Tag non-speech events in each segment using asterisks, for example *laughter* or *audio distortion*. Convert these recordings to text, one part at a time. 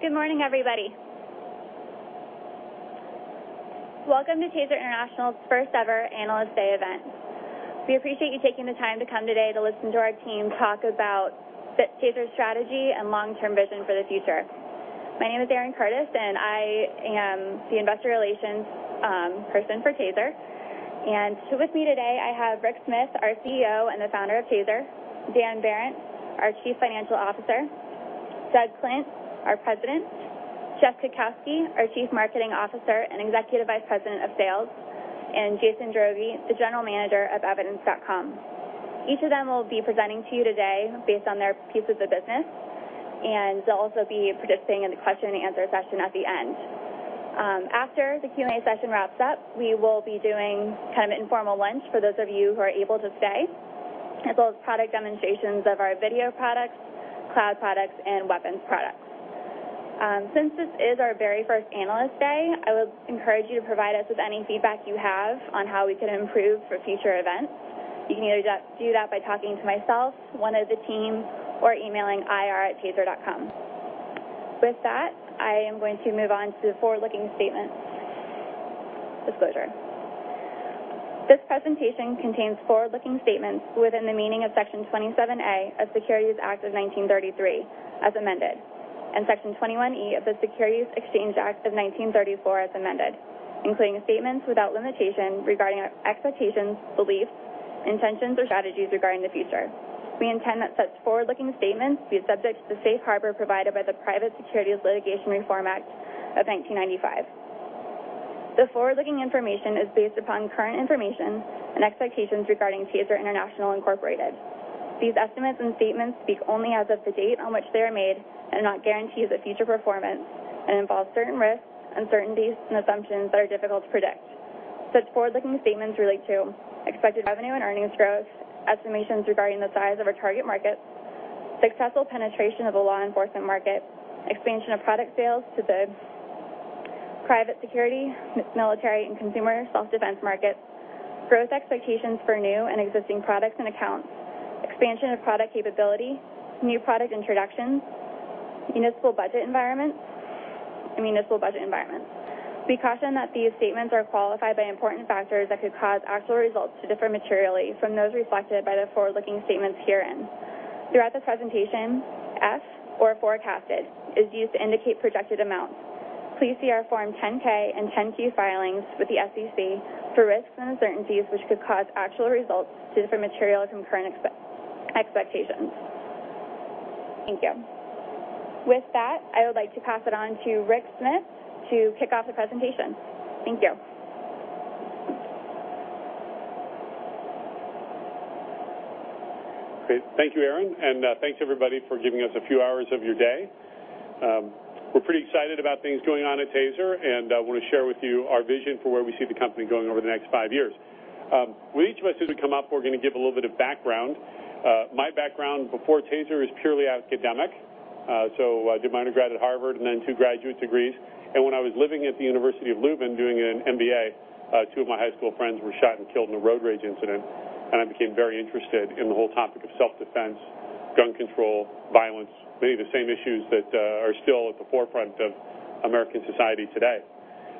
Good morning, everybody. Welcome to TASER International's first-ever Analyst Day event. We appreciate you taking the time to come today to listen to our team talk about TASER's strategy and long-term vision for the future. My name is Erin Curtis, and I am the investor relations person for TASER. With me today, I have Rick Smith, our CEO and the founder of TASER; Dan Behrendt, our Chief Financial Officer; Doug Klint, our President; Jeff Kukowski, our Chief Marketing Officer and Executive Vice President of Sales; and Jason Droege, the General Manager of Evidence.com. Each of them will be presenting to you today based on their pieces of business, and they'll also be participating in the question-and-answer session at the end. After the Q and A session wraps up, we will be doing kind of an informal lunch for those of you who are able to stay, as well as product demonstrations of our video products, cloud products, and weapons products. Since this is our very first Analyst Day, I would encourage you to provide us with any feedback you have on how we can improve for future events. You can either do that by talking to myself, one of the team, or emailing IR@TASER.com. With that, I am going to move on to the forward-looking statement disclosure. This presentation contains forward-looking statements within the meaning of Section 27A of Securities Act of 1933, as amended, and Section 21E of the Securities Exchange Act of 1934, as amended, including statements without limitation regarding expectations, beliefs, intentions, or strategies regarding the future. We intend that such forward-looking statements be subject to the safe harbor provided by the Private Securities Litigation Reform Act of 1995. The forward-looking information is based upon current information and expectations regarding TASER International Incorporated. These estimates and statements speak only as of the date on which they are made and are not guarantees of future performance and involve certain risks, uncertainties, and assumptions that are difficult to predict. Such forward-looking statements relate to expected revenue and earnings growth, estimations regarding the size of our target markets, successful penetration of the law enforcement market, expansion of product sales to the private security, military, and consumer self-defense markets, growth expectations for new and existing products and accounts, expansion of product capability, new product introductions, municipal budget environments, and municipal budget environments. We caution that these statements are qualified by important factors that could cause actual results to differ materially from those reflected by the forward-looking statements herein. Throughout the presentation, F, or forecasted, is used to indicate projected amounts. Please see our Form 10-K and 10-Q filings with the SEC for risks and uncertainties which could cause actual results to differ materially from current expectations. Thank you. With that, I would like to pass it on to Rick Smith to kick off the presentation. Thank you. Great. Thank you, Erin. And thanks, everybody, for giving us a few hours of your day. We're pretty excited about things going on at TASER and want to share with you our vision for where we see the company going over the next five years. With each of us as we come up, we're going to give a little bit of background. My background before TASER is purely academic. So I did my undergrad at Harvard and then two graduate degrees. And when I was living at the University of London doing an MBA, two of my high school friends were shot and killed in a road rage incident. And I became very interested in the whole topic of self-defense, gun control, violence, many of the same issues that are still at the forefront of American society today.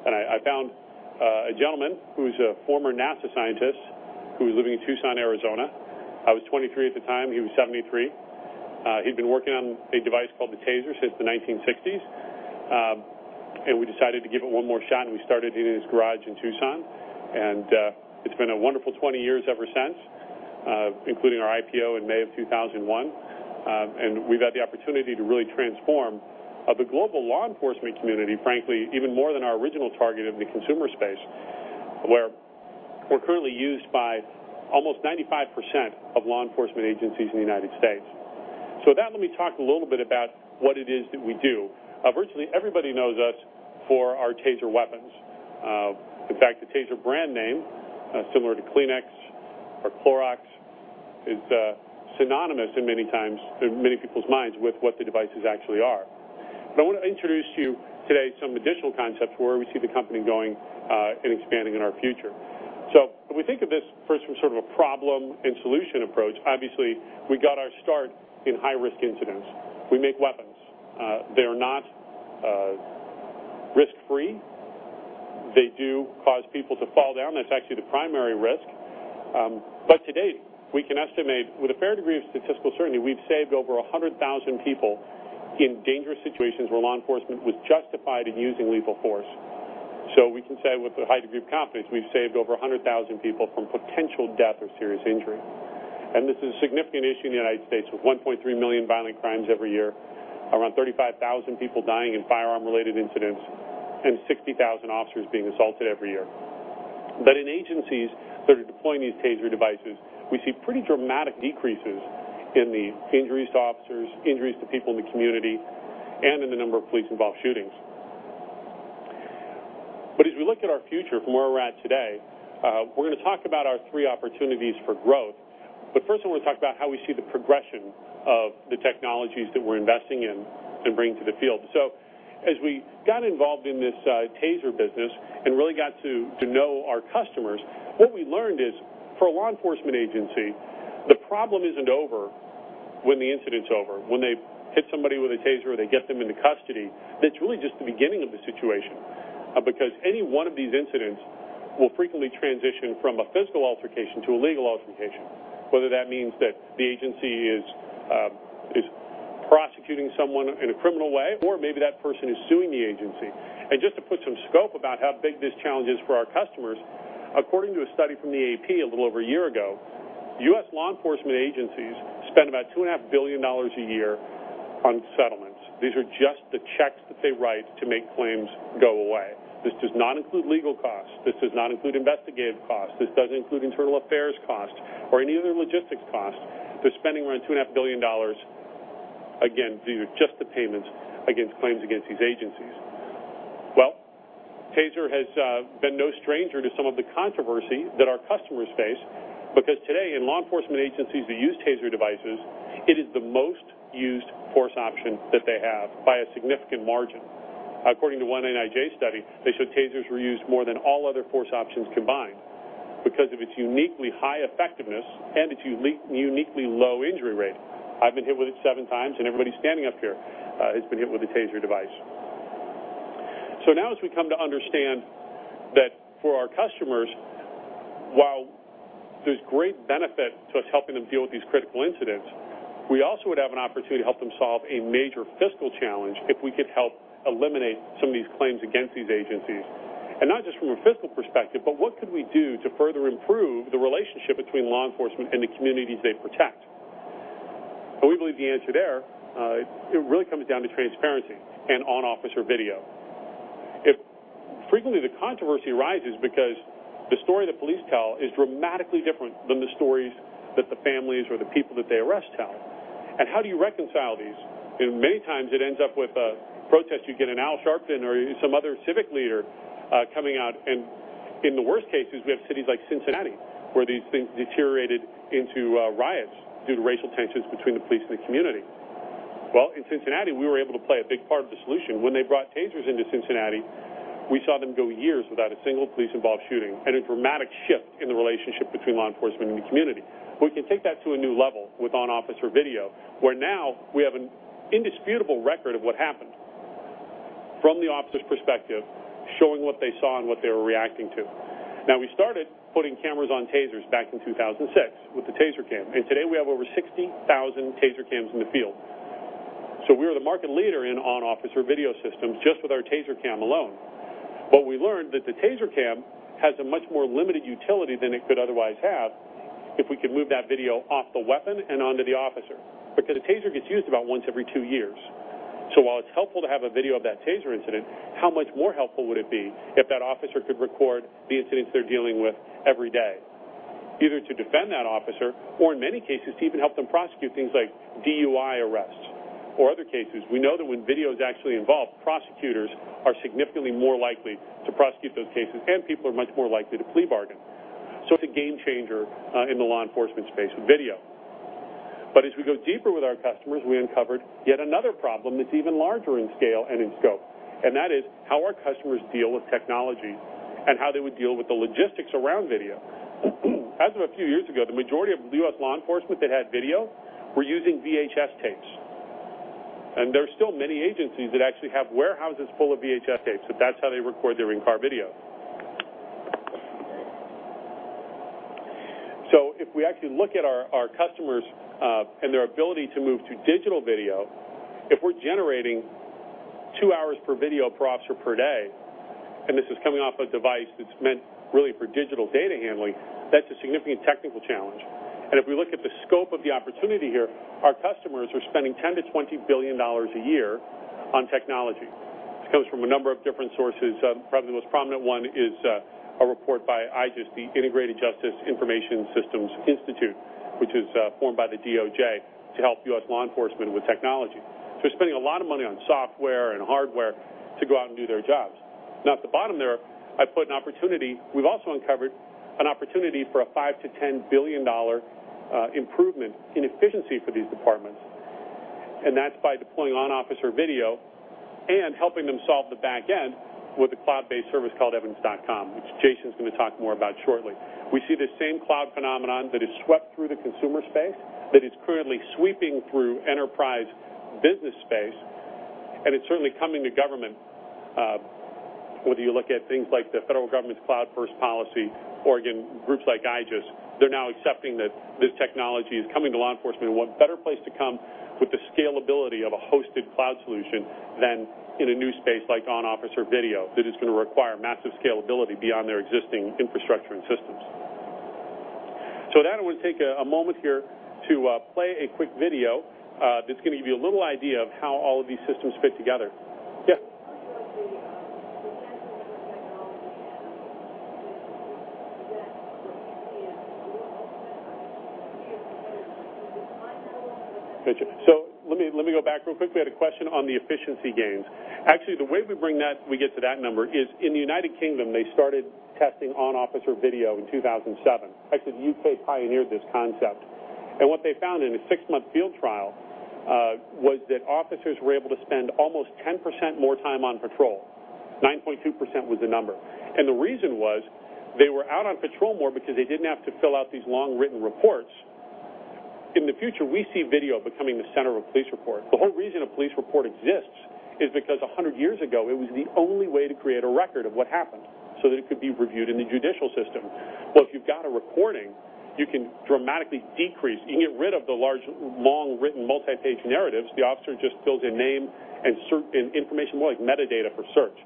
I found a gentleman who's a former NASA scientist who was living in Tucson, Arizona. I was 23 at the time. He was 73. He'd been working on a device called the TASER since the 1960s. We decided to give it one more shot, and we started it in his garage in Tucson. It's been a wonderful 20 years ever since, including our IPO in May of 2001. We've had the opportunity to really transform the global law enforcement community, frankly, even more than our original target of the consumer space, where we're currently used by almost 95% of law enforcement agencies in the United States. So with that, let me talk a little bit about what it is that we do. Virtually everybody knows us for our TASER weapons. In fact, the TASER brand name, similar to Kleenex or Clorox, is synonymous in many times in many people's minds with what the devices actually are. But I want to introduce to you today some additional concepts where we see the company going and expanding in our future. So if we think of this first from sort of a problem and solution approach, obviously, we got our start in high-risk incidents. We make weapons. They are not risk-free. They do cause people to fall down. That's actually the primary risk. But today, we can estimate, with a fair degree of statistical certainty, we've saved over 100,000 people in dangerous situations where law enforcement was justified in using lethal force. So we can say with a high degree of confidence, we've saved over 100,000 people from potential death or serious injury. This is a significant issue in the United States with 1.3 million violent crimes every year, around 35,000 people dying in firearm-related incidents, and 60,000 officers being assaulted every year. In agencies that are deploying these TASER devices, we see pretty dramatic decreases in the injuries to officers, injuries to people in the community, and in the number of police-involved shootings. As we look at our future from where we're at today, we're going to talk about our three opportunities for growth. First, I want to talk about how we see the progression of the technologies that we're investing in and bringing to the field. As we got involved in this TASER business and really got to know our customers, what we learned is, for a law enforcement agency, the problem isn't over when the incident's over. When they hit somebody with a TASER or they get them into custody, that's really just the beginning of the situation. Because any one of these incidents will frequently transition from a physical altercation to a legal altercation, whether that means that the agency is prosecuting someone in a criminal way or maybe that person is suing the agency. Just to put some scope about how big this challenge is for our customers, according to a study from the AP a little over a year ago, U.S. law enforcement agencies spend about $2.5 billion a year on settlements. These are just the checks that they write to make claims go away. This does not include legal costs. This does not include investigative costs. This doesn't include internal affairs costs or any other logistics costs. They're spending around $2.5 billion, again, due to just the payments against claims against these agencies. Well, TASER has been no stranger to some of the controversy that our customers face. Because today, in law enforcement agencies that use TASER devices, it is the most used force option that they have by a significant margin. According to one NIJ study, they show TASERs were used more than all other force options combined because of its uniquely high effectiveness and its uniquely low injury rate. I've been hit with it seven times, and everybody standing up here has been hit with a TASER device. So now, as we come to understand that for our customers, while there's great benefit to us helping them deal with these critical incidents, we also would have an opportunity to help them solve a major fiscal challenge if we could help eliminate some of these claims against these agencies. And not just from a fiscal perspective, but what could we do to further improve the relationship between law enforcement and the communities they protect? And we believe the answer there, it really comes down to transparency and on-officer video. Frequently, the controversy rises because the story the police tell is dramatically different than the stories that the families or the people that they arrest tell. And how do you reconcile these? And many times, it ends up with a protest. You get an Al Sharpton or some other civic leader coming out. In the worst cases, we have cities like Cincinnati where these things deteriorated into riots due to racial tensions between the police and the community. Well, in Cincinnati, we were able to play a big part of the solution. When they brought TASERs into Cincinnati, we saw them go years without a single police-involved shooting and a dramatic shift in the relationship between law enforcement and the community. We can take that to a new level with on-officer video, where now we have an indisputable record of what happened from the officer's perspective, showing what they saw and what they were reacting to. Now, we started putting cameras on TASERs back in 2006 with the TASER CAM. And today, we have over 60,000 TASER CAMs in the field. We were the market leader in on-officer video systems just with our TASER CAM alone. We learned that the TASER CAM has a much more limited utility than it could otherwise have if we could move that video off the weapon and onto the officer. Because a TASER gets used about once every two years. While it's helpful to have a video of that TASER incident, how much more helpful would it be if that officer could record the incidents they're dealing with every day, either to defend that officer or, in many cases, to even help them prosecute things like DUI arrests or other cases? We know that when video is actually involved, prosecutors are significantly more likely to prosecute those cases, and people are much more likely to plea bargain. It's a game changer in the law enforcement space with video. But as we go deeper with our customers, we uncovered yet another problem that's even larger in scale and in scope. That is how our customers deal with technology and how they would deal with the logistics around video. As of a few years ago, the majority of U.S. law enforcement that had video were using VHS tapes. There are still many agencies that actually have warehouses full of VHS tapes that's how they record their in-car video. So if we actually look at our customers and their ability to move to digital video, if we're generating two hours per video per officer per day, and this is coming off a device that's meant really for digital data handling, that's a significant technical challenge. If we look at the scope of the opportunity here, our customers are spending $10 billion-$20 billion a year on technology. This comes from a number of different sources. Probably the most prominent one is a report by IJIS, the Integrated Justice Information Systems Institute, which is formed by the DOJ to help U.S. law enforcement with technology. So they're spending a lot of money on software and hardware to go out and do their jobs. Now, at the bottom there, I put an opportunity. We've also uncovered an opportunity for a $5 billion-$10 billion improvement in efficiency for these departments. And that's by deploying on-officer video and helping them solve the back end with a cloud-based service called Evidence.com, which Jason's going to talk more about shortly. We see this same cloud phenomenon that has swept through the consumer space, that is currently sweeping through enterprise business space, and it's certainly coming to government. Whether you look at things like the federal government's Cloud First policy or, again, groups like IJIS, they're now accepting that this technology is coming to law enforcement. What better place to come with the scalability of a hosted cloud solution than in a new space like on-officer video that is going to require massive scalability beyond their existing infrastructure and systems? With that, I want to take a moment here to play a quick video that's going to give you a little idea of how all of these systems fit together. Yeah. *audio distortion* Gotcha. So let me go back real quick. We had a question on the efficiency gains. Actually, the way we bring that, we get to that number, is in the United Kingdom, they started testing on-officer video in 2007. Actually, the U.K. pioneered this concept. And what they found in a six -month field trial was that officers were able to spend almost 10% more time on patrol. 9.2% was the number. And the reason was they were out on patrol more because they didn't have to fill out these long-written reports. In the future, we see video becoming the center of a police report. The whole reason a police report exists is because 100 years ago, it was the only way to create a record of what happened so that it could be reviewed in the judicial system. Well, if you've got a recording, you can dramatically decrease. You can get rid of the large long-written multi-page narratives. The officer just fills in name and information more like metadata for search.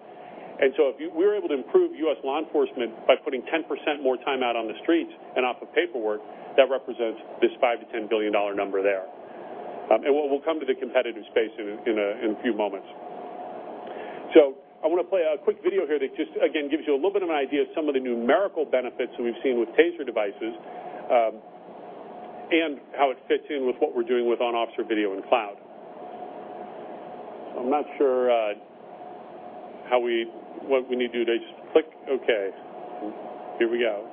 So if we were able to improve U.S. law enforcement by putting 10% more time out on the streets and off of paperwork, that represents this $5 billion -$10 billion number there. We'll come to the competitive space in a few moments. I want to play a quick video here that just, again, gives you a little bit of an idea of some of the numerical benefits that we've seen with TASER devices and how it fits in with what we're doing with on-officer video in cloud. I'm not sure how we need to do this. Click okay. Here we go.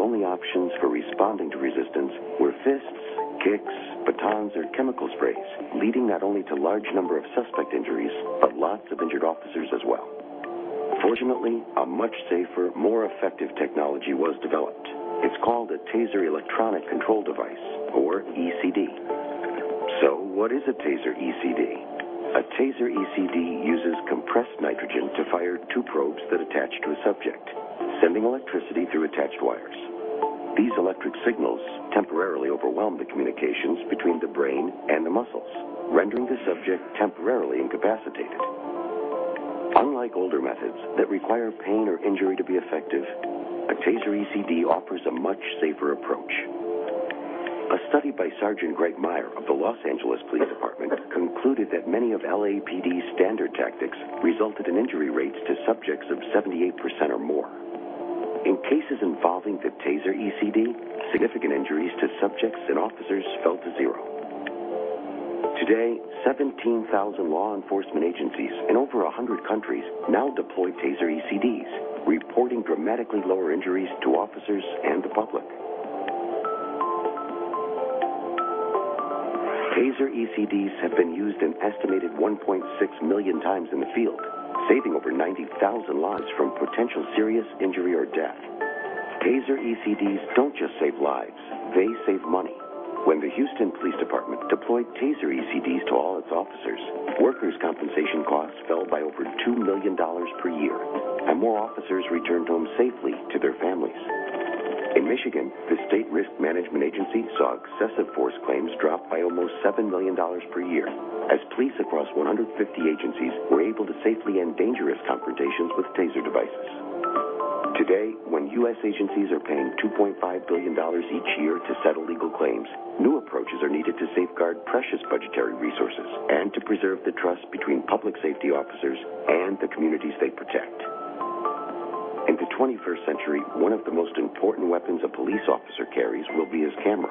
were the only options for responding to resistance were fists, kicks, batons, or chemical sprays, leading not only to a large number of suspect injuries but lots of injured officers as well. Fortunately, a much safer, more effective technology was developed. It's called a TASER Electronic Control Device, or ECD. So what is a TASER ECD? A TASER ECD uses compressed nitrogen to fire two probes that attach to a subject, sending electricity through attached wires. These electric signals temporarily overwhelm the communications between the brain and the muscles, rendering the subject temporarily incapacitated. Unlike older methods that require pain or injury to be effective, a TASER ECD offers a much safer approach. A study by Sergeant Greg Meyer of the Los Angeles Police Department concluded that many of LAPD's standard tactics resulted in injury rates to subjects of 78% or more. In cases involving the TASER ECD, significant injuries to subjects and officers fell to zero. Today, 17,000 law enforcement agencies in over 100 countries now deploy TASER ECDs, reporting dramatically lower injuries to officers and the public. TASER ECDs have been used an estimated 1.6 million times in the field, saving over 90,000 lives from potential serious injury or death. TASER ECDs don't just save lives. They save money. When the Houston Police Department deployed TASER ECDs to all its officers, workers' compensation costs fell by over $2 million per year, and more officers returned home safely to their families. In Michigan, the State Risk Management Agency saw excessive force claims drop by almost $7 million per year as police across 150 agencies were able to safely end dangerous confrontations with TASER devices. Today, when U.S. agencies are paying $2.5 billion each year to settle legal claims. New approaches are needed to safeguard precious budgetary resources and to preserve the trust between public safety officers and the communities they protect. In the 21st century, one of the most important weapons a police officer carries will be his camera.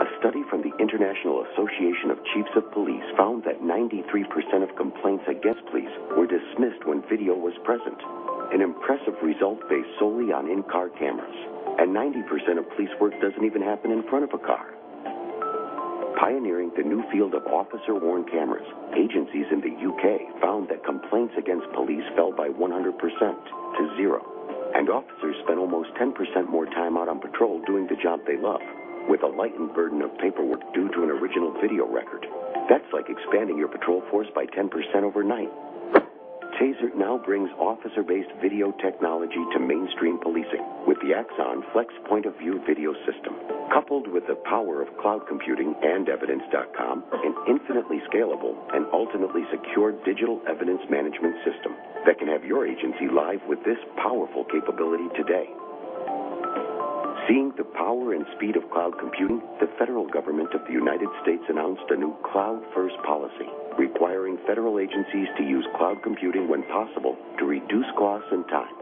A study from the International Association of Chiefs of Police found that 93% of complaints against police were dismissed when video was present, an impressive result based solely on in-car cameras. 90% of police work doesn't even happen in front of a car. Pioneering the new field of officer-worn cameras, agencies in the U.K. found that complaints against police fell by 100% to zero. Officers spend almost 10% more time out on patrol doing the job they love, with a lightened burden of paperwork due to an original video record. That's like expanding your patrol force by 10% overnight. TASER now brings officer-based video technology to mainstream policing with the Axon Flex Point of View video system. Coupled with the power of Cloud Computing and Evidence.com, an infinitely scalable and ultimately secure digital evidence management system that can have your agency live with this powerful capability today. Seeing the power and speed of cloud computing, the federal government of the United States announced a new Cloud First policy, requiring federal agencies to use cloud computing when possible to reduce costs and time.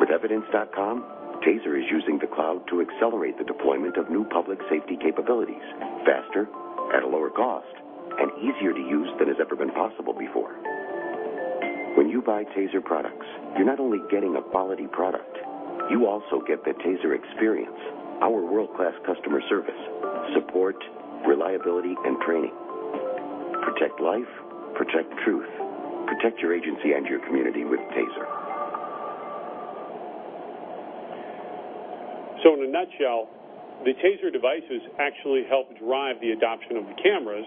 With Evidence.com, TASER is using the cloud to accelerate the deployment of new public safety capabilities faster, at a lower cost, and easier to use than has ever been possible before. When you buy TASER products, you're not only getting a quality product; you also get the TASER experience, our world-class customer service, support, reliability, and training. Protect life, protect truth, protect your agency and your community with TASER. So in a nutshell, the TASER devices actually help drive the adoption of the cameras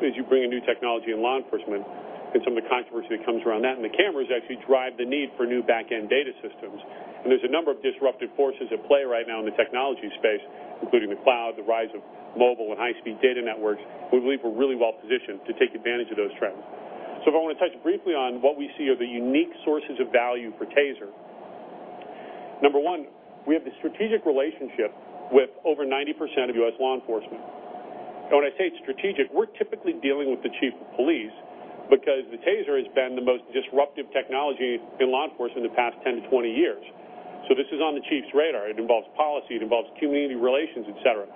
as you bring in new technology in law enforcement and some of the controversy that comes around that. The cameras actually drive the need for new back-end data systems. There's a number of disruptive forces at play right now in the technology space, including the cloud, the rise of mobile and high-speed data networks. We believe we're really well-positioned to take advantage of those trends. If I want to touch briefly on what we see are the unique sources of value for TASER. Number one, we have the strategic relationship with over 90% of U.S. law enforcement. When I say it's strategic, we're typically dealing with the chief of police because the TASER has been the most disruptive technology in law enforcement in the past 10-20 years. This is on the chief's radar. It involves policy. It involves community relations, etc.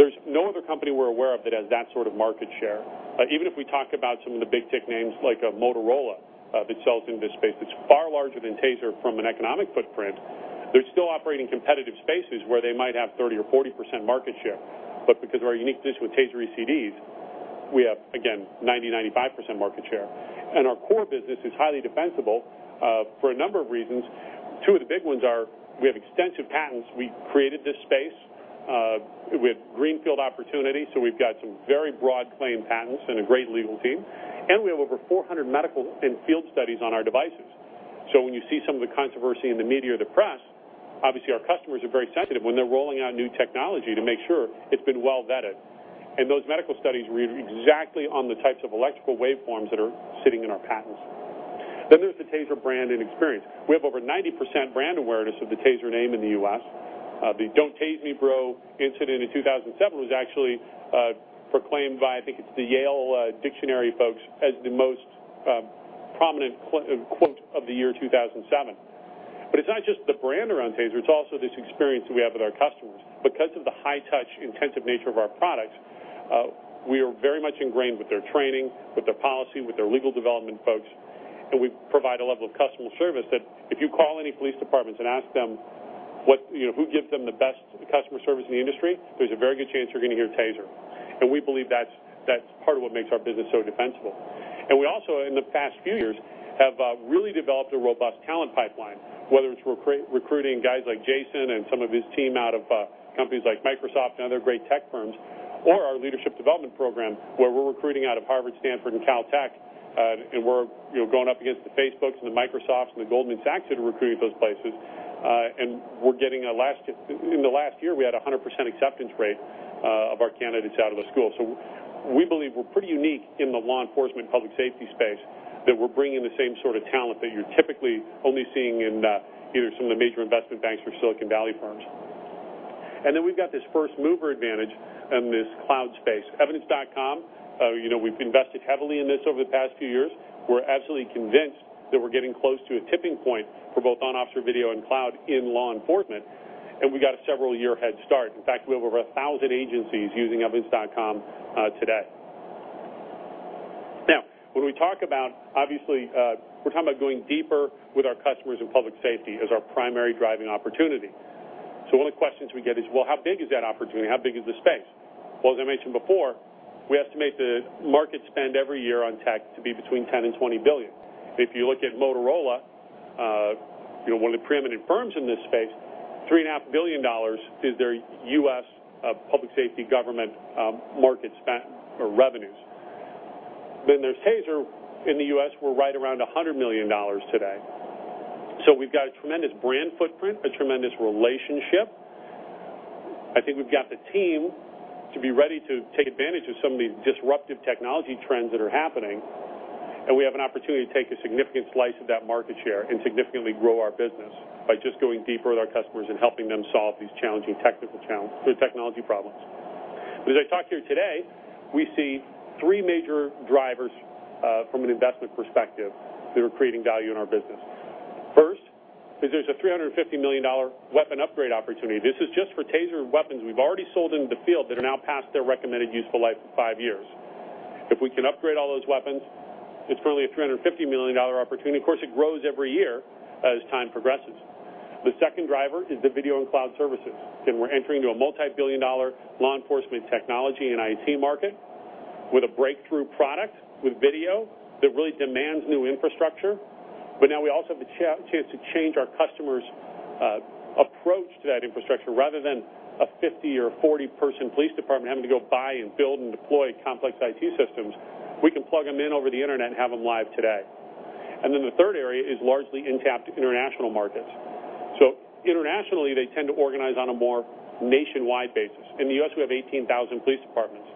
There's no other company we're aware of that has that sort of market share. Even if we talk about some of the big tech names like Motorola that sells into this space, it's far larger than TASER from an economic footprint. They're still operating in competitive spaces where they might have 30% or 40% market share. But because of our unique position with TASER ECDs, we have, again, 90%, 95% market share. And our core business is highly defensible for a number of reasons. Two of the big ones are we have extensive patents. We created this space with greenfield opportunity. We've got some very broad-claim patents and a great legal team. And we have over 400 medical and field studies on our devices. So when you see some of the controversy in the media or the press, obviously, our customers are very sensitive when they're rolling out new technology to make sure it's been well-vetted. And those medical studies were exactly on the types of electrical waveforms that are sitting in our patents. Then there's the TASER brand and experience. We have over 90% brand awareness of the TASER name in the U.S. The "Don't Tase Me, Bro" incident in 2007 was actually proclaimed by, I think it's the Yale Dictionary folks, as the most prominent quote of the year 2007. But it's not just the brand around TASER. It's also this experience that we have with our customers. Because of the high-touch, intensive nature of our products, we are very much ingrained with their training, with their policy, with their legal development folks. And we provide a level of customer service that if you call any police departments and ask them who gives them the best customer service in the industry, there's a very good chance you're going to hear TASER. And we believe that's part of what makes our business so defensible. And we also, in the past few years, have really developed a robust talent pipeline, whether it's recruiting guys like Jason and some of his team out of companies like Microsoft and other great tech firms, or our leadership development program where we're recruiting out of Harvard, Stanford, and Caltech. And we're going up against the Facebooks and the Microsofts and the Goldman Sachs that are recruiting at those places. And we're getting a lot. In the last year, we had a 100% acceptance rate of our candidates out of the school. So we believe we're pretty unique in the law enforcement public safety space that we're bringing the same sort of talent that you're typically only seeing in either some of the major investment banks or Silicon Valley firms. And then we've got this first-mover advantage in this cloud space. Evidence.com, we've invested heavily in this over the past few years. We're absolutely convinced that we're getting close to a tipping point for both on-officer video and cloud in law enforcement. And we've got a several-year head start. In fact, we have over 1,000 agencies using Evidence.com today. Now, when we talk about, obviously, we're talking about going deeper with our customers in public safety as our primary driving opportunity. So one of the questions we get is, well, how big is that opportunity? How big is the space? Well, as I mentioned before, we estimate the market spend every year on tech to be between $10 billion and $20 billion. If you look at Motorola, one of the preeminent firms in this space, $3.5 billion is their U.S. public safety government market spend or revenues. Then there's TASER. In the U.S., we're right around $100 million today. So we've got a tremendous brand footprint, a tremendous relationship. I think we've got the team to be ready to take advantage of some of these disruptive technology trends that are happening. And we have an opportunity to take a significant slice of that market share and significantly grow our business by just going deeper with our customers and helping them solve these challenging technical problems. But as I talk here today, we see three major drivers from an investment perspective that are creating value in our business. First, there's a $350 million weapon upgrade opportunity. This is just for TASER weapons we've already sold into the field that are now past their recommended useful life of five years. If we can upgrade all those weapons, it's currently a $350 million opportunity. Of course, it grows every year as time progresses. The second driver is the video and cloud services. We're entering into a multi-billion dollar law enforcement technology and IT market with a breakthrough product with video that really demands new infrastructure. But now we also have the chance to change our customers' approach to that infrastructure. Rather than a 50- or 40-person police department having to go buy and build and deploy complex IT systems, we can plug them in over the internet and have them live today. The third area is largely untapped international markets. So internationally, they tend to organize on a more nationwide basis. In the U.S., we have 18,000 police departments.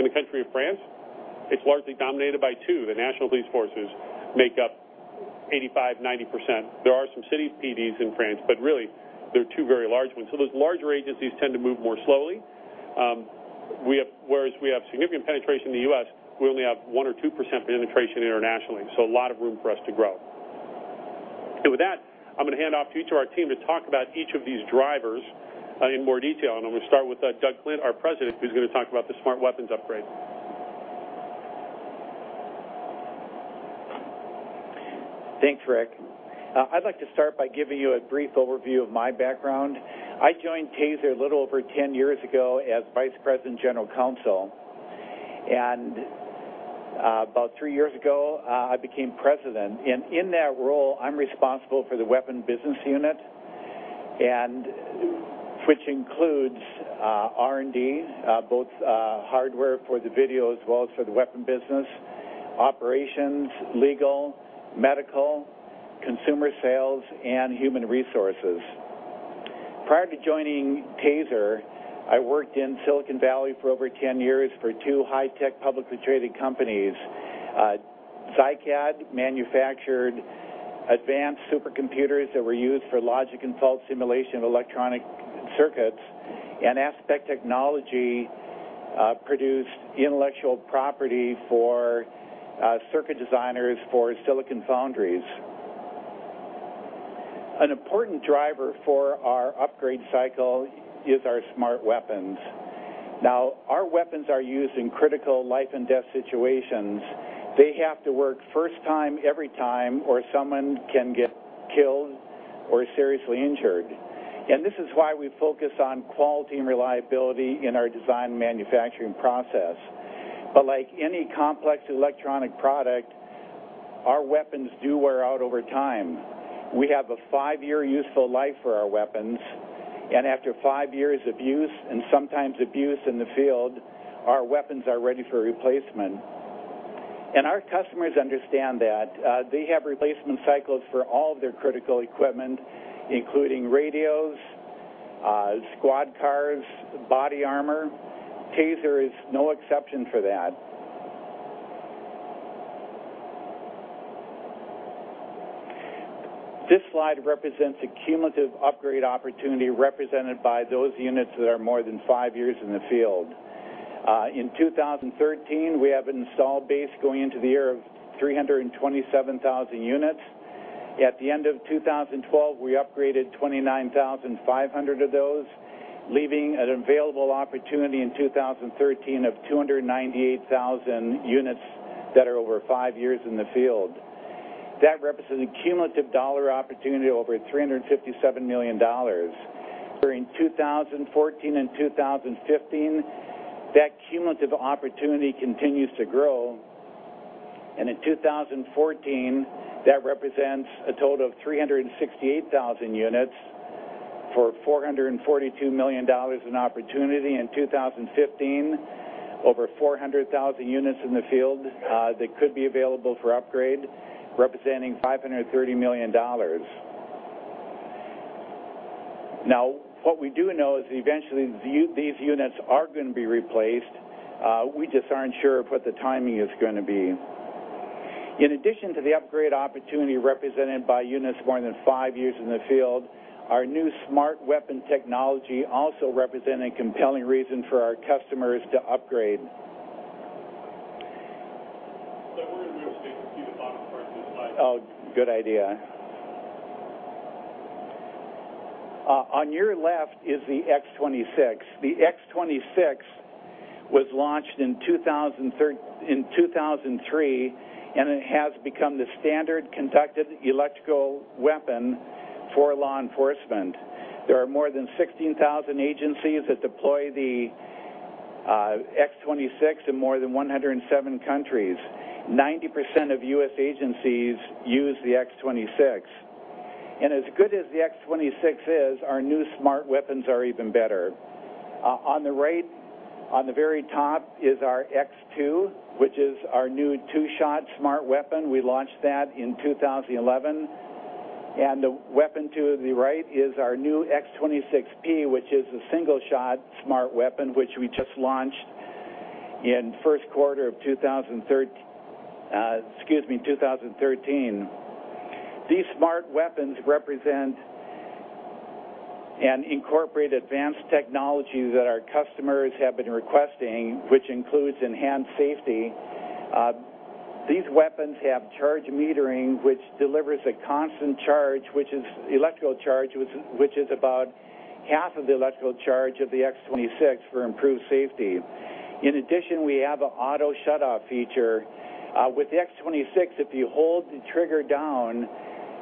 In the country of France, it's largely dominated by two. The national police forces make up 85%-90%. There are some city PDs in France, but really, they're two very large ones. So those larger agencies tend to move more slowly. Whereas we have significant penetration in the U.S., we only have 1%-2% penetration internationally. So a lot of room for us to grow. And with that, I'm going to hand off to each of our team to talk about each of these drivers in more detail. And I'm going to start with Doug Klint, our president, who's going to talk about the smart weapons upgrade. Thanks, Rick. I'd like to start by giving you a brief overview of my background. I joined TASER a little over 10 years ago as Vice President General Counsel. About three years ago, I became President. In that role, I'm responsible for the weapon business unit, which includes R and D, both hardware for the video as well as for the weapon business, operations, legal, medical, consumer sales, and human resources. Prior to joining TASER, I worked in Silicon Valley for over 10 years for two high-tech publicly traded companies. Zycad manufactured advanced supercomputers that were used for logic and fault simulation of electronic circuits. Aspec Technology produced intellectual property for circuit designers for silicon foundries. An important driver for our upgrade cycle is our smart weapons. Now, our weapons are used in critical life and death situations. They have to work first time every time, or someone can get killed or seriously injured. This is why we focus on quality and reliability in our design manufacturing process. But like any complex electronic product, our weapons do wear out over time. We have a five-year useful life for our weapons. After five years of use and sometimes abuse in the field, our weapons are ready for replacement. Our customers understand that. They have replacement cycles for all of their critical equipment, including radios, squad cars, body armor. TASER is no exception for that. This slide represents a cumulative upgrade opportunity represented by those units that are more than five years in the field. In 2013, we have an installed base going into the year of 327,000 units. At the end of 2012, we upgraded 29,500 of those, leaving an available opportunity in 2013 of 298,000 units that are over five years in the field. That represents a cumulative dollar opportunity of over $357 million. During 2014 and 2015, that cumulative opportunity continues to grow. In 2014, that represents a total of 368,000 units for $442 million in opportunity. In 2015, over 400,000 units in the field that could be available for upgrade, representing $530 million. Now, what we do know is eventually these units are going to be replaced. We just aren't sure what the timing is going to be. In addition to the upgrade opportunity represented by units more than five years in the field, our new smart weapon technology also represents a compelling reason for our customers to upgrade. We're going to move to the bottom part of the slide. Oh, good idea. On your left is the X26. The X26 was launched in 2003, and it has become the standard conducted electrical weapon for law enforcement. There are more than 16,000 agencies that deploy the X26 in more than 107 countries. 90% of U.S. agencies use the X26. And as good as the X26 is, our new smart weapons are even better. On the right, on the very top, is our X2, which is our new two-shot smart weapon. We launched that in 2011. And the weapon to the right is our new X26P, which is a single-shot smart weapon, which we just launched in the first quarter of 2013. These smart weapons represent and incorporate advanced technology that our customers have been requesting, which includes enhanced safety. These weapons have charge metering, which delivers a constant charge, which is electrical charge, which is about half of the electrical charge of the X26 for improved safety. In addition, we have an auto shutoff feature. With the X26, if you hold the trigger down,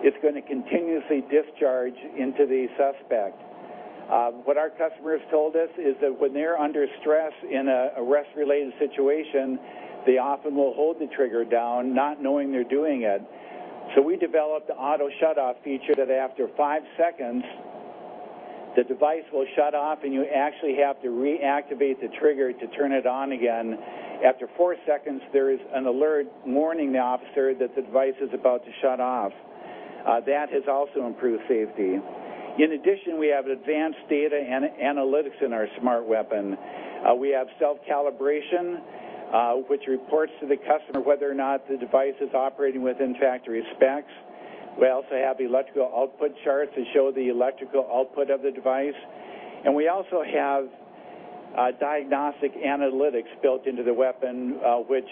it's going to continuously discharge into the suspect. What our customers told us is that when they're under stress in an arrest-related situation, they often will hold the trigger down, not knowing they're doing it. So we developed an auto shutoff feature that after five seconds, the device will shut off, and you actually have to reactivate the trigger to turn it on again. After four seconds, there is an alert warning the officer that the device is about to shut off. That has also improved safety. In addition, we have advanced data and analytics in our smart weapon. We have self-calibration, which reports to the customer whether or not the device is operating within factory specs. We also have electrical output charts that show the electrical output of the device. We also have diagnostic analytics built into the weapon, which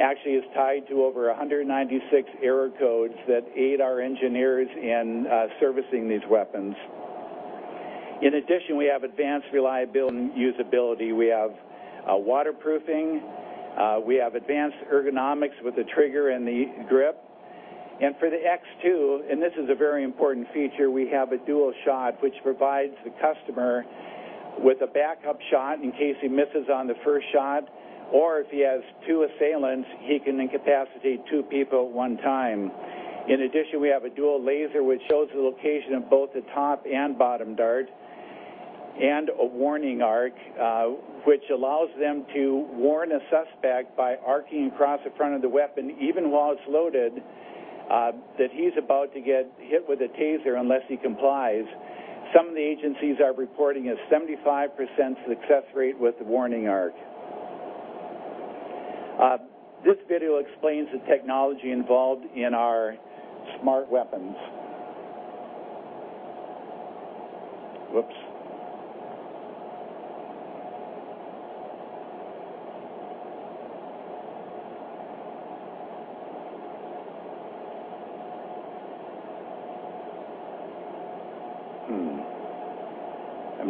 actually is tied to over 196 error codes that aid our engineers in servicing these weapons. In addition, we have advanced reliability and usability. We have waterproofing. We have advanced ergonomics with the trigger and the grip. For the X-2, and this is a very important feature, we have a dual shot, which provides the customer with a backup shot in case he misses on the first shot. Or if he has two assailants, he can incapacitate two people at one time. In addition, we have a dual laser, which shows the location of both the top and bottom dart, and a warning arc, which allows them to warn a suspect by arcing across the front of the weapon, even while it's loaded, that he's about to get hit with a TASER unless he complies. Some of the agencies are reporting a 75% success rate with the warning arc. This video explains the technology involved in our smart weapons. Whoops.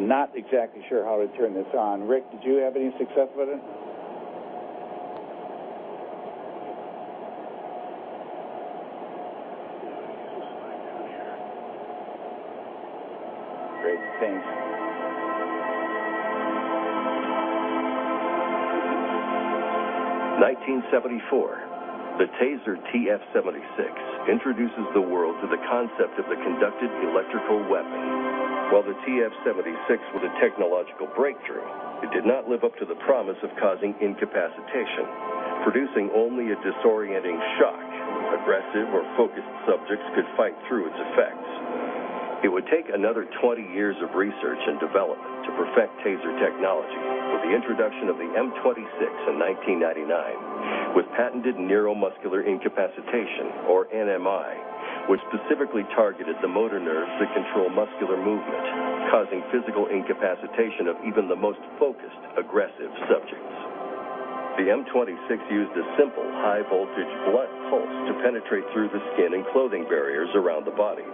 I'm not exactly sure how to turn this on. Rick, did you have any success with it? Great. Thanks. 1974, the TASER TF76 introduces the world to the concept of the conducted electrical weapon. While the TF76 was a technological breakthrough, it did not live up to the promise of causing incapacitation, producing only a disorienting shock. Aggressive or focused subjects could fight through its effects. It would take another 20 years of research and development to perfect TASER technology with the introduction of the M26 in 1999, with patented Neuromuscular Incapacitation, or NMI, which specifically targeted the motor nerves that control muscular movement, causing physical incapacitation of even the most focused, aggressive subjects. The M26 used a simple high-voltage blunt pulse to penetrate through the skin and clothing barriers around the body,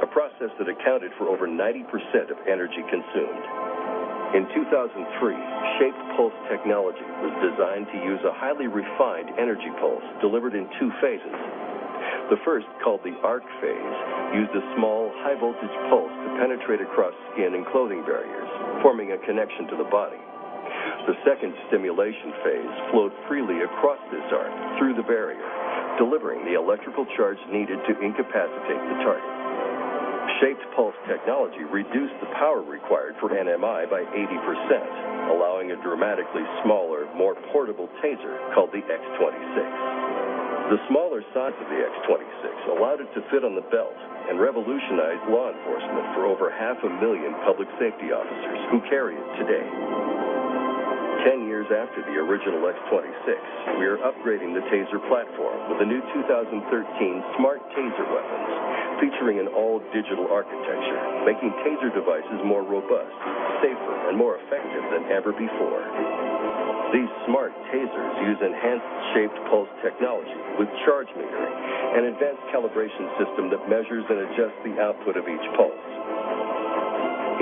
a process that accounted for over 90% of energy consumed. In 2003, Shaped Pulse Technology was designed to use a highly refined energy pulse delivered in two phases. The first, called the arc phase, used a small, high-voltage pulse to penetrate across skin and clothing barriers, forming a connection to the body. The second stimulation phase flowed freely across this arc through the barrier, delivering the electrical charge needed to incapacitate the target. Shaped Pulse Technology reduced the power required for NMI by 80%, allowing a dramatically smaller, more portable TASER called the X26. The smaller size of the X26 allowed it to fit on the belt and revolutionized law enforcement for over 500,000 public safety officers who carry it today. 10 years after the original X26, we are upgrading the TASER platform with the new 2013 smart TASER weapons, featuring an all-digital architecture, making TASER devices more robust, safer, and more effective than ever before. These smart TASERs use enhanced Shaped Pulse Technology with charge metering and an advanced calibration system that measures and adjusts the output of each pulse.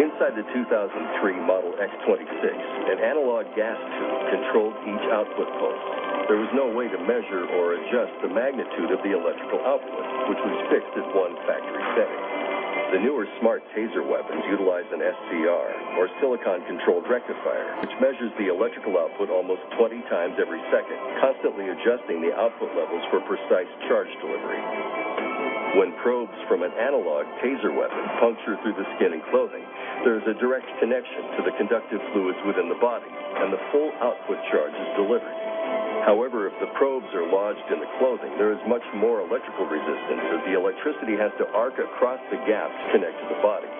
Inside the 2003 model X26, an analog gas tube controlled each output pulse. There was no way to measure or adjust the magnitude of the electrical output, which was fixed at one factory setting. The newer smart TASER weapons utilize an SCR, or silicon-controlled rectifier, which measures the electrical output almost 20 times every second, constantly adjusting the output levels for precise charge delivery. When probes from an analog TASER weapon puncture through the skin and clothing, there is a direct connection to the conductive fluids within the body, and the full output charge is delivered. However, if the probes are lodged in the clothing, there is much more electrical resistance, as the electricity has to arc across the gap to connect to the body.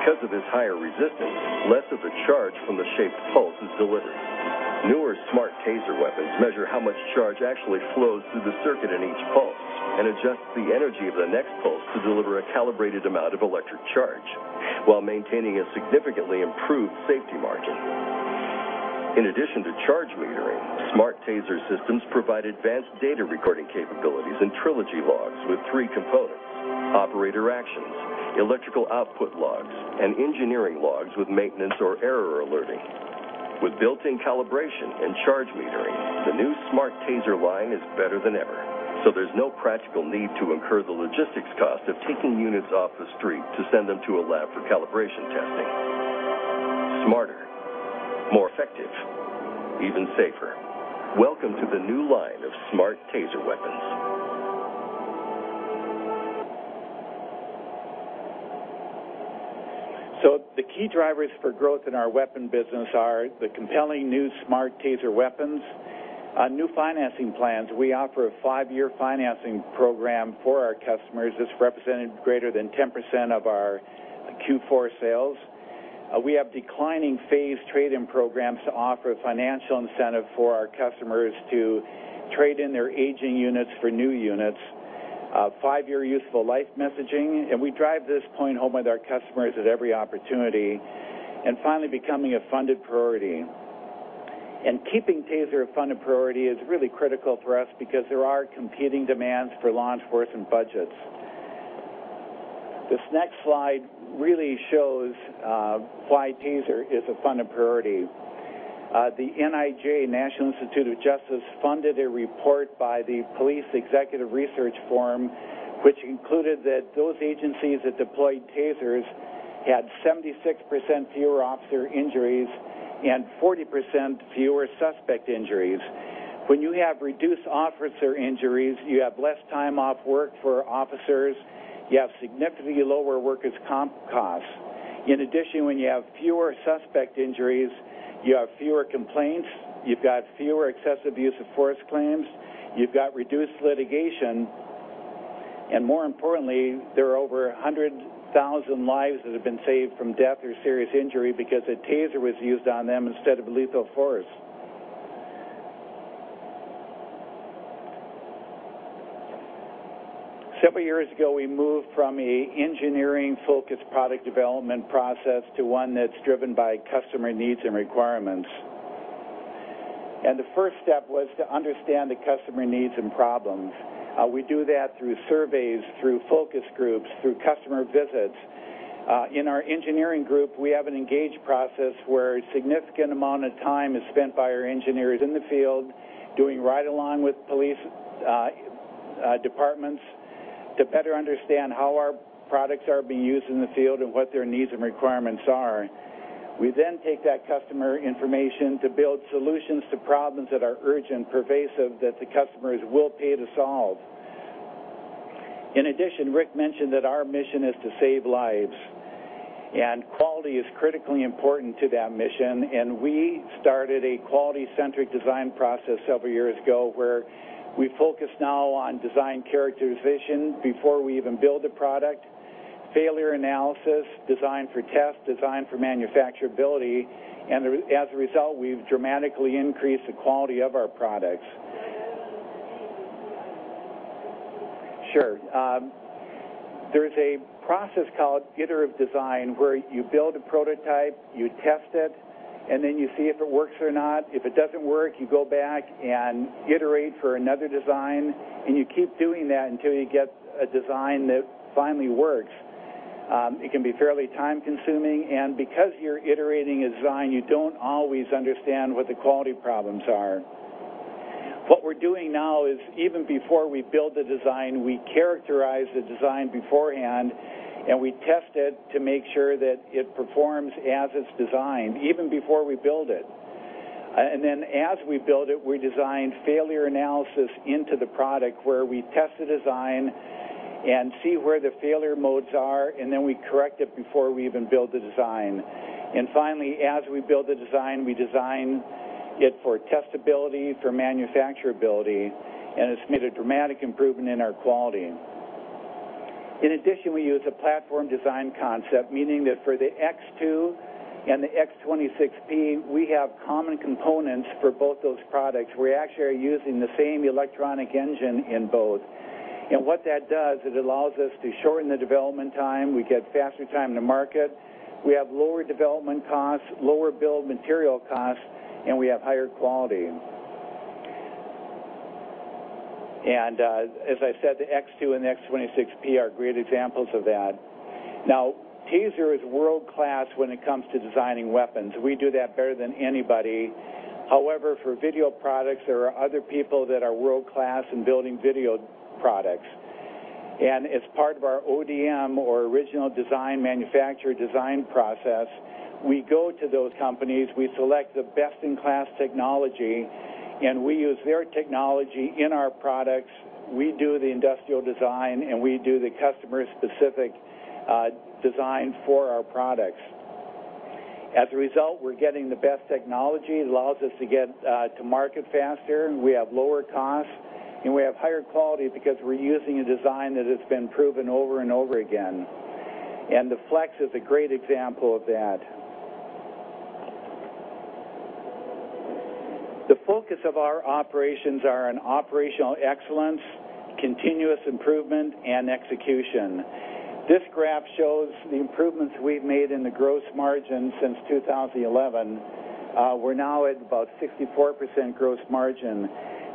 Because of this higher resistance, less of the charge from the Shaped Pulse is delivered. Newer smart TASER weapons measure how much charge actually flows through the circuit in each pulse and adjust the energy of the next pulse to deliver a calibrated amount of electric charge, while maintaining a significantly improved safety margin. In addition to charge metering, smart TASER systems provide advanced data recording capabilities and tri-logs with three components: operator actions, electrical output logs, and engineering logs with maintenance or error alerting. With built-in calibration and charge metering, the new smart TASER line is better than ever, so there's no practical need to incur the logistics cost of taking units off the street to send them to a lab for calibration testing. Smarter, more effective, even safer. Welcome to the new line of smart TASER weapons. So the key drivers for growth in our weapon business are the compelling new smart TASER weapons. New financing plans: we offer a five-year financing program for our customers. This represented greater than 10% of our Q4 sales. We have declining phase trade-in programs to offer financial incentive for our customers to trade in their aging units for new units. Five-year useful life messaging, and we drive this point home with our customers at every opportunity. And finally, becoming a funded priority. And keeping TASER a funded priority is really critical for us because there are competing demands for law enforcement budgets. This next slide really shows why TASER is a funded priority. The NIJ, National Institute of Justice, funded a report by the Police Executive Research Forum, which included that those agencies that deployed TASERs had 76% fewer officer injuries and 40% fewer suspect injuries. When you have reduced officer injuries, you have less time off work for officers. You have significantly lower workers' comp costs. In addition, when you have fewer suspect injuries, you have fewer complaints. You've got fewer excessive use of force claims. You've got reduced litigation. And more importantly, there are over 100,000 lives that have been saved from death or serious injury because a TASER was used on them instead of lethal force. Several years ago, we moved from an engineering-focused product development process to one that's driven by customer needs and requirements. And the first step was to understand the customer needs and problems. We do that through surveys, through focus groups, through customer visits. In our engineering group, we have an engaged process where a significant amount of time is spent by our engineers in the field doing ride-along with police departments to better understand how our products are being used in the field and what their needs and requirements are. We then take that customer information to build solutions to problems that are urgent, pervasive, that the customers will pay to solve. In addition, Rick mentioned that our mission is to save lives, and quality is critically important to that mission. We started a quality-centric design process several years ago where we focus now on design characterization before we even build a product, failure analysis, design for test, design for manufacturability. As a result, we've dramatically increased the quality of our products. Sure. There's a process called iterative design where you build a prototype, you test it, and then you see if it works or not. If it doesn't work, you go back and iterate for another design, and you keep doing that until you get a design that finally works. It can be fairly time-consuming. Because you're iterating a design, you don't always understand what the quality problems are. What we're doing now is, even before we build the design, we characterize the design beforehand, and we test it to make sure that it performs as it's designed, even before we build it. Then as we build it, we design failure analysis into the product where we test the design and see where the failure modes are, and then we correct it before we even build the design. And finally, as we build the design, we design it for testability, for manufacturability, and it's made a dramatic improvement in our quality. In addition, we use a platform design concept, meaning that for the X2 and the X26P, we have common components for both those products. We actually are using the same electronic engine in both. And what that does, it allows us to shorten the development time. We get faster time to market. We have lower development costs, lower build material costs, and we have higher quality. And as I said, the X2 and the X26P are great examples of that. Now, TASER is world-class when it comes to designing weapons. We do that better than anybody. However, for video products, there are other people that are world-class in building video products. As part of our ODM, or original design manufacturer design process, we go to those companies, we select the best-in-class technology, and we use their technology in our products. We do the industrial design, and we do the customer-specific design for our products. As a result, we're getting the best technology. It allows us to get to market faster. We have lower costs, and we have higher quality because we're using a design that has been proven over and over again. The Flex is a great example of that. The focus of our operations is on operational excellence, continuous improvement, and execution. This graph shows the improvements we've made in the gross margin since 2011. We're now at about 64% gross margin.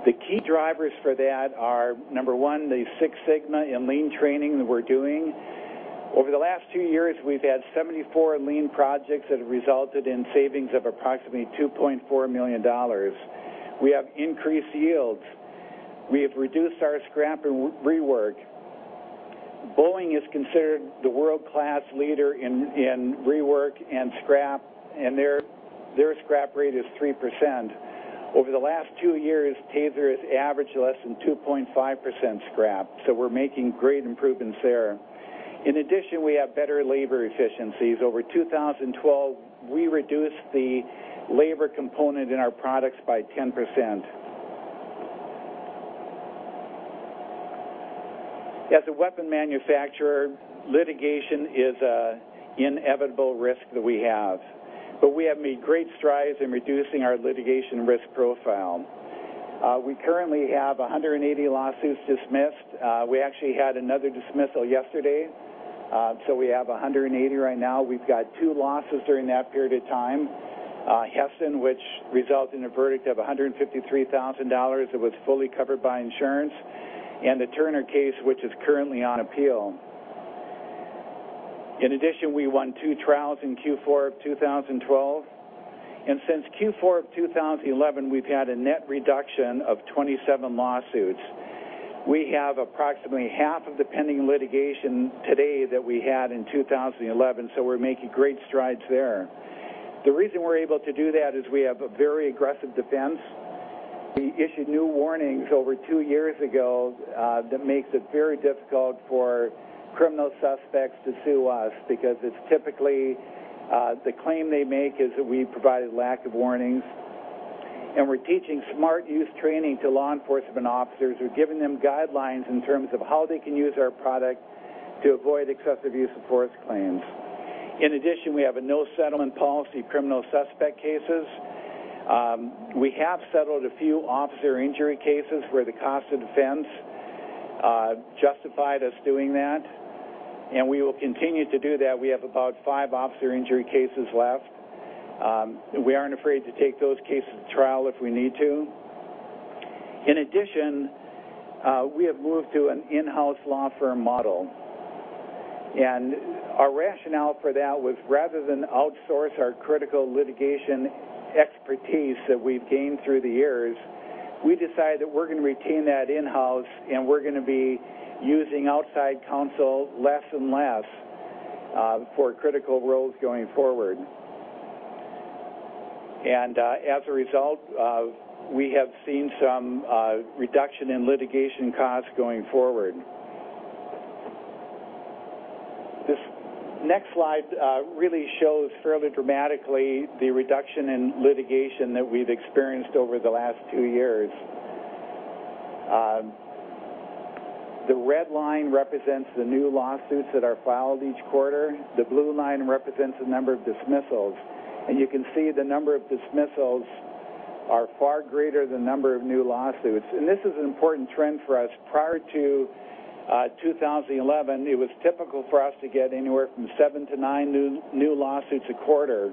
The key drivers for that are, number one, the Six Sigma and lean training that we're doing. Over the last two years, we've had 74 lean projects that have resulted in savings of approximately $2.4 million. We have increased yields. We have reduced our scrap and rework. Boeing is considered the world-class leader in rework and scrap, and their scrap rate is 3%. Over the last two years, TASER has averaged less than 2.5% scrap, so we're making great improvements there. In addition, we have better labor efficiencies. Over 2012, we reduced the labor component in our products by 10%. As a weapon manufacturer, litigation is an inevitable risk that we have, but we have made great strides in reducing our litigation risk profile. We currently have 180 lawsuits dismissed. We actually had another dismissal yesterday, so we have 180 right now. We've got two losses during that period of time: Heston, which resulted in a verdict of $153,000 that was fully covered by insurance, and the Turner case, which is currently on appeal. In addition, we won two trials in Q4 of 2012. Since Q4 of 2011, we've had a net reduction of 27 lawsuits. We have approximately half of the pending litigation today that we had in 2011, so we're making great strides there. The reason we're able to do that is we have a very aggressive defense. We issued new warnings over two years ago that make it very difficult for criminal suspects to sue us because it's typically the claim they make is that we provided lack of warnings. We're teaching smart use training to law enforcement officers. We're giving them guidelines in terms of how they can use our product to avoid excessive use of force claims. In addition, we have a no-settlement policy for criminal suspect cases. We have settled a few officer injury cases where the cost of defense justified us doing that, and we will continue to do that. We have about five officer injury cases left. We aren't afraid to take those cases to trial if we need to. In addition, we have moved to an in-house law firm model. Our rationale for that was, rather than outsource our critical litigation expertise that we've gained through the years, we decided that we're going to retain that in-house, and we're going to be using outside counsel less and less for critical roles going forward. As a result, we have seen some reduction in litigation costs going forward. This next slide really shows fairly dramatically the reduction in litigation that we've experienced over the last two years. The red line represents the new lawsuits that are filed each quarter. The blue line represents the number of dismissals. You can see the number of dismissals are far greater than the number of new lawsuits. This is an important trend for us. Prior to 2011, it was typical for us to get anywhere from seven-nine new lawsuits a quarter.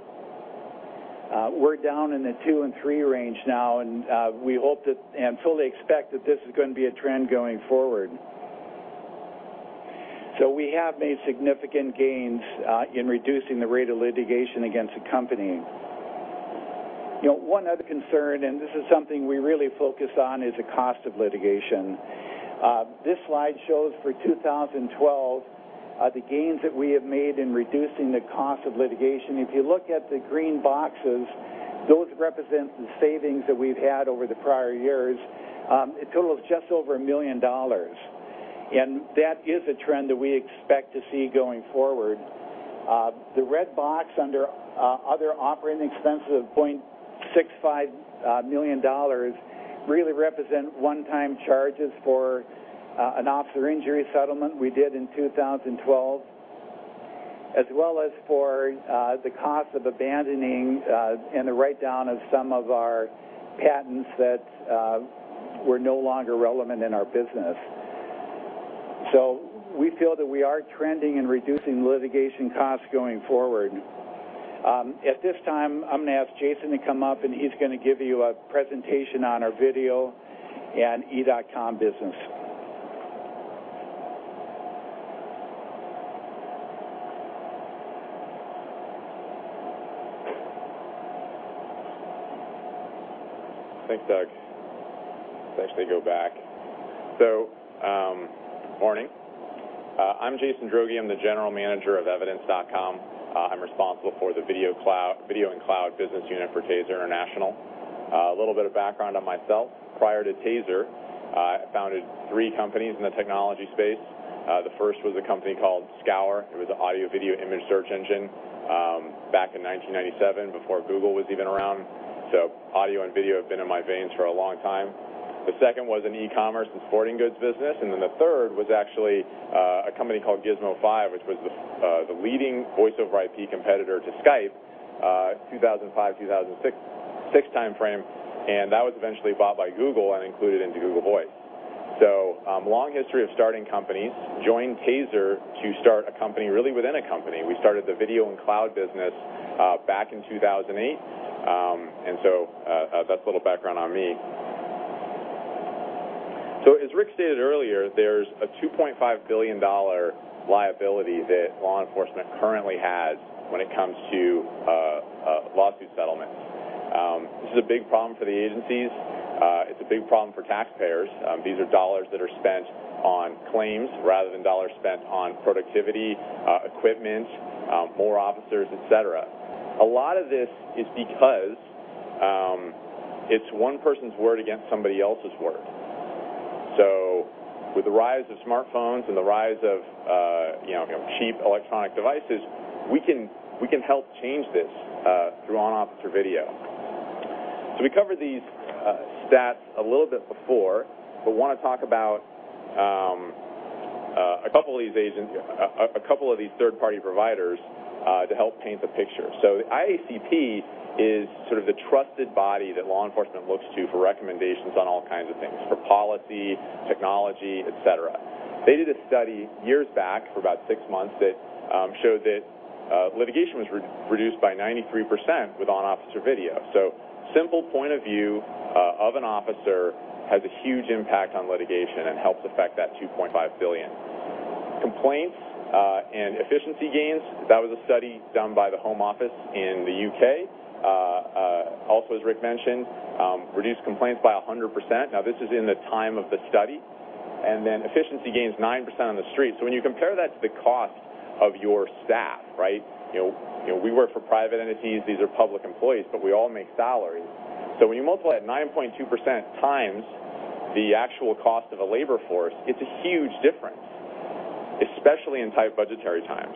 We're down in the two-three range now, and we hope and fully expect that this is going to be a trend going forward. We have made significant gains in reducing the rate of litigation against the company. One other concern, and this is something we really focus on, is the cost of litigation. This slide shows for 2012 the gains that we have made in reducing the cost of litigation. If you look at the green boxes, those represent the savings that we've had over the prior years. It totals just over $1 million, and that is a trend that we expect to see going forward. The red box under other operating expenses of $0.65 million really represents one-time charges for an officer injury settlement we did in 2012, as well as for the cost of abandoning and the write-down of some of our patents that were no longer relevant in our business. So we feel that we are trending in reducing litigation costs going forward. At this time, I'm going to ask Jason to come up, and he's going to give you a presentation on our video and E.com business. Thanks, Doug. Actually, go back. Good morning. I'm Jason Droege. I'm the General Manager of Evidence.com. I'm responsible for the Video and Cloud business unit for TASER International. A little bit of background on myself: prior to TASER, I founded three companies in the technology space. The first was a company called Scour. It was an audio-video image search engine back in 1997, before Google was even around. So audio and video have been in my veins for a long time. The second was an e-commerce and sporting goods business. And then the third was actually a company called Gizmo5, which was the leading voice-over-IP competitor to Skype, 2005, 2006 timeframe. And that was eventually bought by Google and included into Google Voice. So long history of starting companies. Joined TASER to start a company really within a company. We started the Video and Cloud business back in 2008. So that's a little background on me. So as Rick stated earlier, there's a $2.5 billion liability that law enforcement currently has when it comes to lawsuit settlements. This is a big problem for the agencies. It's a big problem for taxpayers. These are dollars that are spent on claims rather than dollars spent on productivity, equipment, more officers, et cetera. A lot of this is because it's one person's word against somebody else's word. So with the rise of smartphones and the rise of cheap electronic devices, we can help change this through on-officer video. So we covered these stats a little bit before, but want to talk about a couple of these third-party providers to help paint the picture. So the IACP is sort of the trusted body that law enforcement looks to for recommendations on all kinds of things: for policy, technology, et cetera. They did a study years back for about six months that showed that litigation was reduced by 93% with on-officer video. So simple point of view of an officer has a huge impact on litigation and helps affect that $2.5 billion. Complaints and efficiency gains. That was a study done by the Home Office in the U.K., also as Rick mentioned, reduced complaints by 100%. Now, this is in the time of the study. And then efficiency gains 9% on the street. So when you compare that to the cost of your staff, right? We work for private entities. These are public employees, but we all make salaries. So when you multiply that 9.2% times the actual cost of a labor force, it's a huge difference, especially in tight budgetary times.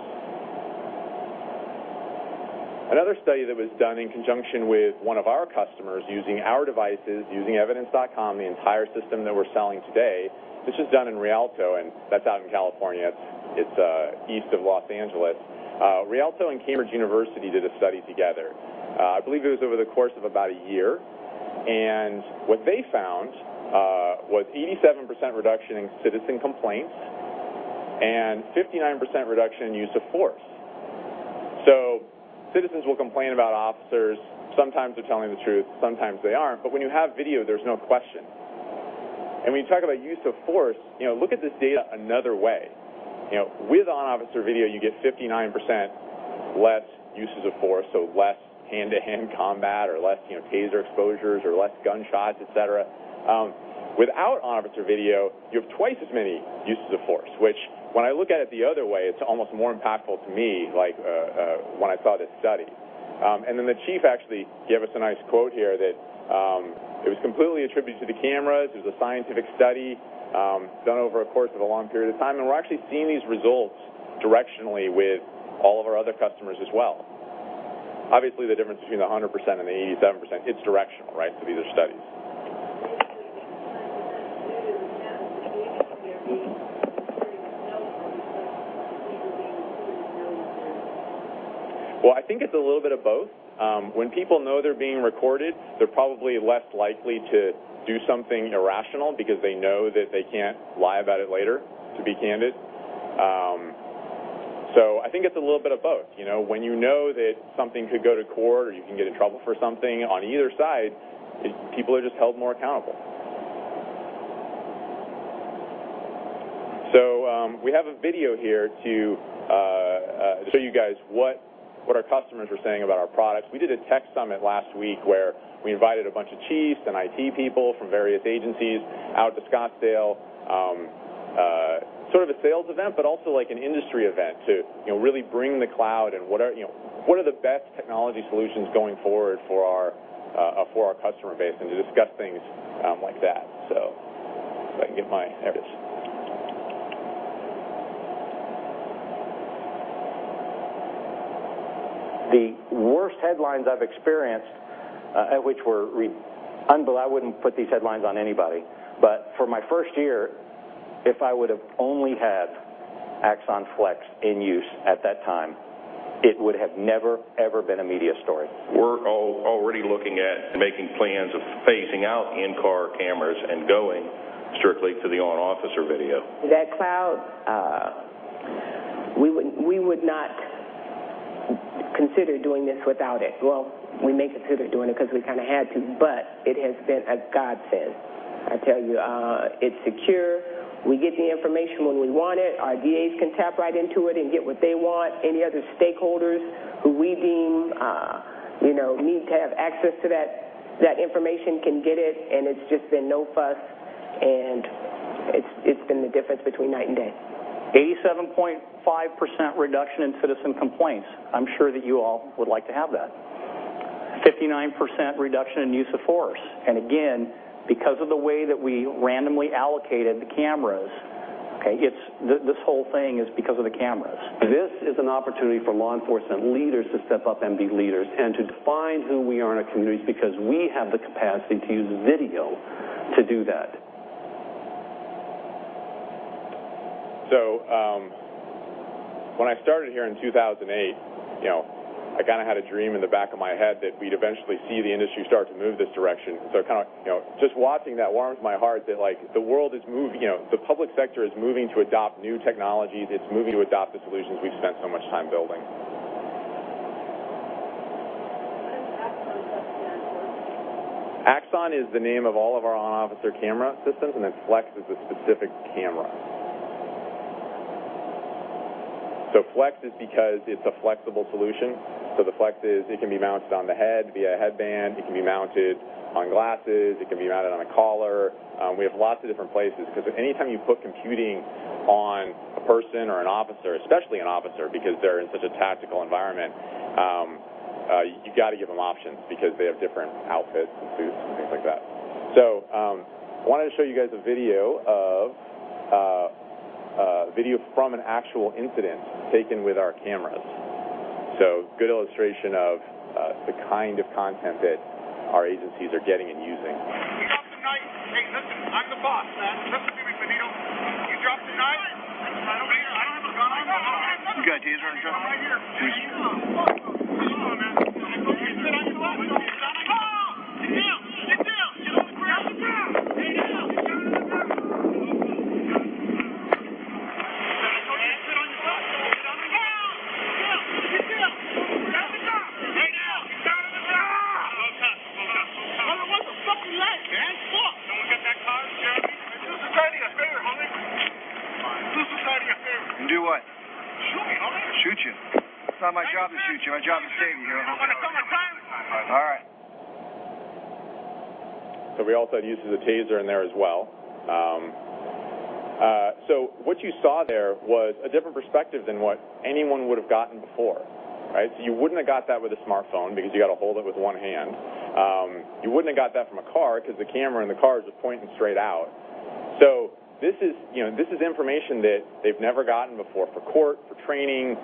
Another study that was done in conjunction with one of our customers using our devices, using Evidence.com, the entire system that we're selling today. This was done in Rialto, and that's out in California. It's east of Los Angeles. Rialto and University of Cambridge did a study together. I believe it was over the course of about a year. And what they found was an 87% reduction in citizen complaints and a 59% reduction in use of force. So citizens will complain about officers. Sometimes they're telling the truth. Sometimes they aren't. But when you have video, there's no question. And when you talk about use of force, look at this data another way. With on-officer video, you get 59% less uses of force, so less hand-to-hand combat or less TASER exposures or less gunshots, et cetera. Without on-officer video, you have twice as many uses of force, which when I look at it the other way, it's almost more impactful to me when I saw this study. And then the chief actually gave us a nice quote here that it was completely attributed to the cameras. It was a scientific study done over a course of a long period of time. And we're actually seeing these results directionally with all of our other customers as well. Obviously, the difference between the 100% and the 87%, it's directional, right, to these studies. *audio distortion* Well, I think it's a little bit of both. When people know they're being recorded, they're probably less likely to do something irrational because they know that they can't lie about it later, to be candid. So I think it's a little bit of both. When you know that something could go to court or you can get in trouble for something, on either side, people are just held more accountable. So we have a video here to show you guys what our customers were saying about our products. We did a tech summit last week where we invited a bunch of chiefs and IT people from various agencies out to Scottsdale, sort of a sales event, but also an industry event to really bring the cloud and what are the best technology solutions going forward for our customer base and to discuss things like that. So if I can get my—there it is. The worst headlines I've experienced, which were. I wouldn't put these headlines on anybody. But for my first year, if I would have only had Axon Flex in use at that time, it would have never, ever been a media story. We're already looking at making plans of phasing out in-car cameras and going strictly to the on-officer video. That cloud, we would not consider doing this without it. Well, we may consider doing it because we kind of had to, but it has been a godsend, I tell you. It's secure. We get the information when we want it. Our DAs can tap right into it and get what they want. Any other stakeholders who we deem need to have access to that information can get it. It's just been no fuss, and it's been the difference between night and day. 87.5% reduction in citizen complaints. I'm sure that you all would like to have that. 59% reduction in use of force. And again, because of the way that we randomly allocated the cameras, okay, this whole thing is because of the cameras. This is an opportunity for law enforcement leaders to step up and be leaders and to define who we are in our communities because we have the capacity to use video to do that. So when I started here in 2008, I kind of had a dream in the back of my head that we'd eventually see the industry start to move this direction. So kind of just watching that warms my heart that the world is moving. The public sector is moving to adopt new technologies. It's moving to adopt the solutions we've spent so much time building. What is Axon Flex stand for? Axon is the name of all of our on-officer camera systems, and then Flex is the specific camera. So Flex is because it's a flexible solution. So the Flex is it can be mounted on the head via a headband. It can be mounted on glasses. It can be mounted on a collar. We have lots of different places because anytime you put computing on a person or an officer, especially an officer, because they're in such a tactical environment, you've got to give them options because they have different outfits and suits and things like that. So I wanted to show you guys a video from an actual incident taken with our cameras. So good illustration of the kind of content that our agencies are getting and using. You dropped a knife. Hey, listen. I'm the boss, man. Let's just be reasonable. You dropped a knife? I don't have a gun. You got TASER on your truck? I'm right here. Who's the side of your favorite, homie? Do what? Shoot me, homie. Shoot you. It's not my job to shoot you. My job is to save you. I'm going to come and save you. All right. So we also had uses of TASER in there as well. So what you saw there was a different perspective than what anyone would have gotten before, right? So you wouldn't have got that with a smartphone because you got to hold it with one hand. You wouldn't have got that from a car because the camera in the car is just pointing straight out. So this is information that they've never gotten before for court, for training,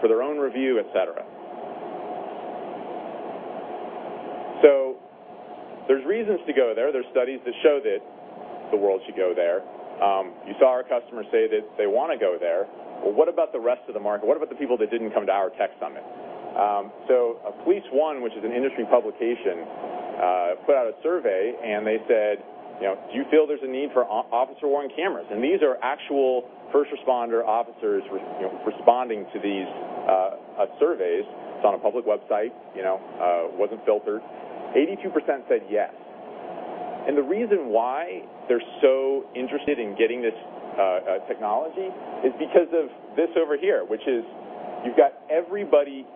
for their own review, etc. So there's reasons to go there. There's studies that show that the world should go there. You saw our customers say that they want to go there. Well, what about the rest of the market? What about the people that didn't come to our tech summit? So Police1, which is an industry publication, put out a survey, and they said, "Do you feel there's a need for officer-wearing cameras?" And these are actual first responder officers responding to these surveys. It's on a public website. It wasn't filtered. 82% said yes. And the reason why they're so interested in getting this technology is because of this over here, which is you've got everybody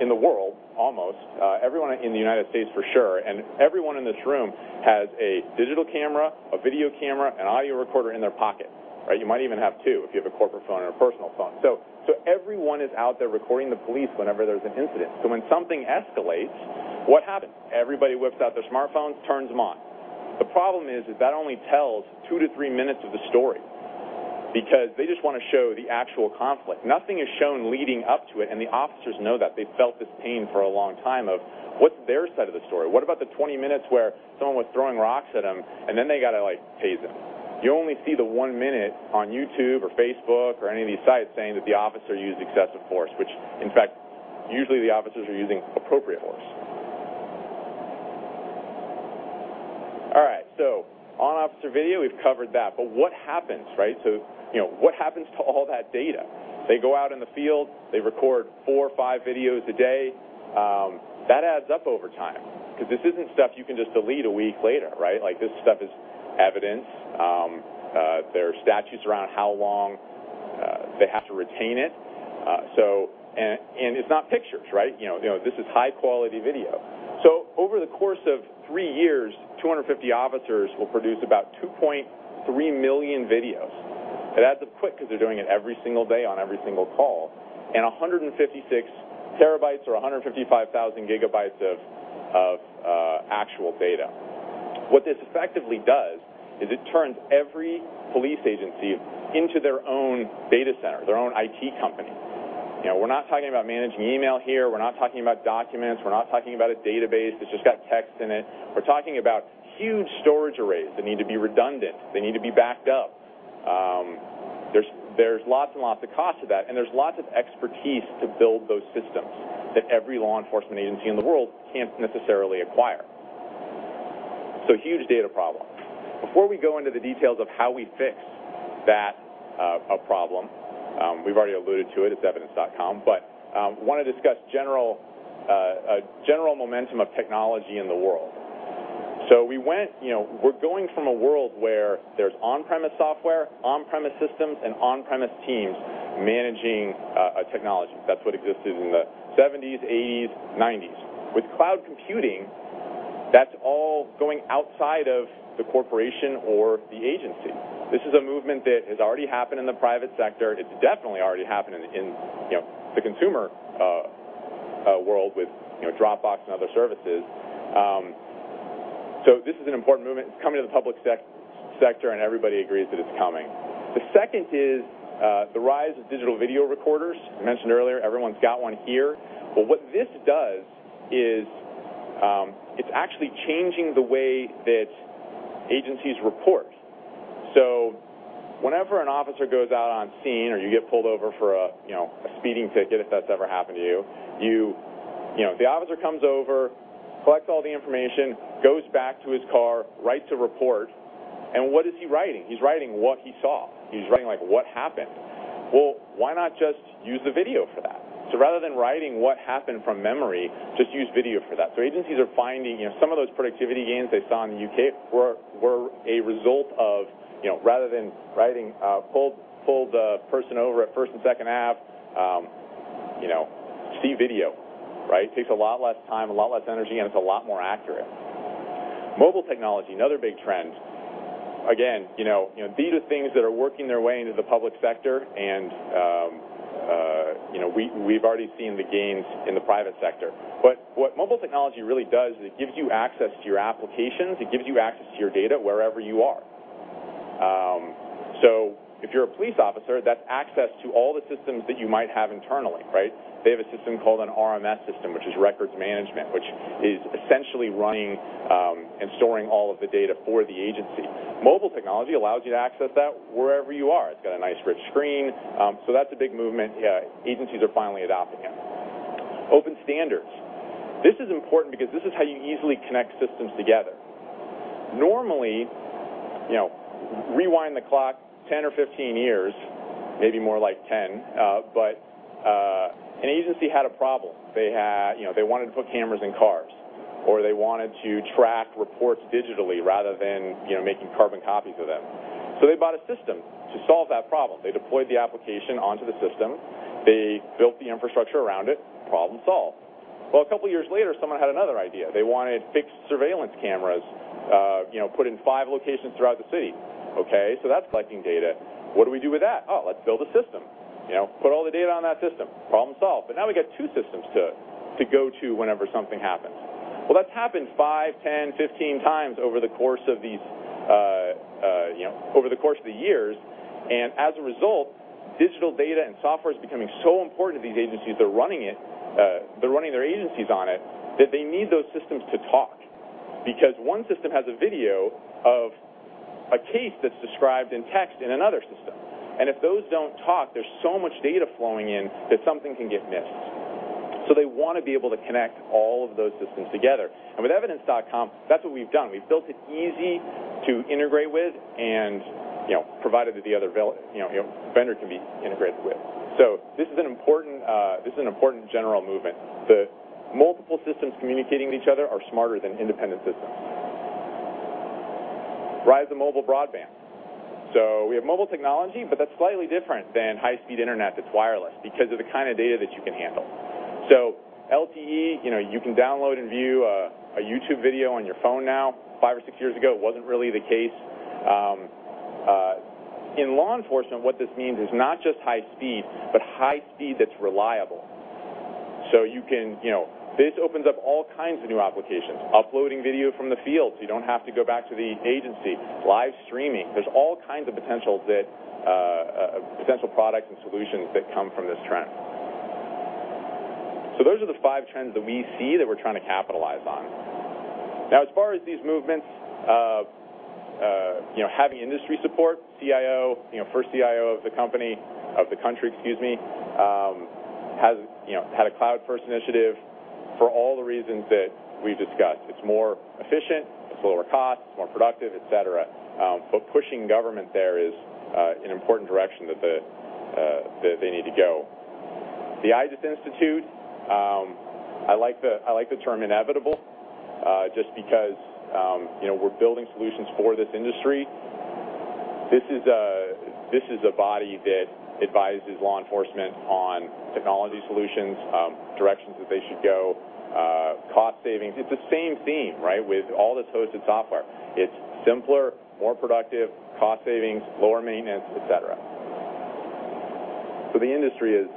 in the world, almost everyone in the United States for sure, and everyone in this room has a digital camera, a video camera, an audio recorder in their pocket, right? You might even have two if you have a corporate phone or a personal phone. So everyone is out there recording the police whenever there's an incident. So when something escalates, what happens? Everybody whips out their smartphones, turns them on. The problem is that only tells two to three minutes of the story because they just want to show the actual conflict. Nothing is shown leading up to it, and the officers know that. They've felt this pain for a long time of what's their side of the story? What about the 20 minutes where someone was throwing rocks at them and then they got to TASER? You only see the one minute on YouTube or Facebook or any of these sites saying that the officer used excessive force, which, in fact, usually the officers are using appropriate force. All right. So on-officer video, we've covered that. But what happens, right? So what happens to all that data? They go out in the field. They record four or five videos a day. That adds up over time because this isn't stuff you can just delete a week later, right? This stuff is evidence. There are statutes around how long they have to retain it. It's not pictures, right? This is high-quality video. Over the course of three years, 250 officers will produce about 2.3 million videos. It adds up quick because they're doing it every single day on every single call and 156 TB or 155,000 GB of actual data. What this effectively does is it turns every police agency into their own data center, their own IT company. We're not talking about managing email here. We're not talking about documents. We're not talking about a database that's just got text in it. We're talking about huge storage arrays that need to be redundant. They need to be backed up. There's lots and lots of costs to that, and there's lots of expertise to build those systems that every law enforcement agency in the world can't necessarily acquire. So huge data problem. Before we go into the details of how we fix that problem, we've already alluded to it. It's Evidence.com. But I want to discuss general momentum of technology in the world. So we're going from a world where there's on-premise software, on-premise systems, and on-premise teams managing technology. That's what existed in the 1970s, 1980s, 19`90s. With cloud computing, that's all going outside of the corporation or the agency. This is a movement that has already happened in the private sector. It's definitely already happened in the consumer world with Dropbox and other services. So this is an important movement. It's coming to the public sector, and everybody agrees that it's coming. The second is the rise of digital video recorders. I mentioned earlier, everyone's got one here. But what this does is it's actually changing the way that agencies report. So whenever an officer goes out on scene or you get pulled over for a speeding ticket, if that's ever happened to you, the officer comes over, collects all the information, goes back to his car, writes a report. What is he writing? He's writing what he saw. He's writing what happened. Well, why not just use the video for that? So rather than writing what happened from memory, just use video for that. So agencies are finding some of those productivity gains they saw in the U.K. were a result of, rather than writing, "Pull the person over at first and second half, see video," right? Takes a lot less time, a lot less energy, and it's a lot more accurate. Mobile technology, another big trend. Again, these are things that are working their way into the public sector, and we've already seen the gains in the private sector. But what mobile technology really does is it gives you access to your applications. It gives you access to your data wherever you are. So if you're a police officer, that's access to all the systems that you might have internally, right? They have a system called an RMS system, which is records management, which is essentially running and storing all of the data for the agency. Mobile technology allows you to access that wherever you are. It's got a nice rich screen. So that's a big movement. Agencies are finally adopting it. Open standards. This is important because this is how you easily connect systems together. Normally, rewind the clock 10 or 15 years, maybe more like 10, but an agency had a problem. They wanted to put cameras in cars, or they wanted to track reports digitally rather than making carbon copies of them. So they bought a system to solve that problem. They deployed the application onto the system. They built the infrastructure around it. Problem solved. Well, a couple of years later, someone had another idea. They wanted fixed surveillance cameras put in five locations throughout the city. Okay. So that's collecting data. What do we do with that? Oh, let's build a system. Put all the data on that system. Problem solved. But now we got two systems to go to whenever something happens. Well, that's happened five, 10, 15 times over the course of the years. As a result, digital data and software is becoming so important to these agencies. They're running their agencies on it that they need those systems to talk because one system has a video of a case that's described in text in another system. And if those don't talk, there's so much data flowing in that something can get missed. So they want to be able to connect all of those systems together. And with Evidence.com, that's what we've done. We've built it easy to integrate with and provided that the other vendor can be integrated with. So this is an important general movement. The multiple systems communicating with each other are smarter than independent systems. Rise of mobile broadband. So we have mobile technology, but that's slightly different than high-speed internet that's wireless because of the kind of data that you can handle. So, LTE, you can download and view a YouTube video on your phone now. Five or six years ago, it wasn't really the case. In law enforcement, what this means is not just high speed, but high speed that's reliable. So this opens up all kinds of new applications. Uploading video from the field so you don't have to go back to the agency. Live streaming. There's all kinds of potential products and solutions that come from this trend. So those are the five trends that we see that we're trying to capitalize on. Now, as far as these movements, having industry support, CIO, first CIO of the country, excuse me, has had a cloud-first initiative for all the reasons that we've discussed. It's more efficient. It's lower cost. It's more productive, etc. But pushing government there is an important direction that they need to go. The IJIS Institute. I like the term inevitable just because we're building solutions for this industry. This is a body that advises law enforcement on technology solutions, directions that they should go, cost savings. It's the same theme, right, with all this hosted software. It's simpler, more productive, cost savings, lower maintenance, etc. So the industry is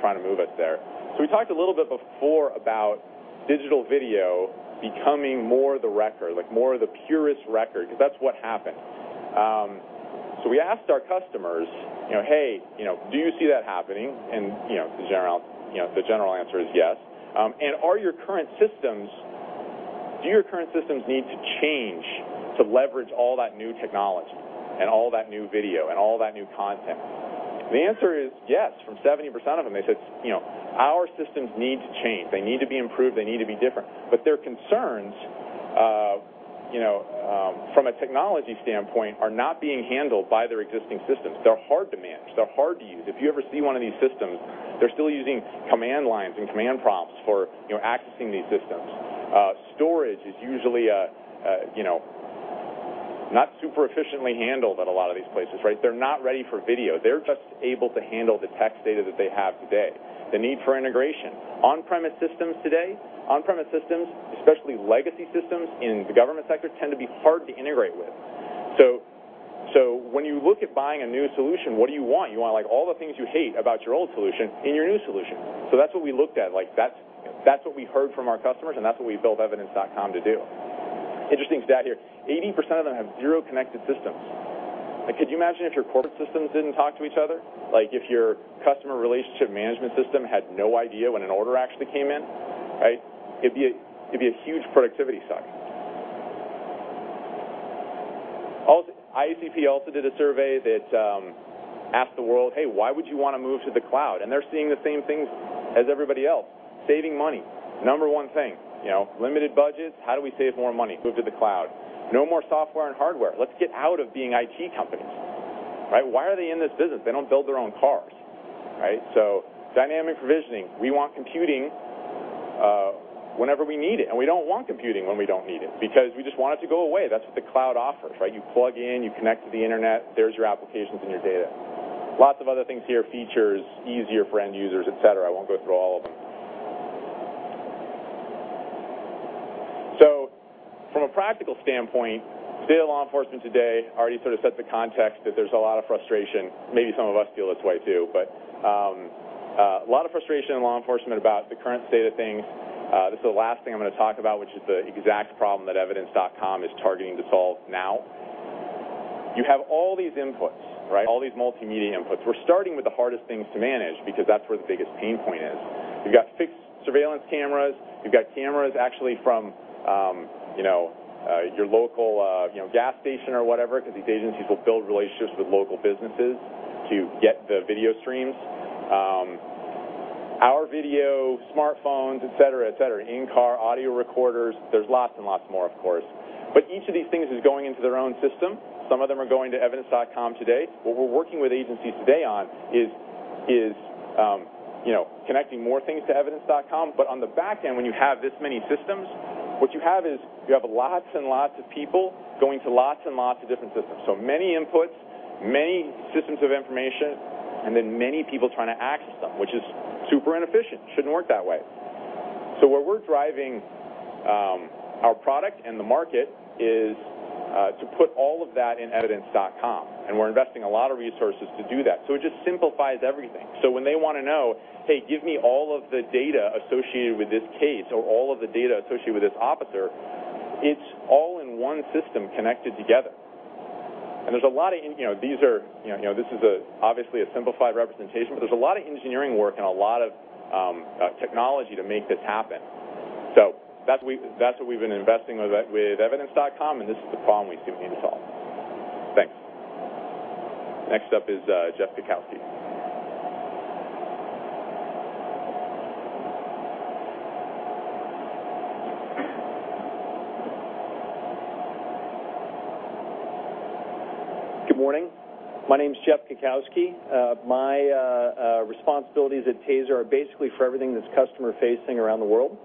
trying to move us there. So we talked a little bit before about digital video becoming more the record, more of the purest record because that's what happened. So we asked our customers, "Hey, do you see that happening?" And the general answer is yes. And do your current systems need to change to leverage all that new technology and all that new video and all that new content? The answer is yes. From 70% of them, they said, "Our systems need to change. They need to be improved. They need to be different." But their concerns from a technology standpoint are not being handled by their existing systems. They're hard to manage. They're hard to use. If you ever see one of these systems, they're still using command lines and command prompts for accessing these systems. Storage is usually not super efficiently handled at a lot of these places, right? They're not ready for video. They're just able to handle the text data that they have today. The need for integration. On-premise systems today, on-premise systems, especially legacy systems in the government sector, tend to be hard to integrate with. So when you look at buying a new solution, what do you want? You want all the things you hate about your old solution in your new solution. So that's what we looked at. That's what we heard from our customers, and that's what we built Evidence.com to do. Interesting stat here. 80% of them have zero connected systems. Could you imagine if your corporate systems didn't talk to each other? If your customer relationship management system had no idea when an order actually came in, right? It'd be a huge productivity suck. IACP also did a survey that asked the world, "Hey, why would you want to move to the cloud?" They're seeing the same things as everybody else. Saving money. Number one thing. Limited budgets. How do we save more money? Move to the cloud. No more software and hardware. Let's get out of being IT companies, right? Why are they in this business? They don't build their own cars, right? Dynamic provisioning. We want computing whenever we need it. We don't want computing when we don't need it because we just want it to go away. That's what the cloud offers, right? You plug in, you connect to the internet. There's your applications and your data. Lots of other things here, features, easier for end users, et cetera. I won't go through all of them. So from a practical standpoint, state of law enforcement today already sort of set the context that there's a lot of frustration. Maybe some of us feel this way too, but a lot of frustration in law enforcement about the current state of things. This is the last thing I'm going to talk about, which is the exact problem that Evidence.com is targeting to solve now. You have all these inputs, right? All these multimedia inputs. We're starting with the hardest things to manage because that's where the biggest pain point is. You've got fixed surveillance cameras. You've got cameras actually from your local gas station or whatever because these agencies will build relationships with local businesses to get the video streams. Our video, smartphones, et cetera, et cetera, in-car audio recorders. There's lots and lots more, of course. But each of these things is going into their own system. Some of them are going to Evidence.com today. What we're working with agencies today on is connecting more things to Evidence.com. But on the back end, when you have this many systems, what you have is you have lots and lots of people going to lots and lots of different systems. So many inputs, many systems of information, and then many people trying to access them, which is super inefficient. Shouldn't work that way. So where we're driving our product and the market is to put all of that in Evidence.com. We're investing a lot of resources to do that. It just simplifies everything. When they want to know, "Hey, give me all of the data associated with this case or all of the data associated with this officer," it's all in one system connected together. There's a lot. This is obviously a simplified representation, but there's a lot of engineering work and a lot of technology to make this happen. That's what we've been investing with Evidence.com, and this is the problem we see we need to solve. Thanks. Next up is Jeff Kukowski. Good morning. My name is Jeff Kukowski. My responsibilities at TASER are basically for everything that's customer-facing around the world.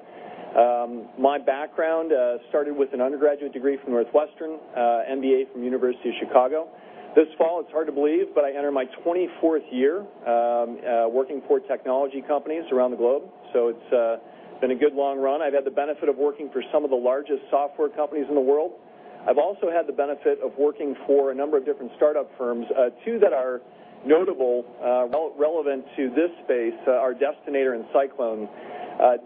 My background started with an undergraduate degree from Northwestern, MBA from the University of Chicago. This fall, it's hard to believe, but I entered my 24th year working for technology companies around the globe. So it's been a good long run. I've had the benefit of working for some of the largest software companies in the world. I've also had the benefit of working for a number of different startup firms. Two that are notable relevant to this space are Destinator and Cyclone.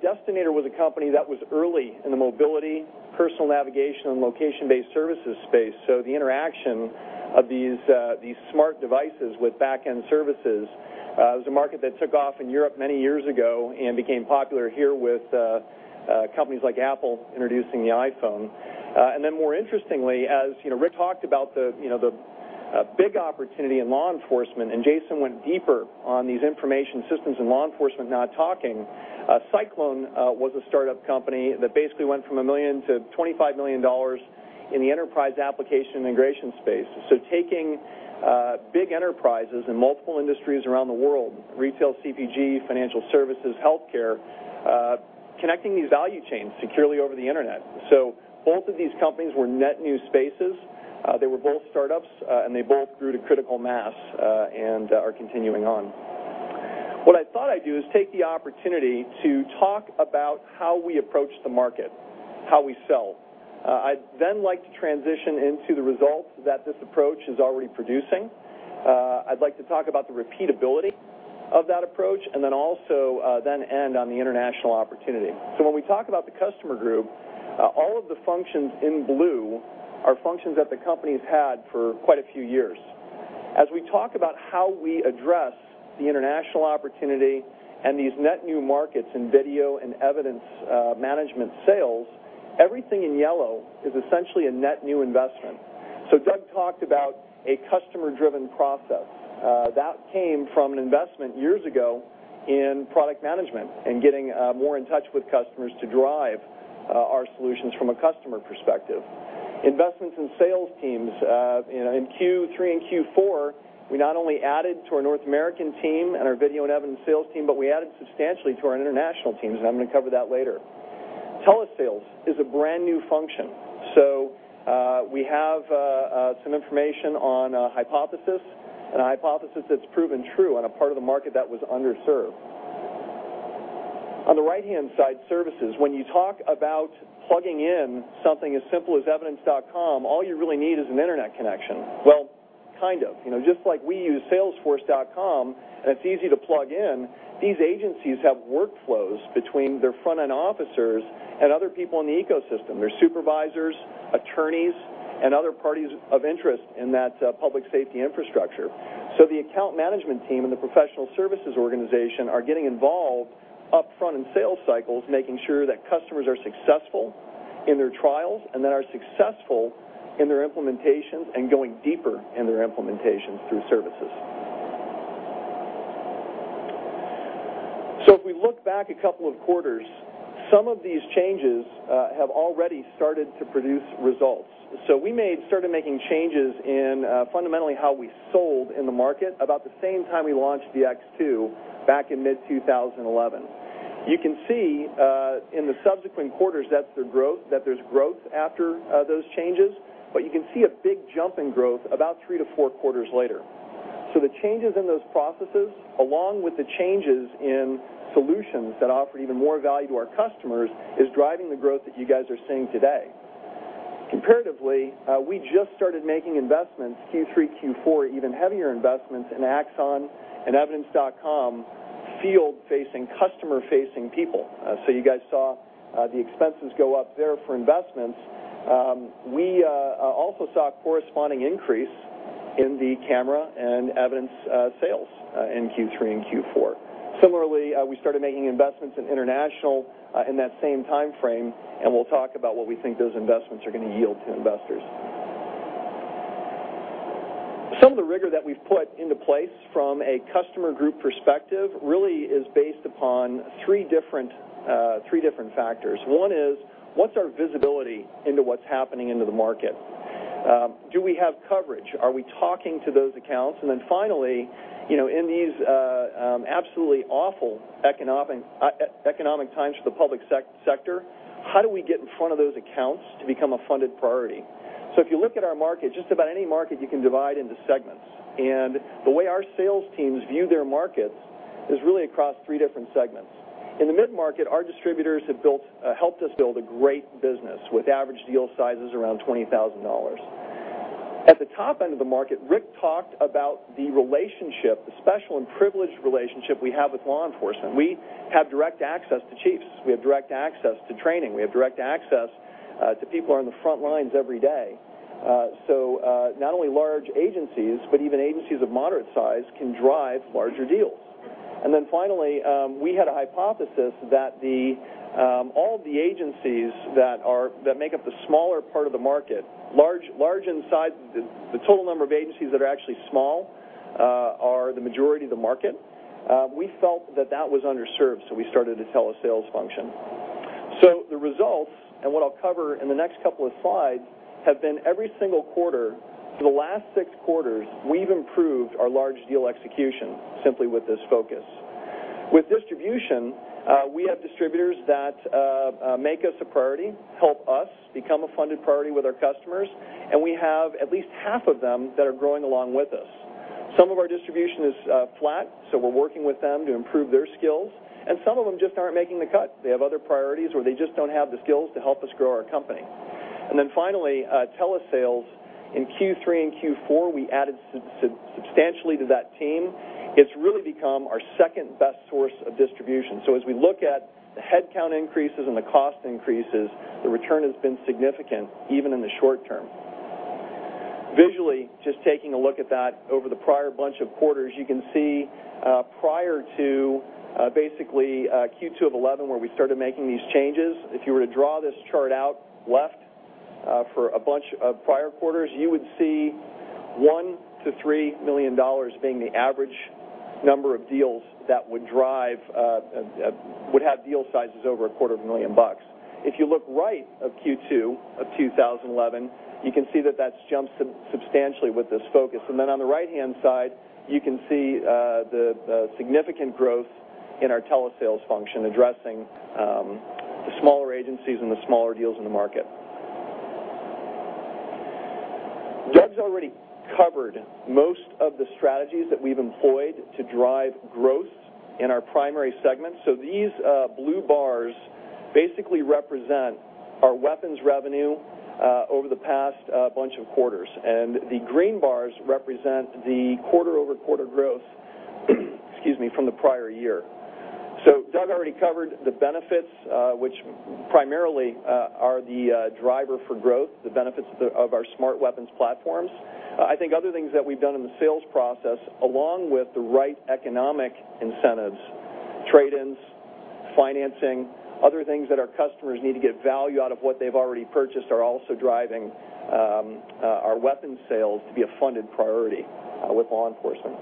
Destinator was a company that was early in the mobility, personal navigation, and location-based services space. So the interaction of these smart devices with back-end services was a market that took off in Europe many years ago and became popular here with companies like Apple introducing the iPhone. And then, more interestingly, as Rick talked about the big opportunity in law enforcement, and Jason went deeper on these information systems in law enforcement not talking, Cyclone was a startup company that basically went from $1 million to $25 million in the enterprise application integration space. So, taking big enterprises in multiple industries around the world, retail, CPG, financial services, healthcare, connecting these value chains securely over the internet. So, both of these companies were net new spaces. They were both startups, and they both grew to critical mass and are continuing on. What I thought I'd do is take the opportunity to talk about how we approach the market, how we sell. I'd then like to transition into the results that this approach is already producing. I'd like to talk about the repeatability of that approach and then also then end on the international opportunity. So when we talk about the customer group, all of the functions in blue are functions that the company has had for quite a few years. As we talk about how we address the international opportunity and these net new markets in video and evidence management sales, everything in yellow is essentially a net new investment. So Doug talked about a customer-driven process. That came from an investment years ago in product management and getting more in touch with customers to drive our solutions from a customer perspective. Investments in sales teams. In Q3 and Q4, we not only added to our North American team and our video and evidence sales team, but we added substantially to our international teams. And I'm going to cover that later. Telesales is a brand new function. So we have some information on a hypothesis and a hypothesis that's proven true on a part of the market that was underserved. On the right-hand side, services. When you talk about plugging in something as simple as Evidence.com, all you really need is an internet connection. Well, kind of. Just like we use Salesforce.com, and it's easy to plug in, these agencies have workflows between their front-end officers and other people in the ecosystem. There's supervisors, attorneys, and other parties of interest in that public safety infrastructure. So the account management team and the professional services organization are getting involved upfront in sales cycles, making sure that customers are successful in their trials and then are successful in their implementations and going deeper in their implementations through services. So if we look back a couple of quarters, some of these changes have already started to produce results. So we started making changes in fundamentally how we sold in the market about the same time we launched the X2 back in mid-2011. You can see in the subsequent quarters that there's growth after those changes, but you can see a big jump in growth about three to four quarters later. So the changes in those processes, along with the changes in solutions that offered even more value to our customers, is driving the growth that you guys are seeing today. Comparatively, we just started making investments, Q3, Q4, even heavier investments in Axon and Evidence.com, field-facing, customer-facing people. So you guys saw the expenses go up there for investments. We also saw a corresponding increase in the camera and evidence sales in Q3 and Q4. Similarly, we started making investments in international in that same time frame, and we'll talk about what we think those investments are going to yield to investors. Some of the rigor that we've put into place from a customer group perspective really is based upon three different factors. One is, what's our visibility into what's happening in the market? Do we have coverage? Are we talking to those accounts? And then finally, in these absolutely awful economic times for the public sector, how do we get in front of those accounts to become a funded priority? So if you look at our market, just about any market you can divide into segments. And the way our sales teams view their markets is really across three different segments. In the mid-market, our distributors have helped us build a great business with average deal sizes around $20,000. At the top end of the market, Rick talked about the relationship, the special and privileged relationship we have with law enforcement. We have direct access to chiefs. We have direct access to training. We have direct access to people who are on the front lines every day. So not only large agencies, but even agencies of moderate size can drive larger deals. And then finally, we had a hypothesis that all the agencies that make up the smaller part of the market, large in size, the total number of agencies that are actually small are the majority of the market. We felt that that was underserved, so we started a telesales function. So the results, and what I'll cover in the next couple of slides, have been every single quarter, for the last six quarters, we've improved our large deal execution simply with this focus. With distribution, we have distributors that make us a priority, help us become a funded priority with our customers, and we have at least half of them that are growing along with us. Some of our distribution is flat, so we're working with them to improve their skills. Some of them just aren't making the cut. They have other priorities where they just don't have the skills to help us grow our company. Then finally, telesales, in Q3 and Q4, we added substantially to that team. It's really become our second best source of distribution. As we look at the headcount increases and the cost increases, the return has been significant even in the short term. Visually, just taking a look at that over the prior bunch of quarters, you can see prior to basically Q2 of 2011, where we started making these changes, if you were to draw this chart out left for a bunch of prior quarters, you would see $1 million-$3 million being the average number of deals that would have deal sizes over $250,000. If you look right of Q2 of 2011, you can see that that's jumped substantially with this focus. And then on the right-hand side, you can see the significant growth in our telesales function addressing the smaller agencies and the smaller deals in the market. Doug's already covered most of the strategies that we've employed to drive growth in our primary segments. So these blue bars basically represent our weapons revenue over the past bunch of quarters. And the green bars represent the quarter-over-quarter growth, excuse me, from the prior year. So Doug already covered the benefits, which primarily are the driver for growth, the benefits of our smart weapons platforms. I think other things that we've done in the sales process, along with the right economic incentives, trade-ins, financing, other things that our customers need to get value out of what they've already purchased, are also driving our weapons sales to be a funded priority with law enforcement.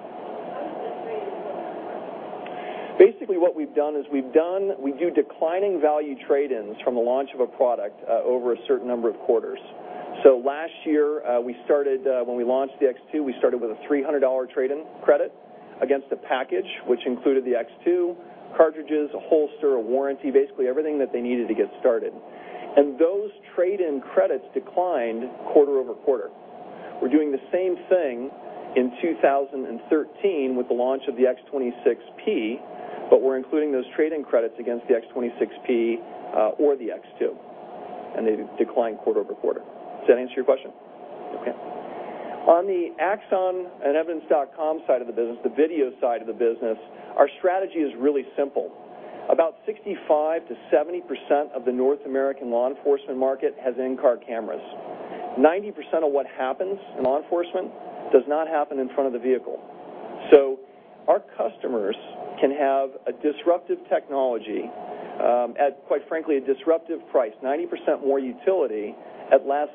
Basically, what we've done is we do declining value trade-ins from the launch of a product over a certain number of quarters. So last year, when we launched the X2, we started with a $300 trade-in credit against a package, which included the X2, cartridges, a holster, a warranty, basically everything that they needed to get started. And those trade-in credits declined quarter-over-quarter. We're doing the same thing in 2013 with the launch of the X26P, but we're including those trade-in credits against the X26P or the X2. And they declined quarter-over-quarter. Does that answer your question? Okay. On the Axon and Evidence.com side of the business, the video side of the business, our strategy is really simple. About 65%-70% of the North American law enforcement market has in-car cameras. 90% of what happens in law enforcement does not happen in front of the vehicle. So our customers can have a disruptive technology at, quite frankly, a disruptive price, 90% more utility at less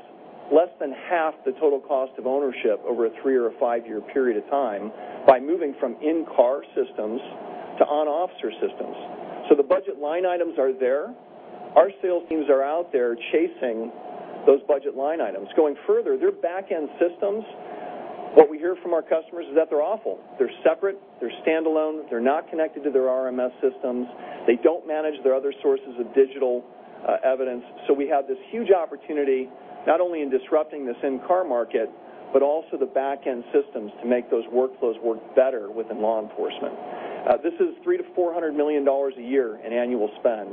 than half the total cost of ownership over a three- or four-year period of time by moving from in-car systems to on-officer systems. So the budget line items are there. Our sales teams are out there chasing those budget line items. Going further, their back-end systems, what we hear from our customers is that they're awful. They're separate. They're standalone. They're not connected to their RMS systems. They don't manage their other sources of digital evidence. So we have this huge opportunity not only in disrupting this in-car market, but also the back-end systems to make those workflows work better within law enforcement. This is $300 million-$400 million a year in annual spend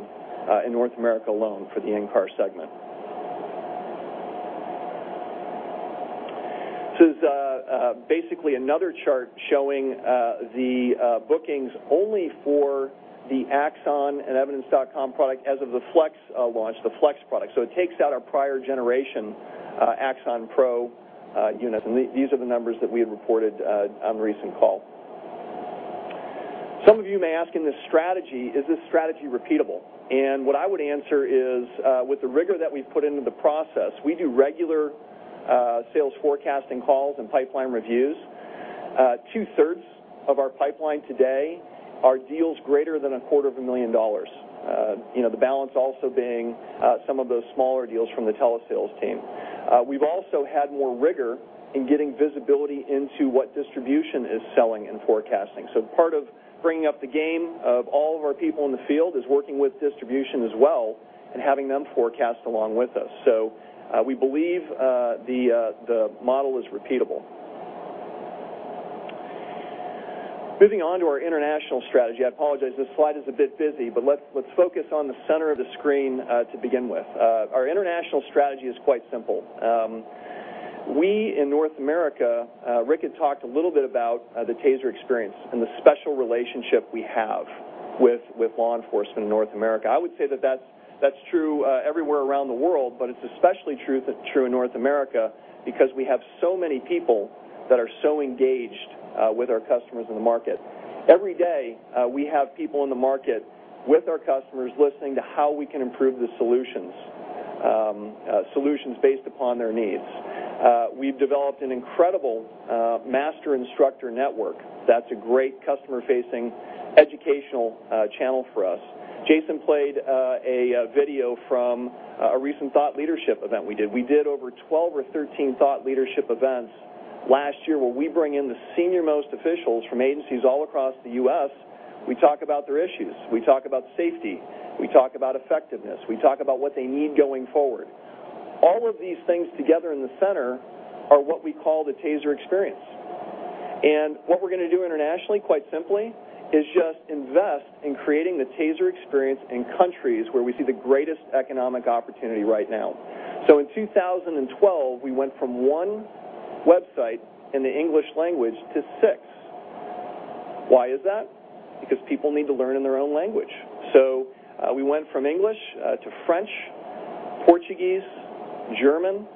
in North America alone for the in-car segment. This is basically another chart showing the bookings only for the Axon and Evidence.com product as of the Flex launch, the Flex product. So it takes out our prior generation Axon Pro units. And these are the numbers that we had reported on the recent call. Some of you may ask, in this strategy, is this strategy repeatable? What I would answer is, with the rigor that we've put into the process, we do regular sales forecasting calls and pipeline reviews. Two-thirds of our pipeline today are deals greater than $250,000, the balance also being some of those smaller deals from the telesales team. We've also had more rigor in getting visibility into what distribution is selling and forecasting. So part of bringing up the game of all of our people in the field is working with distribution as well and having them forecast along with us. So we believe the model is repeatable. Moving on to our international strategy, I apologize. This slide is a bit busy, but let's focus on the center of the screen to begin with. Our international strategy is quite simple. We in North America, Rick had talked a little bit about the TASER experience and the special relationship we have with law enforcement in North America. I would say that that's true everywhere around the world, but it's especially true in North America because we have so many people that are so engaged with our customers in the market. Every day, we have people in the market with our customers listening to how we can improve the solutions based upon their needs. We've developed an incredible master instructor network. That's a great customer-facing educational channel for us. Jason played a video from a recent thought leadership event we did. We did over 12 or 13 thought leadership events last year where we bring in the senior-most officials from agencies all across the U.S. We talk about their issues. We talk about safety. We talk about effectiveness. We talk about what they need going forward. All of these things together in the center are what we call the TASER experience. And what we're going to do internationally, quite simply, is just invest in creating the TASER experience in countries where we see the greatest economic opportunity right now. So in 2012, we went from one website in the English language to six. Why is that? Because people need to learn in their own language. So we went from English to French, Portuguese, German,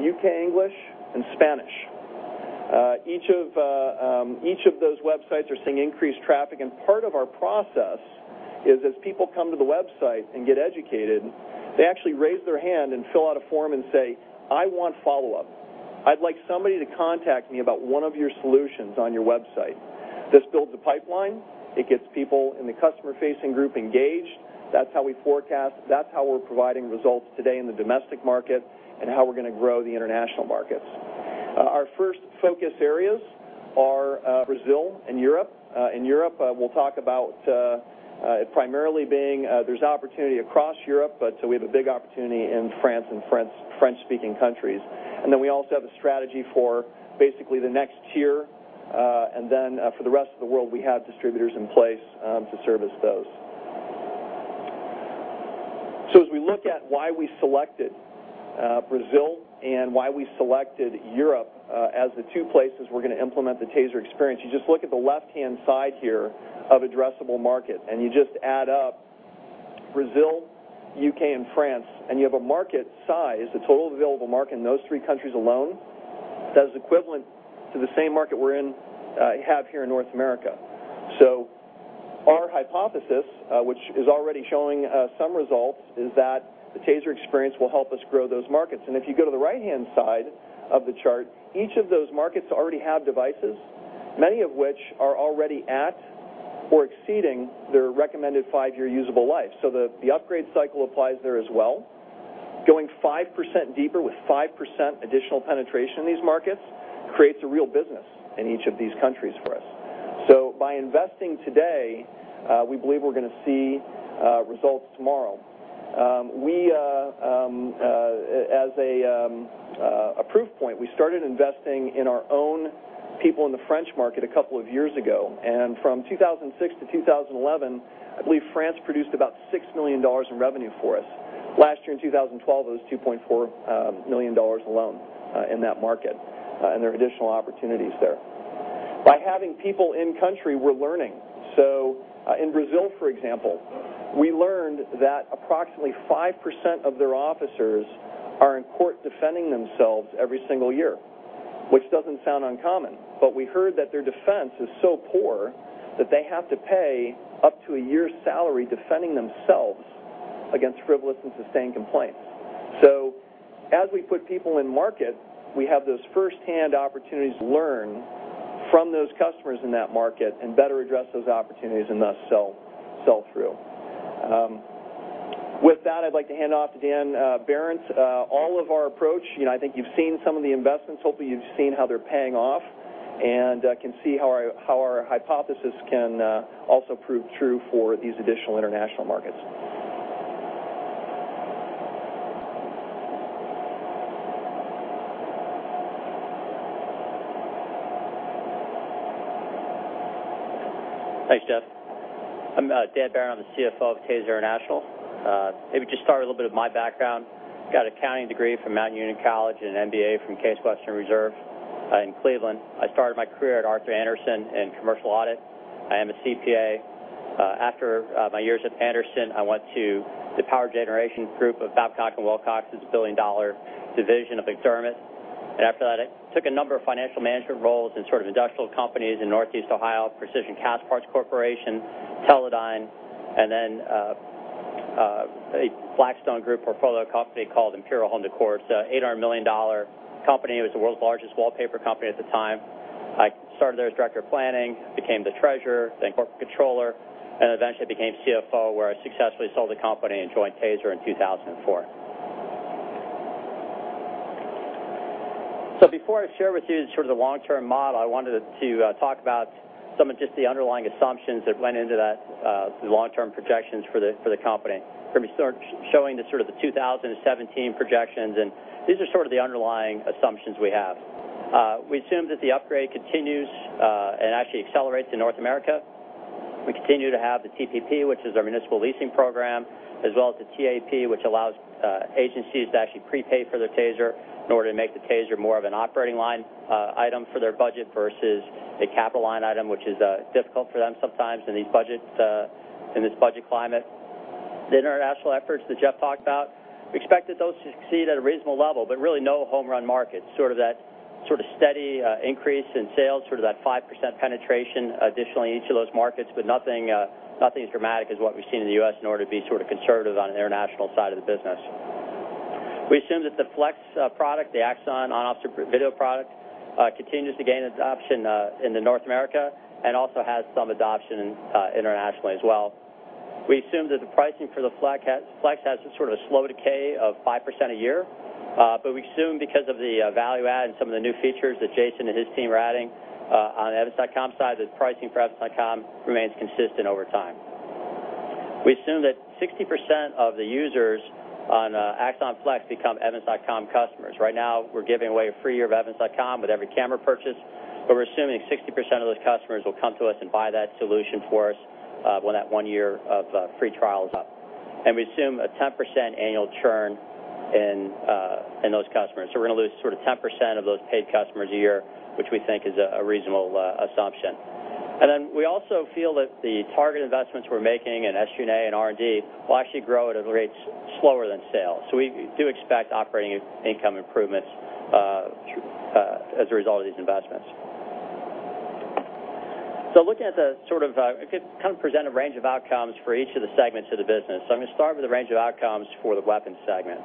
U.K. English, and Spanish. Each of those websites are seeing increased traffic. And part of our process is, as people come to the website and get educated, they actually raise their hand and fill out a form and say, "I want follow-up. I'd like somebody to contact me about one of your solutions on your website." This builds a pipeline. It gets people in the customer-facing group engaged. That's how we forecast. That's how we're providing results today in the domestic market and how we're going to grow the international markets. Our first focus areas are Brazil and Europe. In Europe, we'll talk about it primarily being there's opportunity across Europe, but we have a big opportunity in France and French-speaking countries. And then we also have a strategy for basically the next tier. And then for the rest of the world, we have distributors in place to service those. As we look at why we selected Brazil and why we selected Europe as the two places we're going to implement the TASER experience, you just look at the left-hand side here of addressable market, and you just add up Brazil, U.K., and France, and you have a market size, the total available market in those three countries alone, that is equivalent to the same market we have here in North America. Our hypothesis, which is already showing some results, is that the TASER experience will help us grow those markets. If you go to the right-hand side of the chart, each of those markets already have devices, many of which are already at or exceeding their recommended five-year usable life. The upgrade cycle applies there as well. Going 5% deeper with 5% additional penetration in these markets creates a real business in each of these countries for us. So by investing today, we believe we're going to see results tomorrow. As a proof point, we started investing in our own people in the French market a couple of years ago. And from 2006 to 2011, I believe France produced about $6 million in revenue for us. Last year, in 2012, it was $2.4 million alone in that market and there are additional opportunities there. By having people in country, we're learning. So in Brazil, for example, we learned that approximately 5% of their officers are in court defending themselves every single year, which doesn't sound uncommon. But we heard that their defense is so poor that they have to pay up to a year's salary defending themselves against frivolous and sustained complaints. So as we put people in market, we have those firsthand opportunities to learn from those customers in that market and better address those opportunities and thus sell through. With that, I'd like to hand off to Dan Behrendt. All of our approach, I think you've seen some of the investments. Hopefully, you've seen how they're paying off and can see how our hypothesis can also prove true for these additional international markets. Thanks, Jeff. I'm Dan Behrendt. I'm the CFO of TASER International. Maybe just start with a little bit of my background. Got an accounting degree from Mount Union College and an MBA from Case Western Reserve in Cleveland. I started my career at Arthur Andersen in commercial audit. I am a CPA. After my years at Andersen, I went to the power generation group of Babcock & Wilcox's billion-dollar division of McDermott. After that, I took a number of financial management roles in sort of industrial companies in Northeast Ohio, Precision Castparts Corporation, Teledyne, and then a Blackstone Group portfolio company called Imperial Home Decor. It's an $800 million company. It was the world's largest wallpaper company at the time. I started there as director of planning, became the Treasurer, then Corporate Controller, and eventually became CFO, where I successfully sold the company and joined TASER in 2004. So before I share with you sort of the long-term model, I wanted to talk about some of just the underlying assumptions that went into the long-term projections for the company. We're showing sort of the 2017 projections, and these are sort of the underlying assumptions we have. We assume that the upgrade continues and actually accelerates in North America. We continue to have the TPP, which is our municipal leasing program, as well as the TAP, which allows agencies to actually prepay for their TASER in order to make the TASER more of an operating line item for their budget versus a capital line item, which is difficult for them sometimes in this budget climate. The international efforts that Jeff talked about, we expect that those to succeed at a reasonable level, but really no home-run markets. Sort of that sort of steady increase in sales, sort of that 5% penetration additionally in each of those markets, but nothing as dramatic as what we've seen in the U.S. in order to be sort of conservative on the international side of the business. We assume that the Flex product, the Axon on-officer video product, continues to gain adoption in North America and also has some adoption internationally as well. We assume that the pricing for the Flex has sort of a slow decay of 5% a year, but we assume because of the value add and some of the new features that Jason and his team are adding on Evidence.com side, that pricing for Evidence.com remains consistent over time. We assume that 60% of the users on Axon Flex become Evidence.com customers. Right now, we're giving away a free year of Evidence.com with every camera purchase, but we're assuming 60% of those customers will come to us and buy that solution for us when that one year of free trial is up. We assume a 10% annual churn in those customers. We're going to lose sort of 10% of those paid customers a year, which we think is a reasonable assumption. Then we also feel that the target investments we're making in SG&A and R and D will actually grow at a rate slower than sales. We do expect operating income improvements as a result of these investments. Looking at the sort of kind of present a range of outcomes for each of the segments of the business. I'm going to start with the range of outcomes for the weapons segment.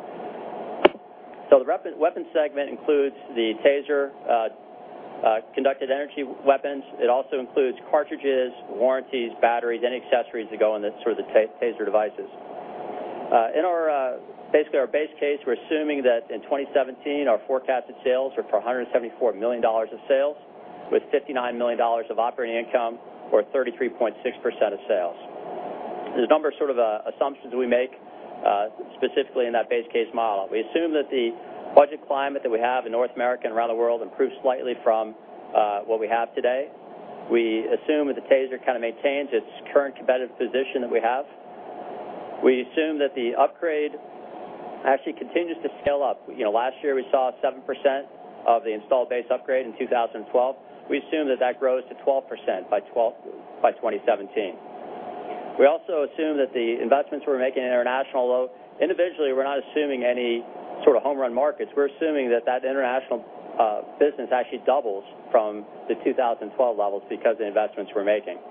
So the weapons segment includes the TASER conducted energy weapons. It also includes cartridges, warranties, batteries, any accessories that go in sort of the TASER devices. In basically our base case, we're assuming that in 2017, our forecasted sales were for $174 million of sales with $59 million of operating income or 33.6% of sales. There's a number of sort of assumptions that we make specifically in that base case model. We assume that the budget climate that we have in North America and around the world improves slightly from what we have today. We assume that the TASER kind of maintains its current competitive position that we have. We assume that the upgrade actually continues to scale up. Last year, we saw 7% of the installed base upgrade in 2012. We assume that that grows to 12% by 2017. We also assume that the investments we're making in international, though individually, we're not assuming any sort of home-run markets. We're assuming that that international business actually doubles from the 2012 levels because of the investments we're making.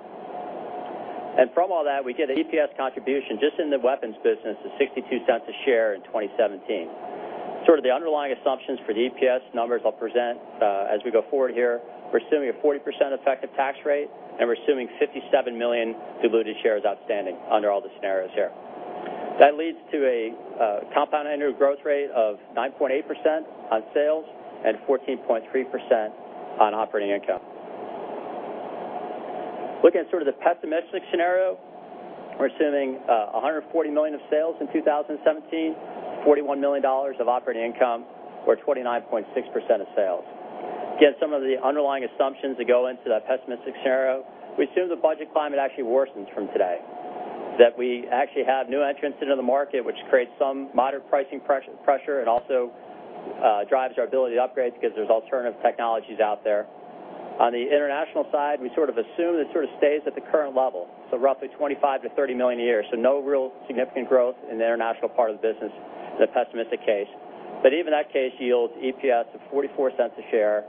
And from all that, we get an EPS contribution just in the weapons business of $0.62 a share in 2017. Sort of the underlying assumptions for the EPS numbers I'll present as we go forward here. We're assuming a 40% effective tax rate, and we're assuming 57 million diluted shares outstanding under all the scenarios here. That leads to a compound annual growth rate of 9.8% on sales and 14.3% on operating income. Looking at sort of the pessimistic scenario, we're assuming $140 million of sales in 2017, $41 million of operating income or 29.6% of sales. Again, some of the underlying assumptions that go into that pessimistic scenario, we assume the budget climate actually worsens from today, that we actually have new entrants into the market, which creates some moderate pricing pressure and also drives our ability to upgrade because there's alternative technologies out there. On the international side, we sort of assume that sort of stays at the current level, so roughly $25 million-$30 million a year. So no real significant growth in the international part of the business in a pessimistic case. But even that case yields EPS of $0.44 a share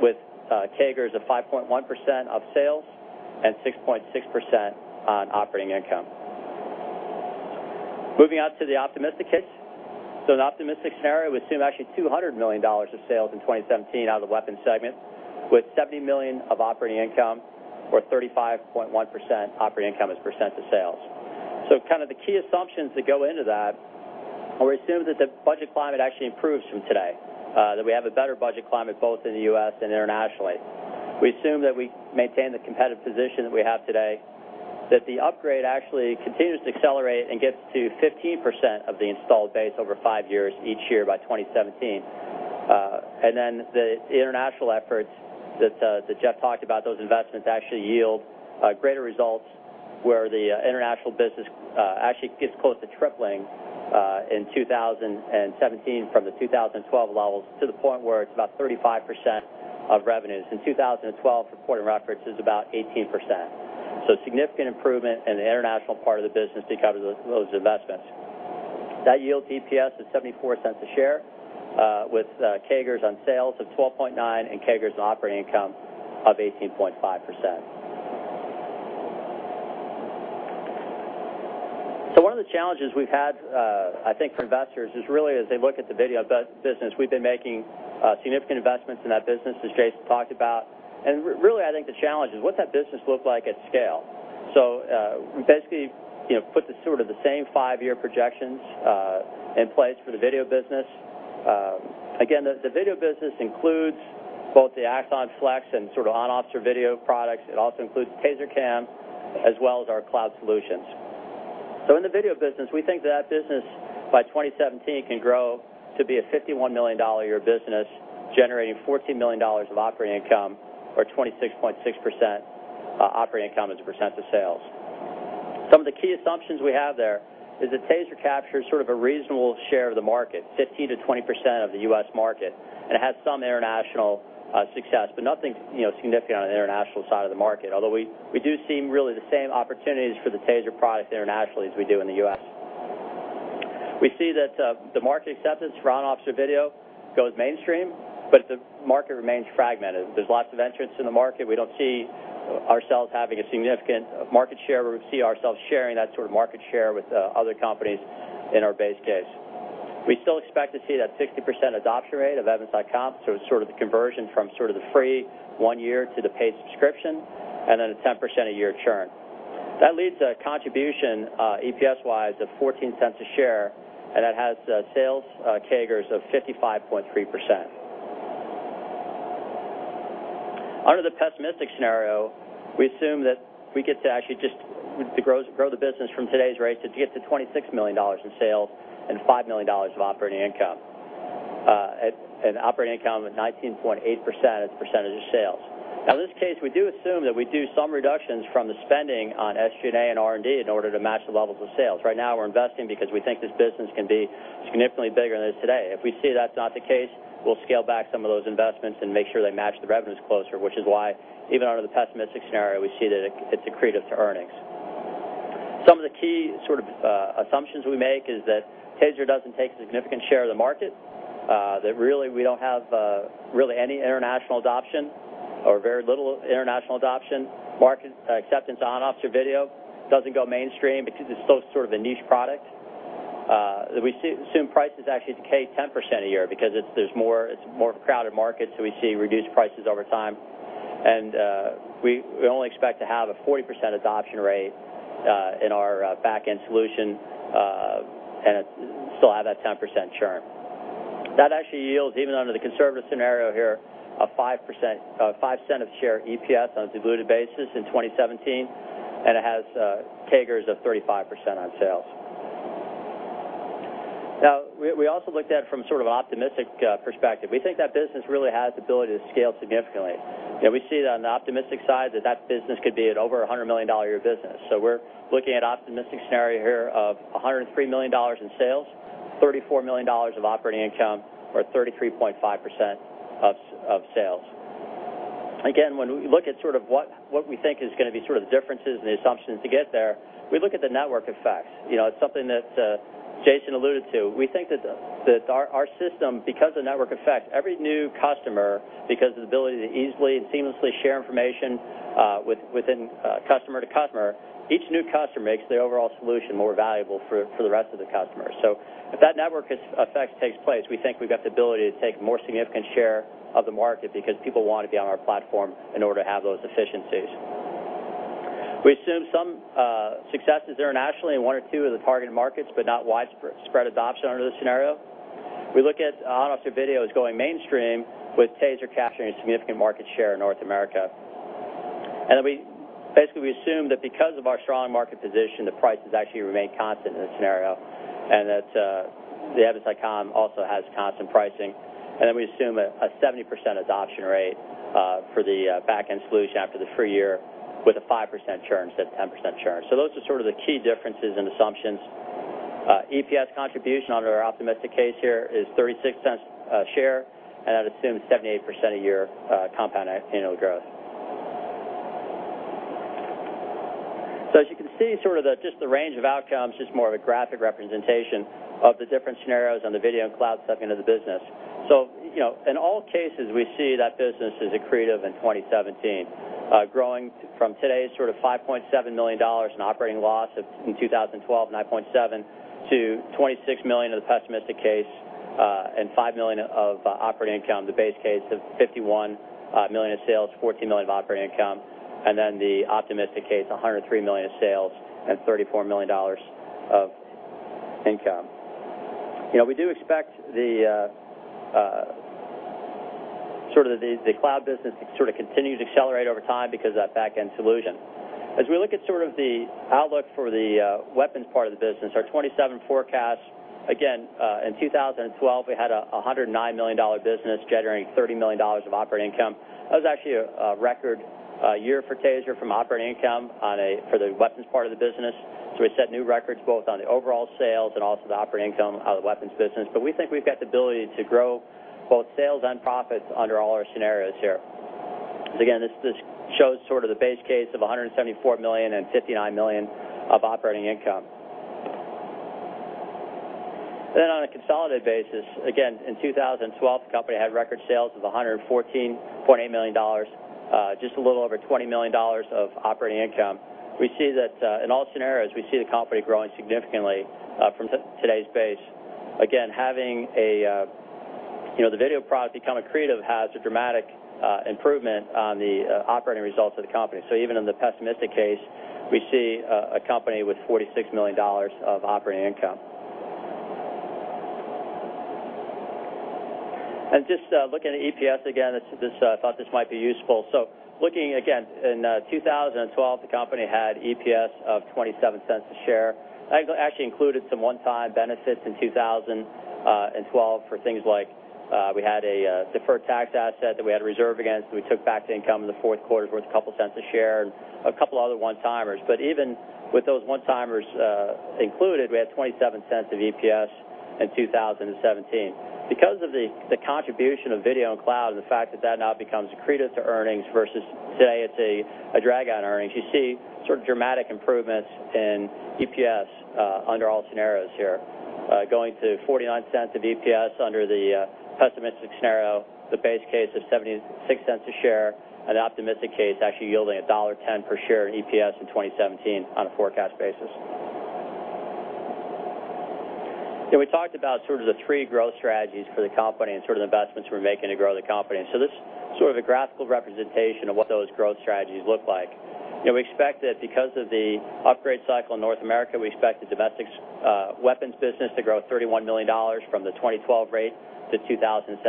with CAGRs of 5.1% of sales and 6.6% on operating income. Moving on to the optimistic case. So in the optimistic scenario, we assume actually $200 million of sales in 2017 out of the weapons segment with $70 million of operating income or 35.1% operating income as percent of sales. So kind of the key assumptions that go into that, we assume that the budget climate actually improves from today, that we have a better budget climate both in the U.S. and internationally. We assume that we maintain the competitive position that we have today, that the upgrade actually continues to accelerate and gets to 15% of the installed base over five years each year by 2017. And then the international efforts that Jeff talked about, those investments actually yield greater results where the international business actually gets close to tripling in 2017 from the 2012 levels to the point where it's about 35% of revenues. In 2012, reporting records is about 18%. So significant improvement in the international part of the business because of those investments. That yields EPS of $0.74 a share with CAGRs on sales of 12.9% and CAGRs on operating income of 18.5%. So one of the challenges we've had, I think, for investors is really as they look at the Video business, we've been making significant investments in that business, as Jason talked about. And really, I think the challenge is, what's that business look like at scale? So basically, put the sort of the same five-year projections in place for the video business. Again, the video business includes both the Axon Flex and sort of on-officer video products. It also includes TASER CAM as well as our cloud solutions. So in the video business, we think that that business by 2017 can grow to be a $51 million a year business, generating $14 million of operating income or 26.6% operating income as a percent of sales. Some of the key assumptions we have there is that TASER captures sort of a reasonable share of the market, 15%-20% of the U.S. market, and it has some international success, but nothing significant on the international side of the market, although we do see really the same opportunities for the TASER product internationally as we do in the U.S. We see that the market acceptance for on-officer video goes mainstream, but the market remains fragmented. There's lots of entrants in the market. We don't see ourselves having a significant market share where we see ourselves sharing that sort of market share with other companies in our base case. We still expect to see that 60% adoption rate of Evidence.com, so it's sort of the conversion from sort of the free one-year to the paid subscription, and then a 10% a year churn. That leads to a contribution EPS-wise of $0.14 a share, and that has sales CAGRs of 55.3%. Under the pessimistic scenario, we assume that we get to actually just grow the business from today's rate to get to $26 million in sales and $5 million of operating income, and operating income of 19.8% as a percentage of sales. Now, in this case, we do assume that we do some reductions from the spending on SG&A and R and D in order to match the levels of sales. Right now, we're investing because we think this business can be significantly bigger than it is today. If we see that's not the case, we'll scale back some of those investments and make sure they match the revenues closer, which is why even under the pessimistic scenario, we see that it's accretive to earnings. Some of the key sort of assumptions we make is that TASER doesn't take a significant share of the market, that really we don't have really any international adoption or very little international adoption. Market acceptance on-officer video doesn't go mainstream because it's still sort of a niche product. We assume prices actually decay 10% a year because it's more of a crowded market, so we see reduced prices over time. We only expect to have a 40% adoption rate in our backend solution and still have that 10% churn. That actually yields, even under the conservative scenario here, a $0.05 per share EPS on a diluted basis in 2017, and it has CAGRs of 35% on sales. Now, we also looked at it from sort of an optimistic perspective. We think that business really has the ability to scale significantly. We see that on the optimistic side that that business could be an over $100 million a year business. So we're looking at an optimistic scenario here of $103 million in sales, $34 million of operating income or 33.5% of sales. Again, when we look at sort of what we think is going to be sort of the differences and the assumptions to get there, we look at the network effects. It's something that Jason alluded to. We think that our system, because of the network effects, every new customer, because of the ability to easily and seamlessly share information within customer to customer, each new customer makes the overall solution more valuable for the rest of the customers. If that network effect takes place, we think we've got the ability to take a more significant share of the market because people want to be on our platform in order to have those efficiencies. We assume some successes internationally in one or two of the targeted markets, but not widespread adoption under this scenario. We look at on-officer videos going mainstream with TASER capturing a significant market share in North America. Basically, we assume that because of our strong market position, the prices actually remain constant in the scenario and that the Evidence.com also has constant pricing. We assume a 70% adoption rate for the backend solution after the free year with a 5% churn, instead of 10% churn. Those are sort of the key differences and assumptions. EPS contribution under our optimistic case here is $0.36 per share, and that assumes 78% a year compound annual growth. So as you can see, sort of just the range of outcomes, just more of a graphic representation of the different scenarios on the video and cloud segment of the business. So in all cases, we see that business is accretive in 2017, growing from today's sort of $5.7 million in operating loss in 2012, $9.7 million, to $26 million in the pessimistic case and $5 million of operating income, the base case of $51 million of sales, $14 million of operating income, and then the optimistic case, $103 million of sales and $34 million of income. We do expect sort of the cloud business to sort of continue to accelerate over time because of that backend solution. As we look at sort of the outlook for the weapons part of the business, our 2027 forecast, again, in 2012, we had a $109 million business generating $30 million of operating income. That was actually a record year for TASER from operating income for the weapons part of the business. So we set new records both on the overall sales and also the operating income out of the weapons business. But we think we've got the ability to grow both sales and profits under all our scenarios here. Again, this shows sort of the base case of $174 million and $59 million of operating income. Then on a consolidated basis, again, in 2012, the company had record sales of $114.8 million, just a little over $20 million of operating income. We see that in all scenarios, we see the company growing significantly from today's base. Again, having the video product become accretive has a dramatic improvement on the operating results of the company. So even in the pessimistic case, we see a company with $46 million of operating income. And just looking at EPS again, I thought this might be useful. So looking again, in 2012, the company had EPS of $0.27 a share. That actually included some one-time benefits in 2012 for things like we had a deferred tax asset that we had a reserve against that we took back to income in the fourth quarter worth a couple of cents a share and a couple of other one-timers. But even with those one-timers included, we had $0.27 of EPS in 2017. Because of the contribution of video and cloud and the fact that that now becomes accretive to earnings versus today it's a drag on earnings, you see sort of dramatic improvements in EPS under all scenarios here, going to $0.49 EPS under the pessimistic scenario, the base case of $0.76 a share, and the optimistic case actually yielding $1.10 per share in EPS in 2017 on a forecast basis. We talked about sort of the three growth strategies for the company and sort of the investments we're making to grow the company. So this is sort of a graphical representation of what those growth strategies look like. We expect that because of the upgrade cycle in North America, we expect the domestic weapons business to grow $31 million from the 2012 rate to 2017.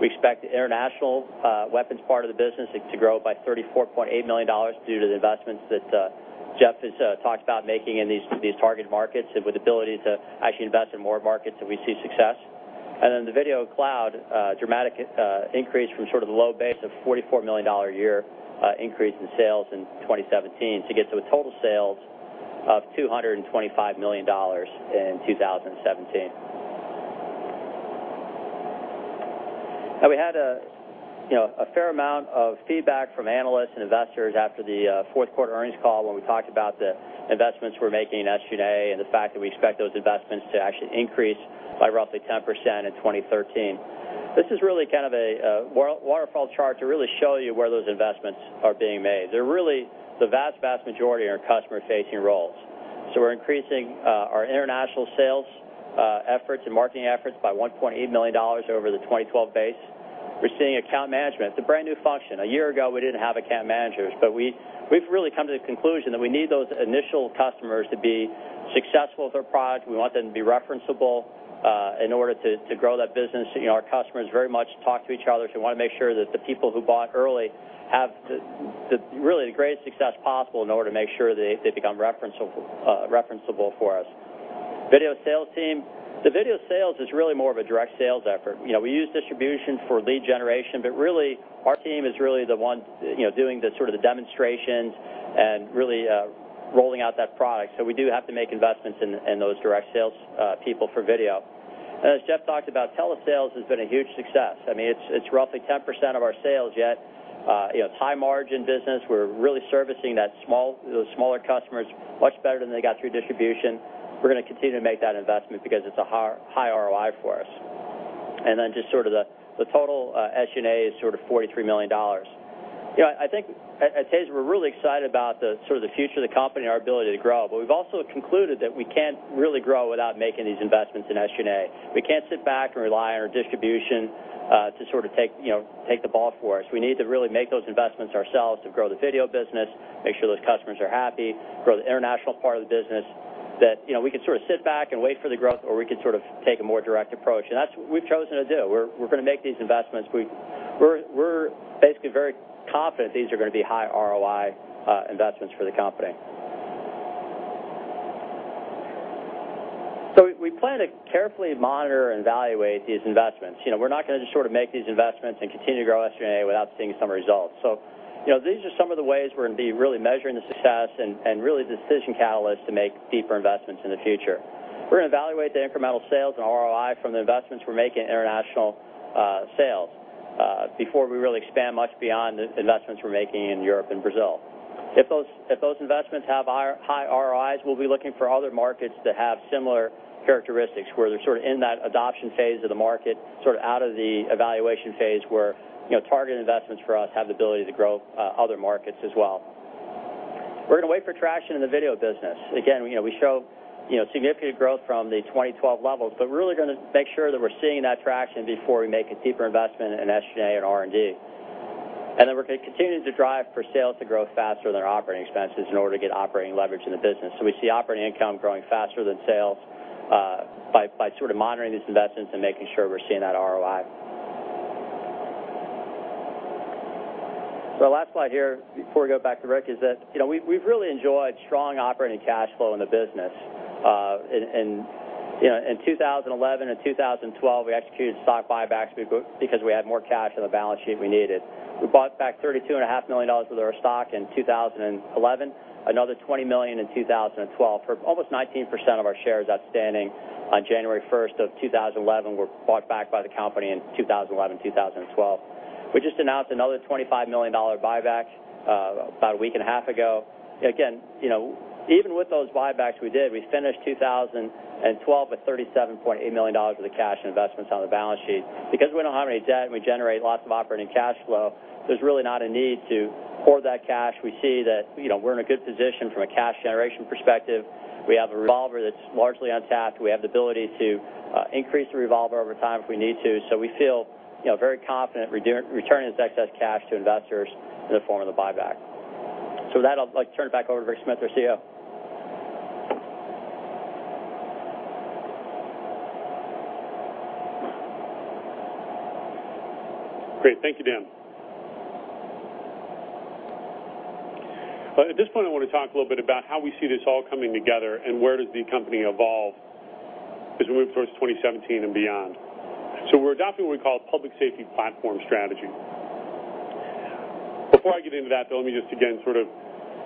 We expect the international weapons part of the business to grow by $34.8 million due to the investments that Jeff has talked about making in these targeted markets and with the ability to actually invest in more markets if we see success. Then the video and cloud, dramatic increase from sort of the low base of $44 million a year increase in sales in 2017 to get to a total sales of $225 million in 2017. Now, we had a fair amount of feedback from analysts and investors after the fourth quarter earnings call when we talked about the investments we're making in SG&A and the fact that we expect those investments to actually increase by roughly 10% in 2013. This is really kind of a waterfall chart to really show you where those investments are being made. They're really the vast, vast majority in our customer-facing roles. So we're increasing our international sales efforts and marketing efforts by $1.8 million over the 2012 base. We're seeing account management. It's a brand new function. A year ago, we didn't have account managers, but we've really come to the conclusion that we need those initial customers to be successful with our product. We want them to be referenceable in order to grow that business. Our customers very much talk to each other. They want to make sure that the people who bought early have really the greatest success possible in order to make sure they become referenceable for us. Video sales team, the video sales is really more of a direct sales effort. We use distribution for lead generation, but really, our team is really the one doing sort of the demonstrations and really rolling out that product. So we do have to make investments in those direct sales people for video. And as Jeff talked about, telesales has been a huge success. I mean, it's roughly 10% of our sales yet. It's high-margin business. We're really servicing those smaller customers much better than they got through distribution. We're going to continue to make that investment because it's a high ROI for us. And then just sort of the total SG&A is sort of $43 million. I think at TASER, we're really excited about sort of the future of the company and our ability to grow, but we've also concluded that we can't really grow without making these investments in SG&A. We can't sit back and rely on our distribution to sort of take the ball for us. We need to really make those investments ourselves to grow the video business, make sure those customers are happy, grow the international part of the business, that we can sort of sit back and wait for the growth, or we can sort of take a more direct approach. And that's what we've chosen to do. We're going to make these investments. We're basically very confident these are going to be high ROI investments for the company. So we plan to carefully monitor and evaluate these investments. We're not going to just sort of make these investments and continue to grow SG&A without seeing some results. So these are some of the ways we're going to be really measuring the success and really the decision catalysts to make deeper investments in the future. We're going to evaluate the incremental sales and ROI from the investments we're making in international sales before we really expand much beyond the investments we're making in Europe and Brazil. If those investments have high ROIs, we'll be looking for other markets that have similar characteristics where they're sort of in that adoption phase of the market, sort of out of the evaluation phase where targeted investments for us have the ability to grow other markets as well. We're going to wait for traction in the video business. Again, we show significant growth from the 2012 levels, but we're really going to make sure that we're seeing that traction before we make a deeper investment in SG&A and R&D. And then we're going to continue to drive for sales to grow faster than our operating expenses in order to get operating leverage in the business. So we see operating income growing faster than sales by sort of monitoring these investments and making sure we're seeing that ROI. So our last slide here before we go back to Rick is that we've really enjoyed strong operating cash flow in the business. In 2011 and 2012, we executed stock buybacks because we had more cash on the balance sheet we needed. We bought back $32.5 million with our stock in 2011, another $20 million in 2012, for almost 19% of our shares outstanding on January 1st of 2011 were bought back by the company in 2011, 2012. We just announced another $25 million buyback about a week and a half ago. Again, even with those buybacks we did, we finished 2012 with $37.8 million with the cash investments on the balance sheet. Because we don't have any debt and we generate lots of operating cash flow, there's really not a need to hoard that cash. We see that we're in a good position from a cash generation perspective. We have a revolver that's largely untapped. We have the ability to increase the revolver over time if we need to. So we feel very confident returning this excess cash to investors in the form of the buyback. So with that, I'd like to turn it back over to Rick Smith, our CEO. Great. Thank you, Dan. At this point, I want to talk a little bit about how we see this all coming together and where does the company evolve as we move towards 2017 and beyond. So we're adopting what we call a public safety platform strategy. Before I get into that, though, let me just again sort of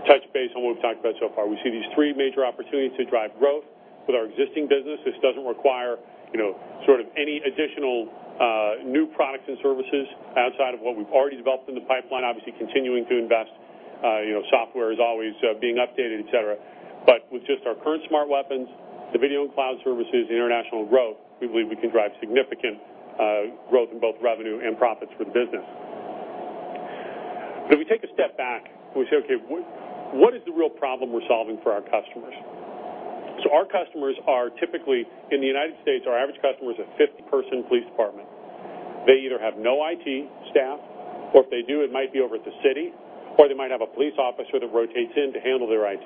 touch base on what we've talked about so far. We see these three major opportunities to drive growth with our existing business. This doesn't require sort of any additional new products and services outside of what we've already developed in the pipeline, obviously continuing to invest. Software is always being updated, et cetera. But with just our current smart weapons, the video and cloud services, international growth, we believe we can drive significant growth in both revenue and profits for the business. But if we take a step back and we say, "Okay, what is the real problem we're solving for our customers?" So our customers are typically in the United States, our average customer is a 50-person police department. They either have no IT staff, or if they do, it might be over at the city, or they might have a police officer that rotates in to handle their IT.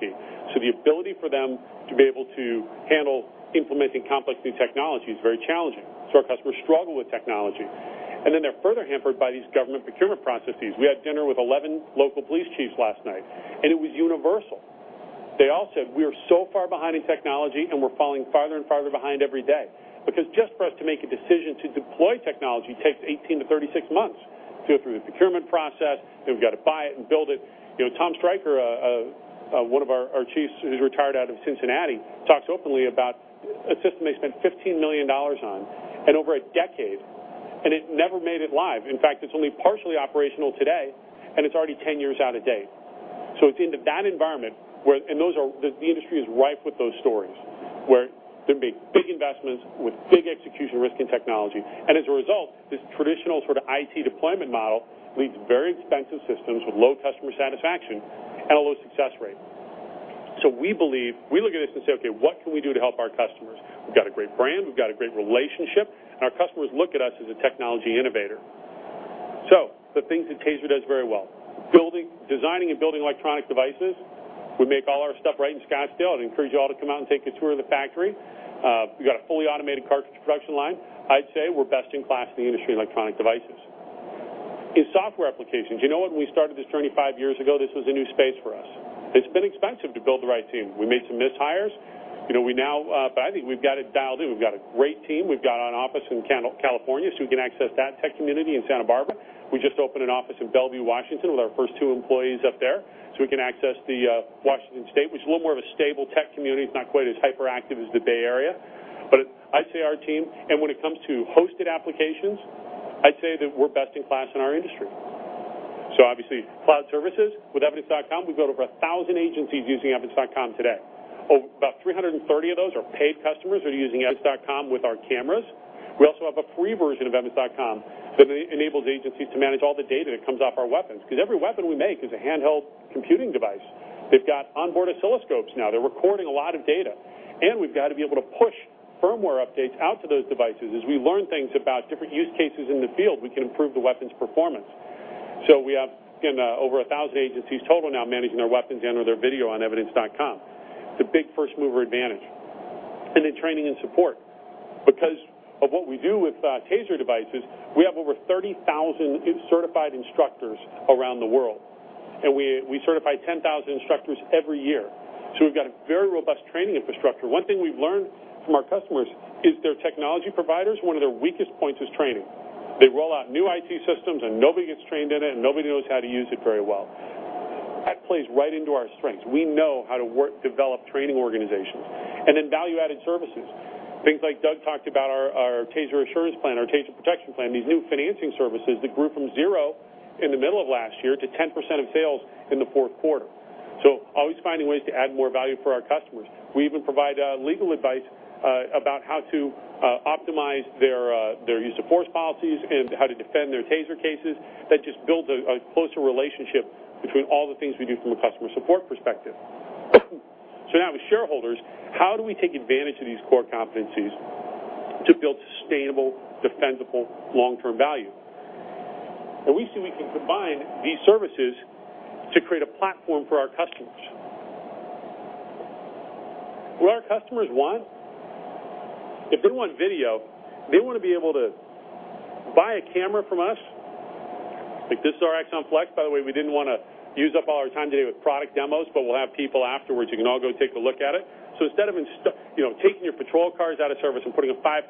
So the ability for them to be able to handle implementing complex new technology is very challenging. So our customers struggle with technology. And then they're further hampered by these government procurement processes. We had dinner with 11 local police chiefs last night, and it was universal. They all said, "We are so far behind in technology, and we're falling farther and farther behind every day." Because just for us to make a decision to deploy technology takes 18-36 months to go through the procurement process, and we've got to buy it and build it. Thomas Streicher, one of our chiefs who's retired out of Cincinnati, talks openly about a system they spent $15 million on and over a decade, and it never made it live. In fact, it's only partially operational today, and it's already 10 years out of date. So it's into that environment where the industry is rife with those stories where there may be big investments with big execution risk in technology. And as a result, this traditional sort of IT deployment model leads to very expensive systems with low customer satisfaction and a low success rate. So we look at this and say, "Okay, what can we do to help our customers?" We've got a great brand. We've got a great relationship. And our customers look at us as a technology innovator. So the things that TASER does very well: designing and building electronic devices. We make all our stuff right in Scottsdale. I'd encourage you all to come out and take a tour of the factory. We've got a fully automated cartridge production line. I'd say we're best in class in the industry in electronic devices. In software applications, you know what? When we started this journey five years ago, this was a new space for us. It's been expensive to build the right team. We made some missed hires. But I think we've got it dialed in. We've got a great team. We've got an office in California so we can access that tech community in Santa Barbara. We just opened an office in Bellevue, Washington, with our first two employees up there so we can access Washington State, which is a little more of a stable tech community. It's not quite as hyperactive as the Bay Area. But I'd say our team, and when it comes to hosted applications, I'd say that we're best in class in our industry. Obviously, cloud services. With Evidence.com, we've got over 1,000 agencies using Evidence.com today. About 330 of those are paid customers who are using Evidence.com with our cameras. We also have a free version of Evidence.com that enables agencies to manage all the data that comes off our weapons. Because every weapon we make is a handheld computing device. They've got onboard oscilloscopes now. They're recording a lot of data. And we've got to be able to push firmware updates out to those devices as we learn things about different use cases in the field. We can improve the weapon's performance. We have over 1,000 agencies total now managing their weapons and/or their video on Evidence.com. It's a big first-mover advantage. Then training and support. Because of what we do with TASER devices, we have over 30,000 certified instructors around the world. We certify 10,000 instructors every year. We've got a very robust training infrastructure. One thing we've learned from our customers is their technology providers, one of their weakest points is training. They roll out new IT systems, and nobody gets trained in it, and nobody knows how to use it very well. That plays right into our strengths. We know how to develop training organizations. Then value-added services. Things like Doug talked about our TASER Assurance Plan, our TASER Protection Plan, these new financing services that grew from zero in the middle of last year to 10% of sales in the fourth quarter. Always finding ways to add more value for our customers. We even provide legal advice about how to optimize their use of force policies and how to defend their TASER cases. That just builds a closer relationship between all the things we do from a customer support perspective. So now, with shareholders, how do we take advantage of these core competencies to build sustainable, defendable, long-term value? And we see we can combine these services to create a platform for our customers. What do our customers want? If they want video, they want to be able to buy a camera from us. This is our Axon Flex. By the way, we didn't want to use up all our time today with product demos, but we'll have people afterwards. You can all go take a look at it. So instead of taking your patrol cars out of service and putting a $5,000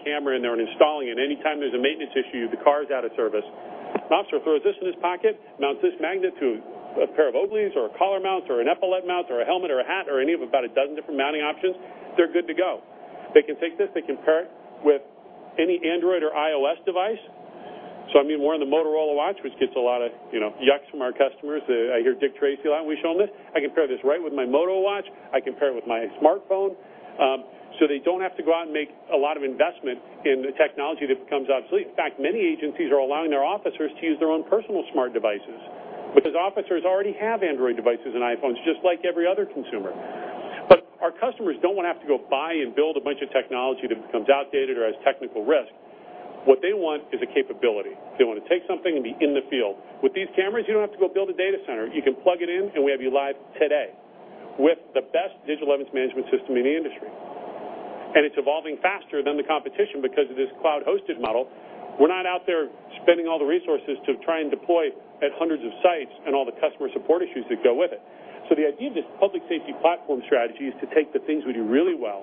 camera in there and installing it anytime there's a maintenance issue, the car is out of service, an officer throws this in his pocket, mounts this magnet to a pair of belts or a collar mount or an epaulette mount or a helmet or a hat or any of about a dozen different mounting options, they're good to go. They can take this. They can pair it with any Android or iOS device. So I mean, we're on the Motorola Watch, which gets a lot of yucks from our customers. I hear Dick Tracy a lot when we show them this. I can pair this right with my Motorola Watch. I can pair it with my smartphone. So they don't have to go out and make a lot of investment in the technology that becomes obsolete. In fact, many agencies are allowing their officers to use their own personal smart devices because officers already have Android devices and iPhones, just like every other consumer. But our customers don't want to have to go buy and build a bunch of technology that becomes outdated or has technical risk. What they want is a capability. They want to take something and be in the field. With these cameras, you don't have to go build a data center. You can plug it in, and we have you live today with the best digital evidence management system in the industry. And it's evolving faster than the competition because of this cloud-hosted model. We're not out there spending all the resources to try and deploy at hundreds of sites and all the customer support issues that go with it. So the idea of this public safety platform strategy is to take the things we do really well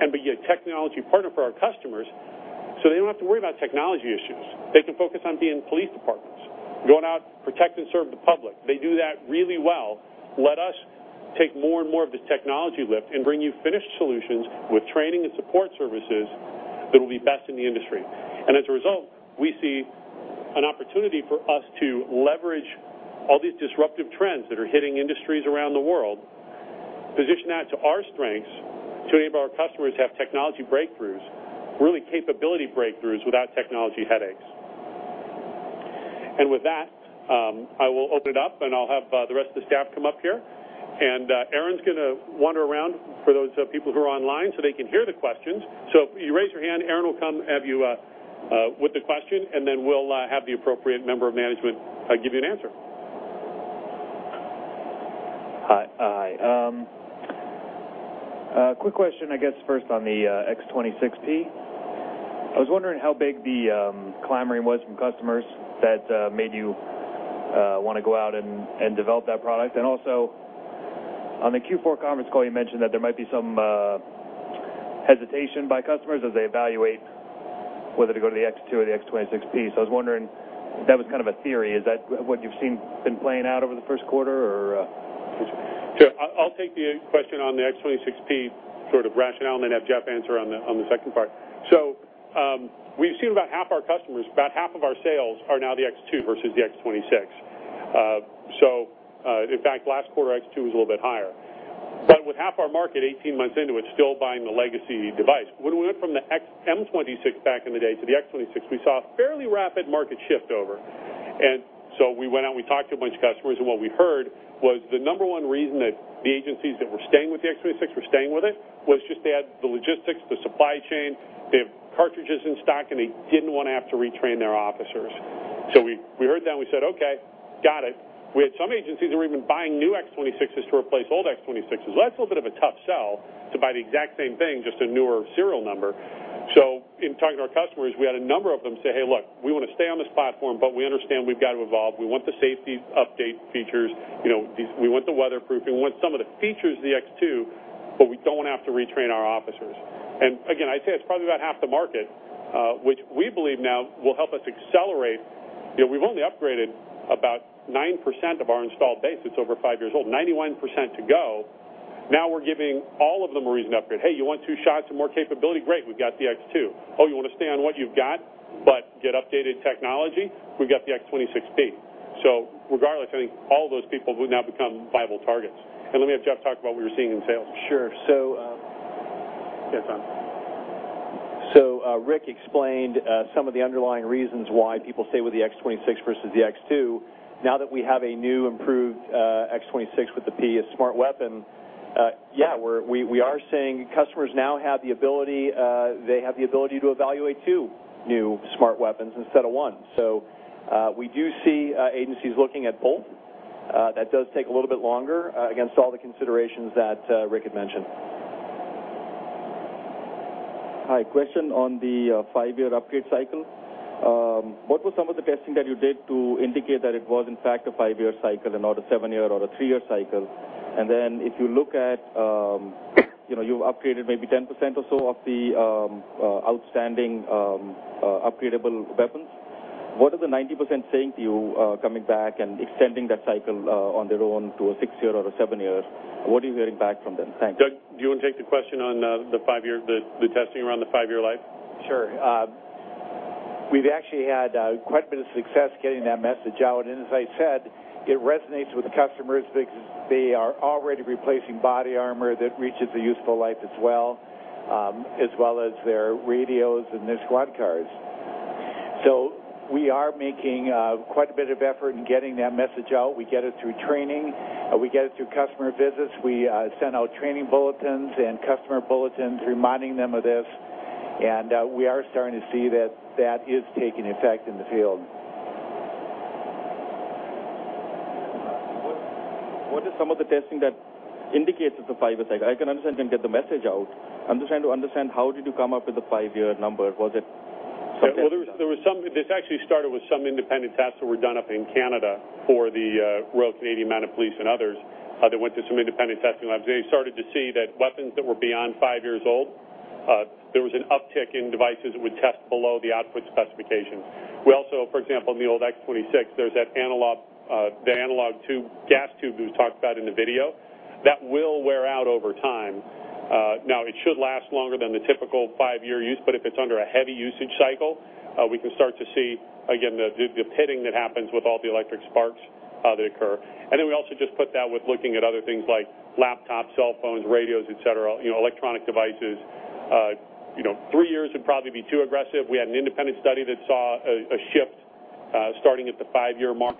and be a technology partner for our customers so they don't have to worry about technology issues. They can focus on being police departments, going out, protect and serve the public. They do that really well. Let us take more and more of this technology lift and bring you finished solutions with training and support services that will be best in the industry. And as a result, we see an opportunity for us to leverage all these disruptive trends that are hitting industries around the world, position that to our strengths to enable our customers to have technology breakthroughs, really capability breakthroughs without technology headaches. And with that, I will open it up, and I'll have the rest of the staff come up here. Aaron's going to wander around for those people who are online so they can hear the questions. If you raise your hand, Aaron will come have you with the question, and then we'll have the appropriate member of management give you an answer. Hi. Quick question, I guess, first on the X26P. I was wondering how big the clamoring was from customers that made you want to go out and develop that product. And also, on the Q4 conference call, you mentioned that there might be some hesitation by customers as they evaluate whether to go to the X2 or the X26P. So I was wondering if that was kind of a theory. Is that what you've seen been playing out over the first quarter, or? Sure. I'll take the question on the X26P sort of rationale and then have Jeff answer on the second part. So we've seen about half our customers, about half of our sales are now the X2 versus the X26. So in fact, last quarter, X2 was a little bit higher. But with half our market 18 months into it, still buying the legacy device. When we went from the M26 back in the day to the X26, we saw a fairly rapid market shift over. And so we went out and we talked to a bunch of customers, and what we heard was the number one reason that the agencies that were staying with the X26 were staying with it was just they had the logistics, the supply chain, they have cartridges in stock, and they didn't want to have to retrain their officers. So we heard that, and we said, "Okay, got it." We had some agencies that were even buying new X26s to replace old X26s. Well, that's a little bit of a tough sell to buy the exact same thing, just a newer serial number. So in talking to our customers, we had a number of them say, "Hey, look, we want to stay on this platform, but we understand we've got to evolve. We want the safety update features. We want the weatherproofing. We want some of the features of the X2, but we don't want to have to retrain our officers." And again, I'd say that's probably about half the market, which we believe now will help us accelerate. We've only upgraded about 9% of our installed base. It's over five years old. 91% to go. Now we're giving all of them a reason to upgrade. Hey, you want two shots and more capability? Great. We've got the X2. Oh, you want to stay on what you've got, but get updated technology? We've got the X26P." So regardless, I think all of those people would now become viable targets. And let me have Jeff talk about what we were seeing in sales. Sure. So Rick explained some of the underlying reasons why people stay with the TASER X26 versus the TASER X2. Now that we have a new improved TASER X26 with the P, a smart weapon, yeah, we are seeing customers now have the ability, they have the ability to evaluate two new smart weapons instead of one. So we do see agencies looking at both. That does take a little bit longer against all the considerations that Rick had mentioned. Hi. Question on the five-year upgrade cycle. What were some of the testing that you did to indicate that it was, in fact, a five-year cycle and not a seven-year or a three-year cycle? And then if you look at you've upgraded maybe 10% or so of the outstanding upgradable weapons, what are the 90% saying to you coming back and extending that cycle on their own to a six-year or a seven-year? What are you hearing back from them? Thanks. Doug, do you want to take the question on the testing around the five-year life? Sure. We've actually had quite a bit of success getting that message out. And as I said, it resonates with customers because they are already replacing body armor that reaches a useful life as well, as well as their radios and their squad cars. So we are making quite a bit of effort in getting that message out. We get it through training. We get it through customer visits. We send out training bulletins and customer bulletins reminding them of this. And we are starting to see that that is taking effect in the field. What are some of the testing that indicates it's a five-year cycle? I can understand you can get the message out. I'm just trying to understand how did you come up with the five-year number? Was it something? Yeah. There was some. This actually started with some independent tests that were done up in Canada for the Royal Canadian Mounted Police and others that went to some independent testing labs. They started to see that weapons that were beyond 5 years old, there was an uptick in devices that would test below the output specifications. We also, for example, in the old X26, there's that analog gas tube that was talked about in the video. That will wear out over time. Now, it should last longer than the typical five-year use, but if it's under a heavy usage cycle, we can start to see, again, the pitting that happens with all the electric sparks that occur. And then we also just put that with looking at other things like laptops, cell phones, radios, et cetera, electronic devices. Three years would probably be too aggressive. We had an independent study that saw a shift starting at the five-year mark.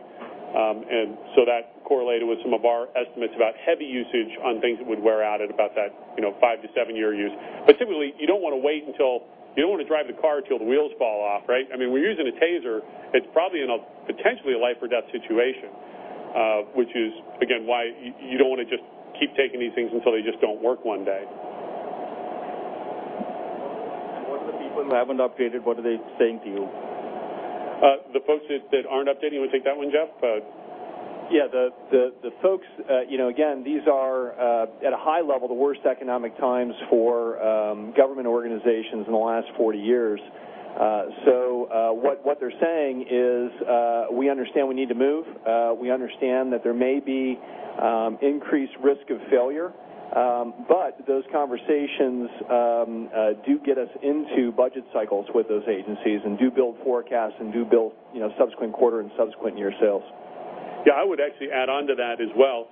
So that correlated with some of our estimates about heavy usage on things that would wear out at about that five- to seven-year use. But typically, you don't want to wait until-you don't want to drive the car until the wheels fall off, right? I mean, we're using a TASER. It's probably in a potentially a life-or-death situation, which is, again, why you don't want to just keep taking these things until they just don't work one day. What are the people who haven't upgraded? What are they saying to you? The folks that aren't updating, do you want to take that one, Jeff? Yeah. The folks, again, these are, at a high level, the worst economic times for government organizations in the last 40 years. So what they're saying is, "We understand we need to move. We understand that there may be increased risk of failure." But those conversations do get us into budget cycles with those agencies and do build forecasts and do build subsequent quarter and subsequent year sales. Yeah. I would actually add on to that as well.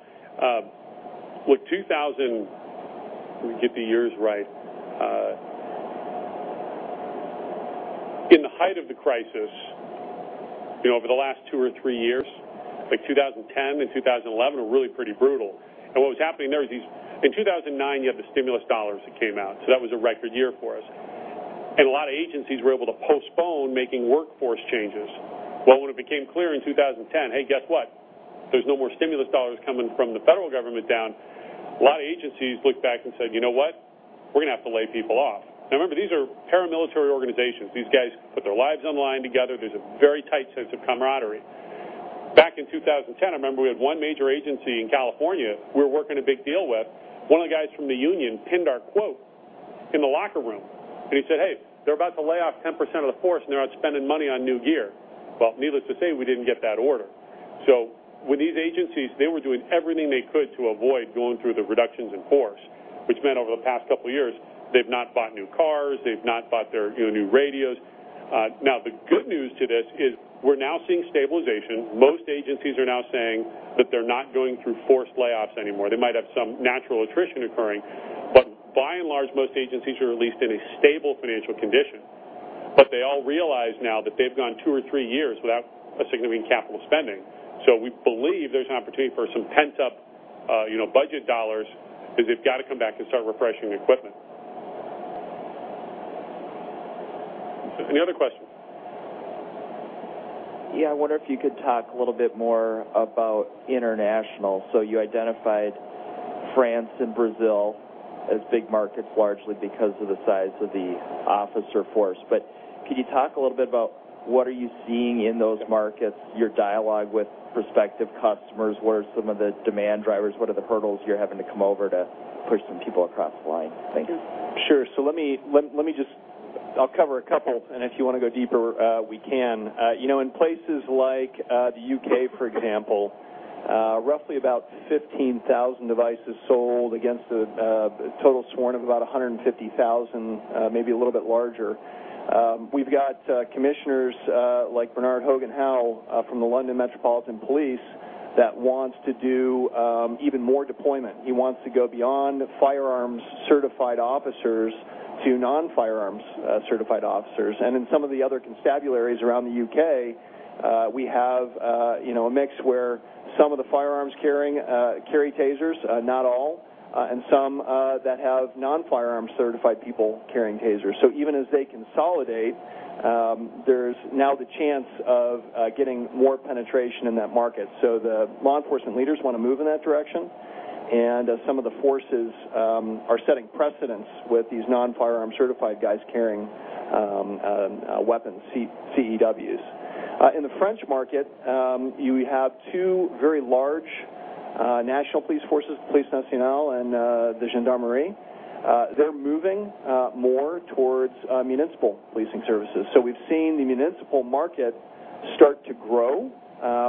Look, 2000, let me get the years right, in the height of the crisis over the last two or three years, like 2010 and 2011, were really pretty brutal. And what was happening there is these, in 2009, you had the stimulus dollars that came out. So that was a record year for us. And a lot of agencies were able to postpone making workforce changes. Well, when it became clear in 2010, "Hey, guess what? There's no more stimulus dollars coming from the federal government down," a lot of agencies looked back and said, "You know what? We're going to have to lay people off." Now, remember, these are paramilitary organizations. These guys put their lives on the line together. There's a very tight sense of camaraderie. Back in 2010, I remember we had one major agency in California we were working a big deal with. One of the guys from the union pinned our quote in the locker room. He said, "Hey, they're about to lay off 10% of the force, and they're out spending money on new gear." Well, needless to say, we didn't get that order. With these agencies, they were doing everything they could to avoid going through the reductions in force, which meant over the past couple of years, they've not bought new cars. They've not bought their new radios. Now, the good news to this is we're now seeing stabilization. Most agencies are now saying that they're not going through forced layoffs anymore. They might have some natural attrition occurring. By and large, most agencies are at least in a stable financial condition. But they all realize now that they've gone two or three years without a significant capital spending. We believe there's an opportunity for some pent-up budget dollars because they've got to come back and start refreshing equipment. Any other questions? Yeah. I wonder if you could talk a little bit more about international. You identified France and Brazil as big markets largely because of the size of the officer force. Can you talk a little bit about what are you seeing in those markets, your dialogue with prospective customers? What are some of the demand drivers? What are the hurdles you're having to overcome to push some people over the line? Thanks. Sure. So let me just—I'll cover a couple, and if you want to go deeper, we can. In places like the U.K., for example, roughly about 15,000 devices sold against a total sworn of about 150,000, maybe a little bit larger. We've got commissioners like Bernard Hogan-Howe from the London Metropolitan Police that wants to do even more deployment. He wants to go beyond firearms-certified officers to non-firearms-certified officers. And in some of the other constabularies around the U.K., we have a mix where some of the firearms carry TASER, not all, and some that have non-firearms-certified people carrying TASERs. So even as they consolidate, there's now the chance of getting more penetration in that market. So the law enforcement leaders want to move in that direction. And some of the forces are setting precedents with these non-firearms-certified guys carrying weapons, CEWs. In the French market, you have two very large national police forces, the Police Nationale and the Gendarmerie. They're moving more towards municipal policing services. So we've seen the municipal market start to grow,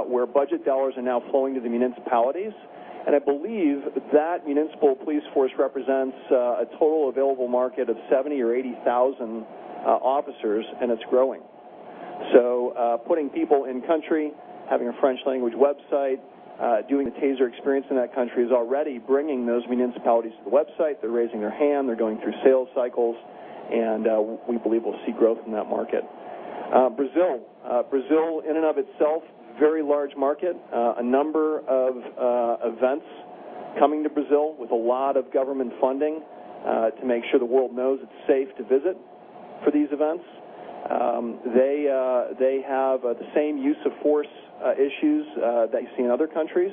where budget dollars are now flowing to the municipalities. And I believe that municipal police force represents a total available market of 70,000 or 80,000 officers, and it's growing. So putting people in country, having a French-language website, doing the TASER experience in that country is already bringing those municipalities to the website. They're raising their hand. They're going through sales cycles. And we believe we'll see growth in that market. Brazil. Brazil, in and of itself, very large market. A number of events coming to Brazil with a lot of government funding to make sure the world knows it's safe to visit for these events. They have the same use of force issues that you see in other countries.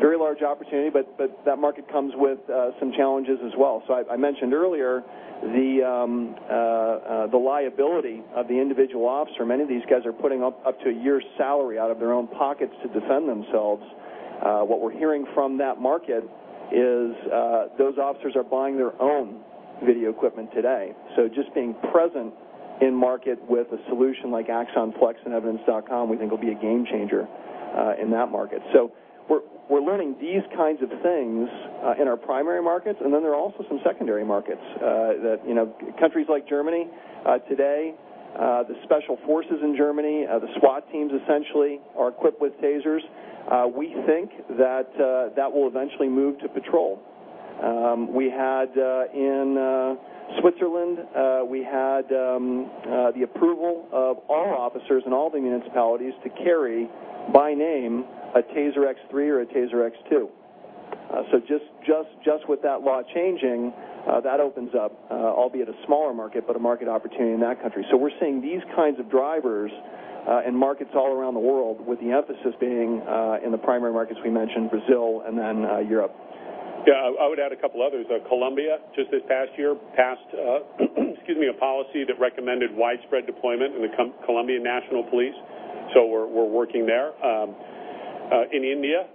Very large opportunity, but that market comes with some challenges as well. So I mentioned earlier the liability of the individual officer. Many of these guys are putting up to a year's salary out of their own pockets to defend themselves. What we're hearing from that market is those officers are buying their own video equipment today. So just being present in market with a solution like Axon Flex and Evidence.com, we think will be a game changer in that market. So we're learning these kinds of things in our primary markets, and then there are also some secondary markets that countries like Germany today, the special forces in Germany, the SWAT teams essentially are equipped with TASERs. We think that that will eventually move to patrol. We had in Switzerland, we had the approval of all officers in all the municipalities to carry by name a TASER X3 or a TASER X2. So just with that law changing, that opens up, albeit a smaller market, but a market opportunity in that country. So we're seeing these kinds of drivers in markets all around the world, with the emphasis being in the primary markets we mentioned, Brazil and then Europe. Yeah. I would add a couple others. Colombia, just this past year, passed a policy that recommended widespread deployment in the Colombian National Police. So we're working there. In India,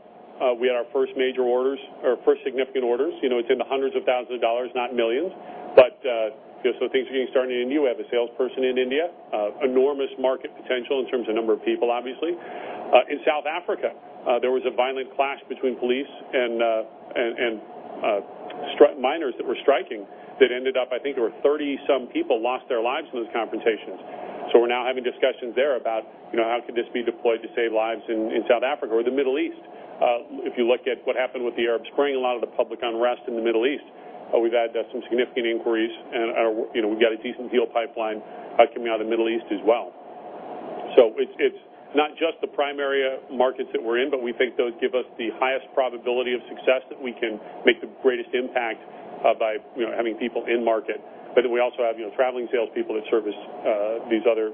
we had our first major orders or first significant orders. It's in the hundreds of thousands, not millions. But so things are getting started in India. We have a salesperson in India. Enormous market potential in terms of number of people, obviously. In South Africa, there was a violent clash between police and miners that were striking that ended up, I think there were 30-some people lost their lives in those confrontations. So we're now having discussions there about how could this be deployed to save lives in South Africa or the Middle East. If you look at what happened with the Arab Spring, a lot of the public unrest in the Middle East, we've had some significant inquiries. And we've got a decent deal pipeline coming out of the Middle East as well. So it's not just the primary markets that we're in, but we think those give us the highest probability of success that we can make the greatest impact by having people in market. But then we also have traveling salespeople that service these other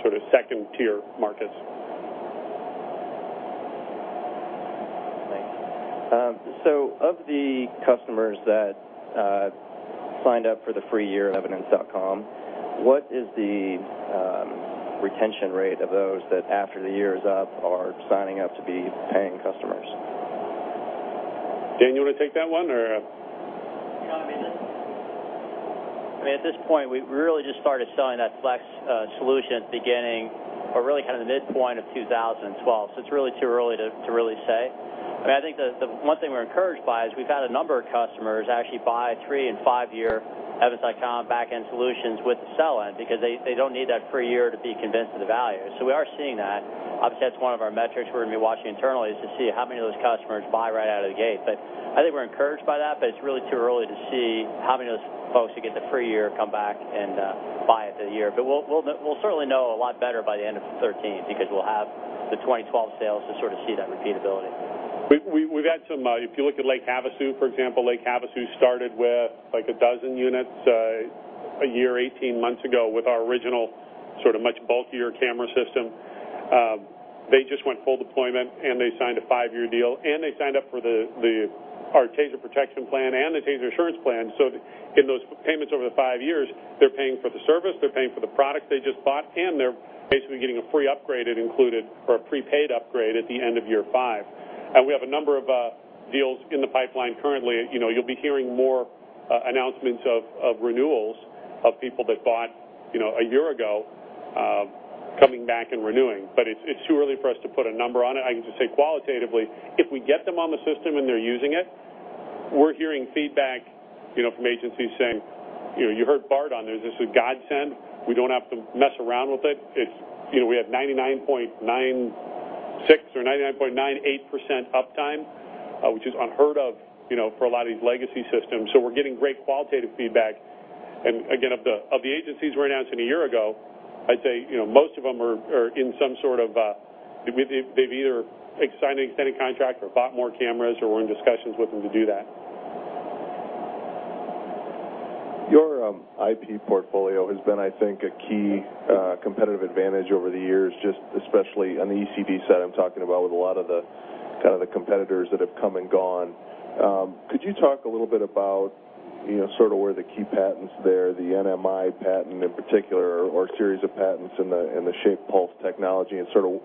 sort of second-tier markets. Thanks. Of the customers that signed up for the free year, Evidence.com, what is the retention rate of those that after the year is up are signing up to be paying customers? Dan, you want to take that one or? I mean, at this point, we really just started selling that Flex solution at the beginning or really kind of the midpoint of 2012. So it's really too early to really say. I mean, I think the one thing we're encouraged by is we've had a number of customers actually buy three- and five-year Evidence.com back-end solutions with the sell-in because they don't need that free year to be convinced of the value. So we are seeing that. Obviously, that's one of our metrics we're going to be watching internally is to see how many of those customers buy right out of the gate. But I think we're encouraged by that, but it's really too early to see how many of those folks who get the free year come back and buy it for the year. We'll certainly know a lot better by the end of 2013 because we'll have the 2012 sales to sort of see that repeatability. We've had some, if you look at Lake Havasu, for example. Lake Havasu started with like a dozen units a year, 18 months ago with our original sort of much bulkier camera system. They just went full deployment, and they signed a five-year deal. And they signed up for our TASER Protection Plan and the TASER Assurance Plan. So in those payments over the five years, they're paying for the service. They're paying for the products they just bought. And they're basically getting a free upgrade included or a prepaid upgrade at the end of year five. And we have a number of deals in the pipeline currently. You'll be hearing more announcements of renewals of people that bought a year ago coming back and renewing. But it's too early for us to put a number on it. I can just say qualitatively, if we get them on the system and they're using it, we're hearing feedback from agencies saying, "You heard Baird on there. This is Godsend. We don't have to mess around with it." We have 99.96% or 99.98% uptime, which is unheard of for a lot of these legacy systems. So we're getting great qualitative feedback. And again, of the agencies we're announcing a year ago, I'd say most of them are in some sort of—they've either signed an extended contract or bought more cameras or we're in discussions with them to do that. Your IP portfolio has been, I think, a key competitive advantage over the years, just especially on the ECD set I'm talking about with a lot of the kind of the competitors that have come and gone. Could you talk a little bit about sort of where the key patents there, the NMI patent in particular, or series of patents in the Shaped Pulse technology and sort of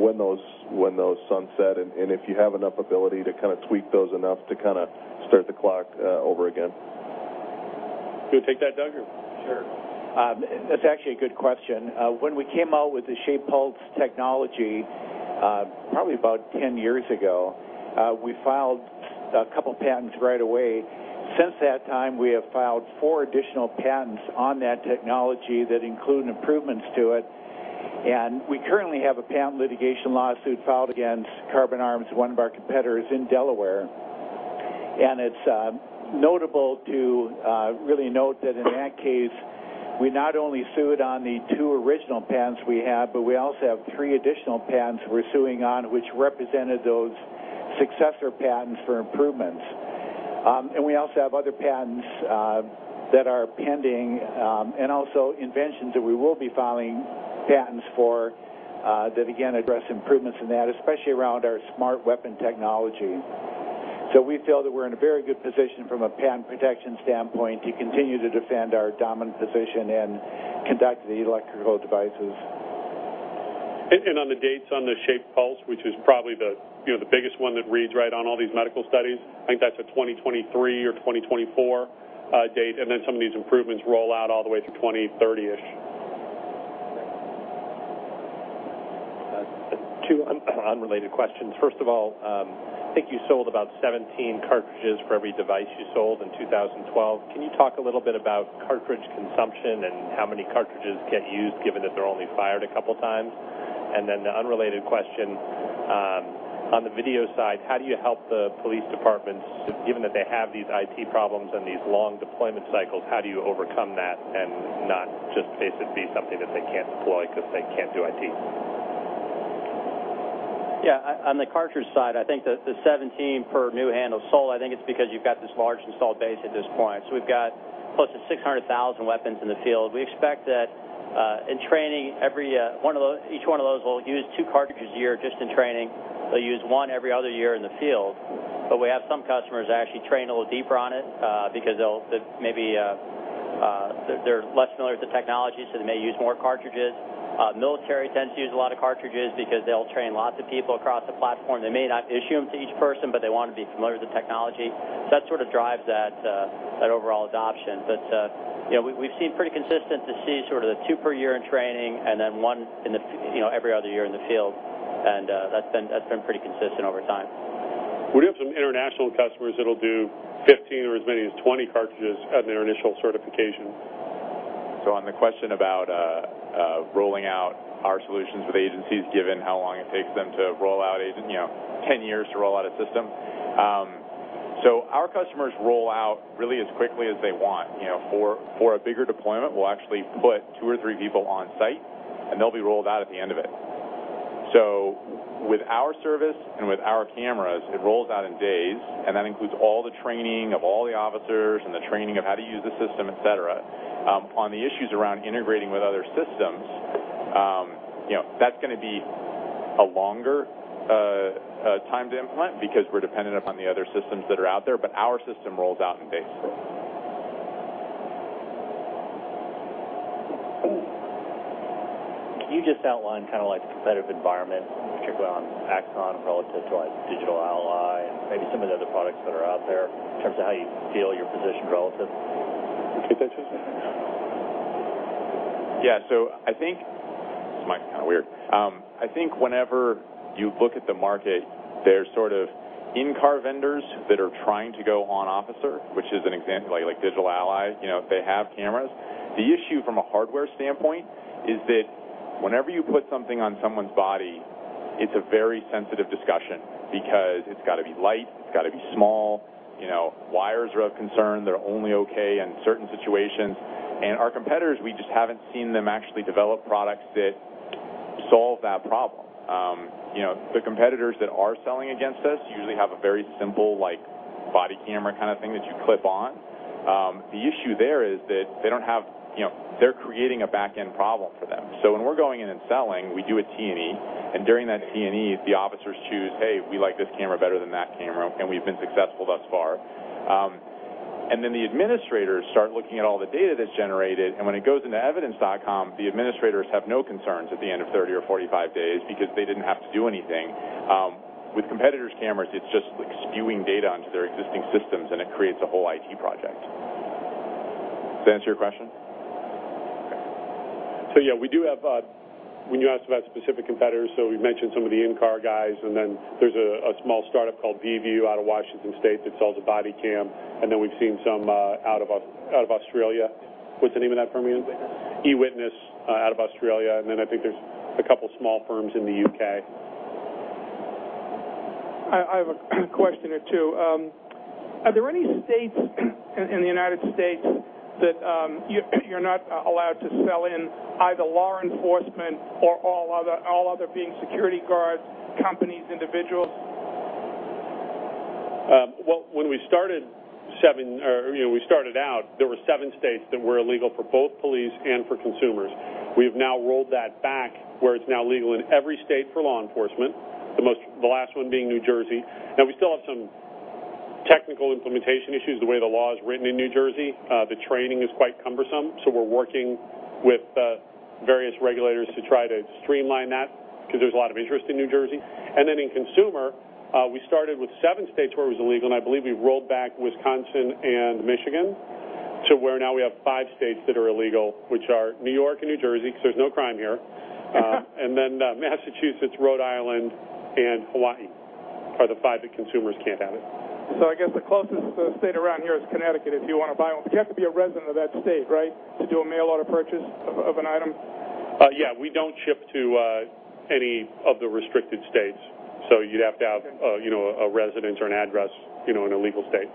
when those sunset and if you have enough ability to kind of tweak those enough to kind of start the clock over again? Go take that, Doug. Sure. That's actually a good question. When we came out with the Shaped Pulse technology, probably about 10 years ago, we filed a couple of patents right away. Since that time, we have filed four additional patents on that technology that include improvements to it. And we currently have a patent litigation lawsuit filed against Karbon Arms, one of our competitors in Delaware. And it's notable to really note that in that case, we not only sued on the two original patents we have, but we also have three additional patents we're suing on, which represented those successor patents for improvements. And we also have other patents that are pending and also inventions that we will be filing patents for that, again, address improvements in that, especially around our smart weapon technology. We feel that we're in a very good position from a patent protection standpoint to continue to defend our dominant position and conducted electrical devices. On the dates on the Shaped Pulse, which is probably the biggest one that reads right on all these medical studies, I think that's a 2023 or 2024 date. Then some of these improvements roll out all the way through 2030-ish. Two unrelated questions. First of all, I think you sold about 17 cartridges for every device you sold in 2012. Can you talk a little bit about cartridge consumption and how many cartridges get used given that they're only fired a couple of times? And then the unrelated question, on the video side, how do you help the police departments, given that they have these IP problems and these long deployment cycles? How do you overcome that and not just basically be something that they can't deploy because they can't do IP? Yeah. On the cartridge side, I think the 17 per new handle sold. I think it's because you've got this large installed base at this point. So we've got close to 600,000 weapons in the field. We expect that in training, each one of those will use two cartridges a year just in training. They'll use one every other year in the field. But we have some customers actually train a little deeper on it because maybe they're less familiar with the technology, so they may use more cartridges. Military tends to use a lot of cartridges because they'll train lots of people across the platform. They may not issue them to each person, but they want to be familiar with the technology. So that sort of drives that overall adoption. We've seen pretty consistent to see sort of the two per year in training and then one every other year in the field. That's been pretty consistent over time. We have some international customers that'll do 15 or as many as 20 cartridges at their initial certification. So on the question about rolling out our solutions with agencies, given how long it takes them to roll out, 10 years to roll out a system. So our customers roll out really as quickly as they want. For a bigger deployment, we'll actually put two or three people on site, and they'll be rolled out at the end of it. So with our service and with our cameras, it rolls out in days. And that includes all the training of all the officers and the training of how to use the system, et cetera. On the issues around integrating with other systems, that's going to be a longer time to implement because we're dependent upon the other systems that are out there. But our system rolls out in days. Can you just outline kind of the competitive environment, particularly on Axon relative to Digital Ally and maybe some of the other products that are out there in terms of how you feel your position relative? Yeah. So I think this might be kind of weird. I think whenever you look at the market, there's sort of in-car vendors that are trying to go on officer, which is an example like Digital Ally, if they have cameras. The issue from a hardware standpoint is that whenever you put something on someone's body, it's a very sensitive discussion because it's got to be light. It's got to be small. Wires are of concern. They're only okay in certain situations. And our competitors, we just haven't seen them actually develop products that solve that problem. The competitors that are selling against us usually have a very simple body camera kind of thing that you clip on. The issue there is that they don't have. They're creating a back-end problem for them. So when we're going in and selling, we do a T&E. And during that T&E, the officers choose, "Hey, we like this camera better than that camera. And we've been successful thus far." And then the administrators start looking at all the data that's generated. And when it goes into Evidence.com, the administrators have no concerns at the end of 30 or 45 days because they didn't have to do anything. With competitors' cameras, it's just spewing data onto their existing systems, and it creates a whole IT project. Does that answer your question? Okay. So yeah, we do have when you asked about specific competitors, so we've mentioned some of the in-car guys. And then there's a small startup called Vievu out of Washington State that sells a body cam. And then we've seen some out of Australia. What's the name of that firm again? E-Witness out of Australia. And then I think there's a couple of small firms in the U.K. I have a question or two. Are there any states in the United States that you're not allowed to sell in either law enforcement or all other being security guards, companies, individuals? Well, when we started out, there were seven states that were illegal for both police and for consumers. We have now rolled that back where it's now legal in every state for law enforcement, the last one being New Jersey. Now, we still have some technical implementation issues the way the law is written in New Jersey. The training is quite cumbersome. So we're working with various regulators to try to streamline that because there's a lot of interest in New Jersey. And then in consumer, we started with seven states where it was illegal. And I believe we've rolled back Wisconsin and Michigan to where now we have five states that are illegal, which are New York and New Jersey because there's no crime here. And then Massachusetts, Rhode Island, and Hawaii are the five that consumers can't have it. So I guess the closest state around here is Connecticut if you want to buy one. But you have to be a resident of that state, right, to do a mail order purchase of an item? Yeah. We don't ship to any of the restricted states. You'd have to have a residence or an address in a legal state.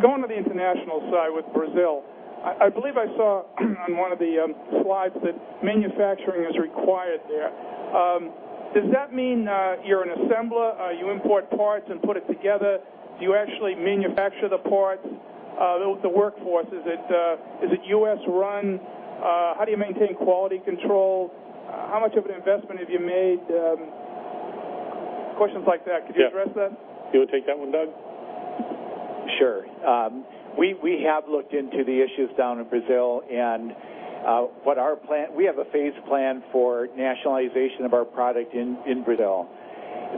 Going to the international side with Brazil, I believe I saw on one of the slides that manufacturing is required there. Does that mean you're an assembler? You import parts and put it together. Do you actually manufacture the parts? The workforce, is it U.S.-run? How do you maintain quality control? How much of an investment have you made? Questions like that. Could you address that? Yeah. Do you want to take that one, Doug? Sure. We have looked into the issues down in Brazil. And what our plan we have a phased plan for nationalization of our product in Brazil.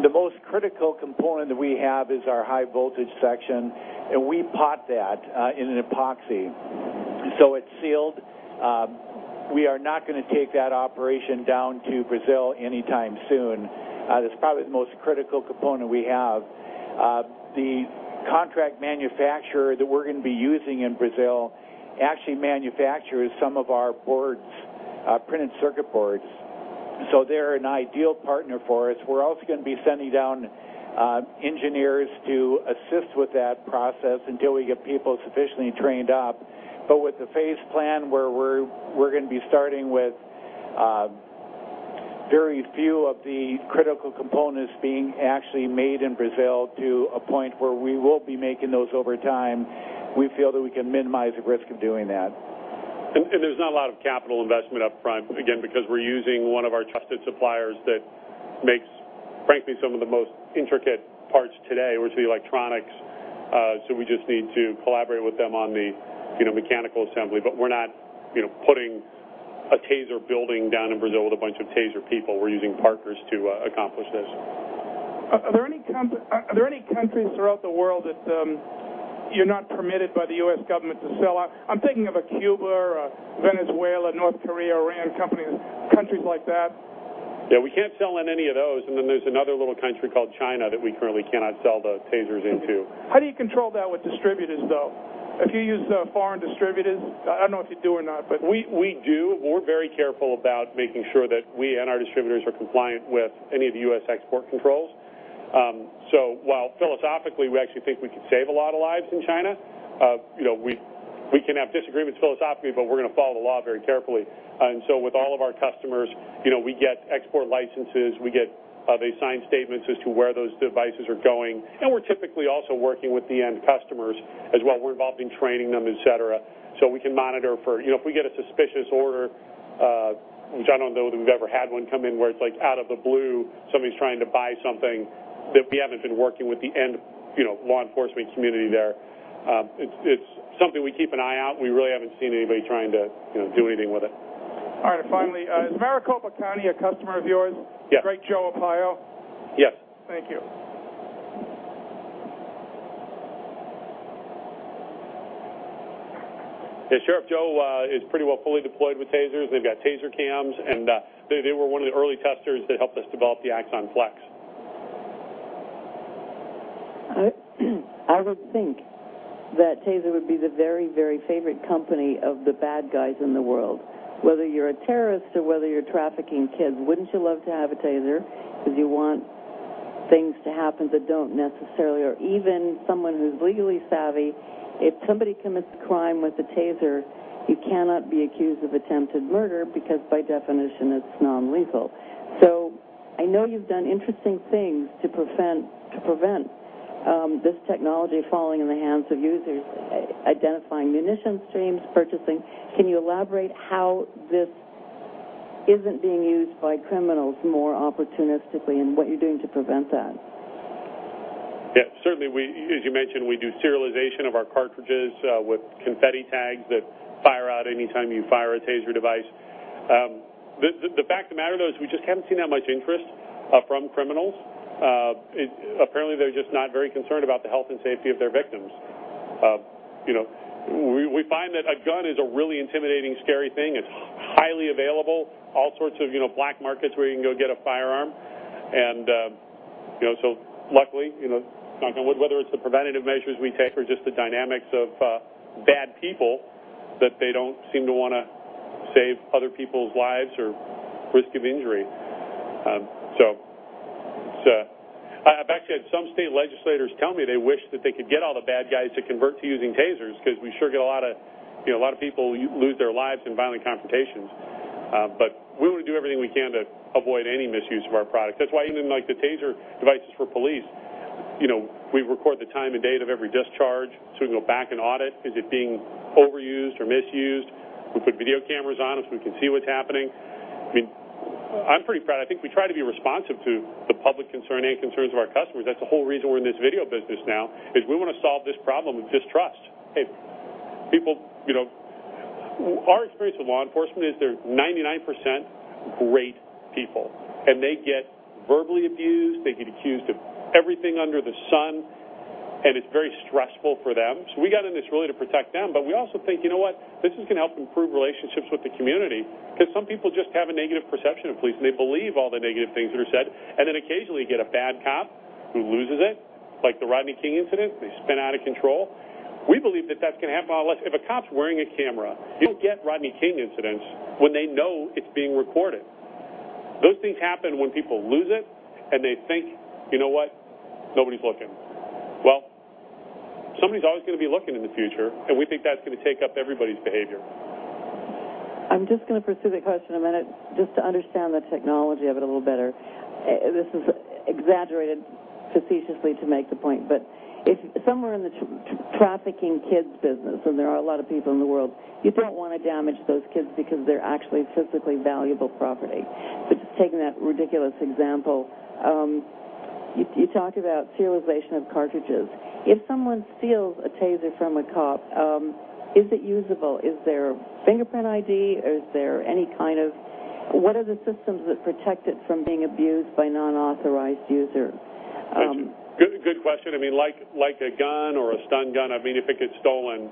The most critical component that we have is our high-voltage section. And we pot that in an epoxy. So it's sealed. We are not going to take that operation down to Brazil anytime soon. That's probably the most critical component we have. The contract manufacturer that we're going to be using in Brazil actually manufactures some of our boards, printed circuit boards. So they're an ideal partner for us. We're also going to be sending down engineers to assist with that process until we get people sufficiently trained up. With the phased plan where we're going to be starting with very few of the critical components being actually made in Brazil to a point where we will be making those over time, we feel that we can minimize the risk of doing that. There's not a lot of capital investment upfront, again, because we're using one of our trusted suppliers that makes, frankly, some of the most intricate parts today, which are the electronics. We just need to collaborate with them on the mechanical assembly. We're not putting a TASER building down in Brazil with a bunch of TASER people. We're using Parkers to accomplish this. Are there any countries throughout the world that you're not permitted by the U.S. government to sell out? I'm thinking of a Cuba or Venezuela, North Korea, Iran, companies, countries like that. Yeah. We can't sell in any of those. And then there's another little country called China that we currently cannot sell the TAS`ERs into. How do you control that with distributors, though? If you use foreign distributors, I don't know if you do or not, but. We do. We're very careful about making sure that we and our distributors are compliant with any of the U.S. export controls. So while philosophically, we actually think we could save a lot of lives in China, we can have disagreements philosophically, but we're going to follow the law very carefully. And so with all of our customers, we get export licenses. We get they sign statements as to where those devices are going. And we're typically also working with the end customers as well. We're involved in training them, etc. So we can monitor for if we get a suspicious order, which I don't know that we've ever had one come in where it's out of the blue, somebody's trying to buy something that we haven't been working with the end law enforcement community there. It's something we keep an eye on. We really haven't seen anybody trying to do anything with it. All right. Finally, is Maricopa County a customer of yours? Yes. Great Joe Arpaio? Yes. Thank you. Yeah. Sheriff Joe is pretty well fully deployed with TASERs. They've got TASER CAMs. They were one of the early testers that helped us develop the Axon Flex. I would think that TASER would be the very, very favorite company of the bad guys in the world. Whether you're a terrorist or whether you're trafficking kids, wouldn't you love to have a TASER? Because you want things to happen that don't necessarily or even someone who's legally savvy, if somebody commits a crime with a TASER, you cannot be accused of attempted murder because by definition, it's non-lethal. So I know you've done interesting things to prevent this technology falling in the hands of users, identifying munition streams, purchasing. Can you elaborate how this isn't being used by criminals more opportunistically and what you're doing to prevent that? Yeah. Certainly, as you mentioned, we do serialization of our cartridges with confetti tags that fire out anytime you fire a TASER device. The fact of the matter though is we just haven't seen that much interest from criminals. Apparently, they're just not very concerned about the health and safety of their victims. We find that a gun is a really intimidating, scary thing. It's highly available, all sorts of black markets where you can go get a firearm. And so luckily, knock on wood, whether it's the preventative measures we take or just the dynamics of bad people, that they don't seem to want to save other people's lives or risk of injury. So I've actually had some state legislators tell me they wish that they could get all the bad guys to convert to using TASERs because we sure get a lot of people lose their lives in violent confrontations. But we want to do everything we can to avoid any misuse of our product. That's why even the TASER devices for police, we record the time and date of every discharge so we can go back and audit is it being overused or misused. We put video cameras on it so we can see what's happening. I mean, I'm pretty proud. I think we try to be responsive to the public concern and concerns of our customers. That's the whole reason we're in this video business now is we want to solve this problem of distrust. Hey, people, our experience with law enforcement is they're 99% great people. They get verbally abused. They get accused of everything under the sun. And it's very stressful for them. So we got in this really to protect them. But we also think, you know what? This is going to help improve relationships with the community because some people just have a negative perception of police. And they believe all the negative things that are said. And then occasionally, you get a bad cop who loses it, like the Rodney King incident. They spin out of control. We believe that that's going to happen a lot less. If a cop's wearing a camera, you don't get Rodney King incidents when they know it's being recorded. Those things happen when people lose it. And they think, you know what? Nobody's looking. Well, somebody's always going to be looking in the future. And we think that's going to take up everybody's behavior. I'm just going to pursue the question a minute just to understand the technology of it a little better. This is exaggerated facetiously to make the point. But if somewhere in the trafficking kids business, and there are a lot of people in the world, you don't want to damage those kids because they're actually physically valuable property. But just taking that ridiculous example, you talk about serialization of cartridges. If someone steals a TASER from a cop, is it usable? Is there fingerprint ID? Is there any kind of—what are the systems that protect it from being abused by unauthorized users? Good question. I mean, like a gun or a stun gun, I mean, if it gets stolen,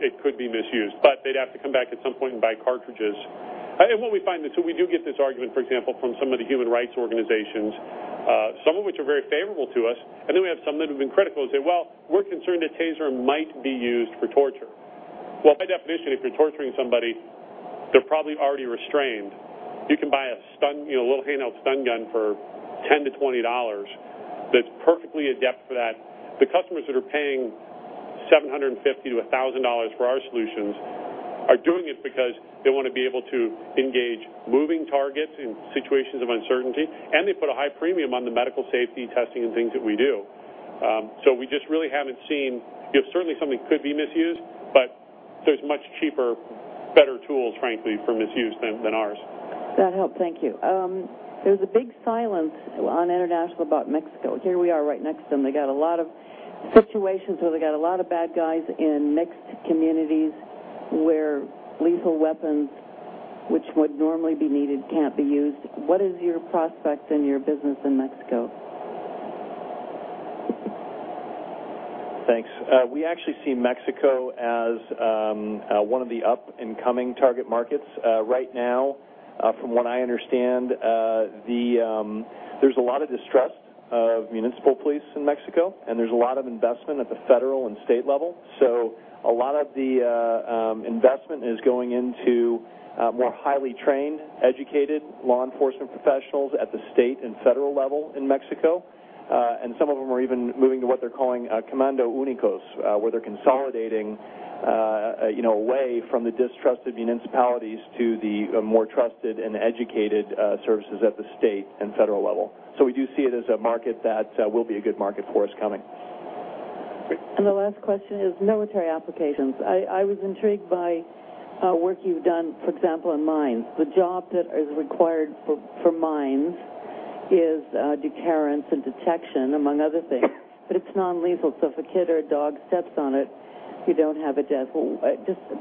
it could be misused. But they'd have to come back at some point and buy cartridges. And what we find is so we do get this argument, for example, from some of the human rights organizations, some of which are very favorable to us. And then we have some that have been critical and say, "Well, we're concerned that TASER might be used for torture." Well, by definition, if you're torturing somebody, they're probably already restrained. You can buy a little handheld stun gun for $10-$20 that's perfectly adept for that. The customers that are paying $750-$1,000 for our solutions are doing it because they want to be able to engage moving targets in situations of uncertainty. They put a high premium on the medical safety testing and things that we do. So we just really haven't seen certainly, something could be misused. But there's much cheaper, better tools, frankly, for misuse than ours. That helps. Thank you. There's a big silence on International about Mexico. Here we are right next to them. They got a lot of situations where they got a lot of bad guys in mixed communities where lethal weapons, which would normally be needed, can't be used. What is your prospects in your business in Mexico? Thanks. We actually see Mexico as one of the up-and-coming target markets. Right now, from what I understand, there's a lot of distrust of municipal police in Mexico. There's a lot of investment at the federal and state level. A lot of the investment is going into more highly trained, educated law enforcement professionals at the state and federal level in Mexico. Some of them are even moving to what they're calling Comando Únicos, where they're consolidating away from the distrusted municipalities to the more trusted and educated services at the state and federal level. We do see it as a market that will be a good market for us coming. The last question is military applications. I was intrigued by work you've done, for example, in mines. The job that is required for mines is deterrence and detection, among other things. It's non-lethal. If a kid or a dog steps on it, you don't have a death.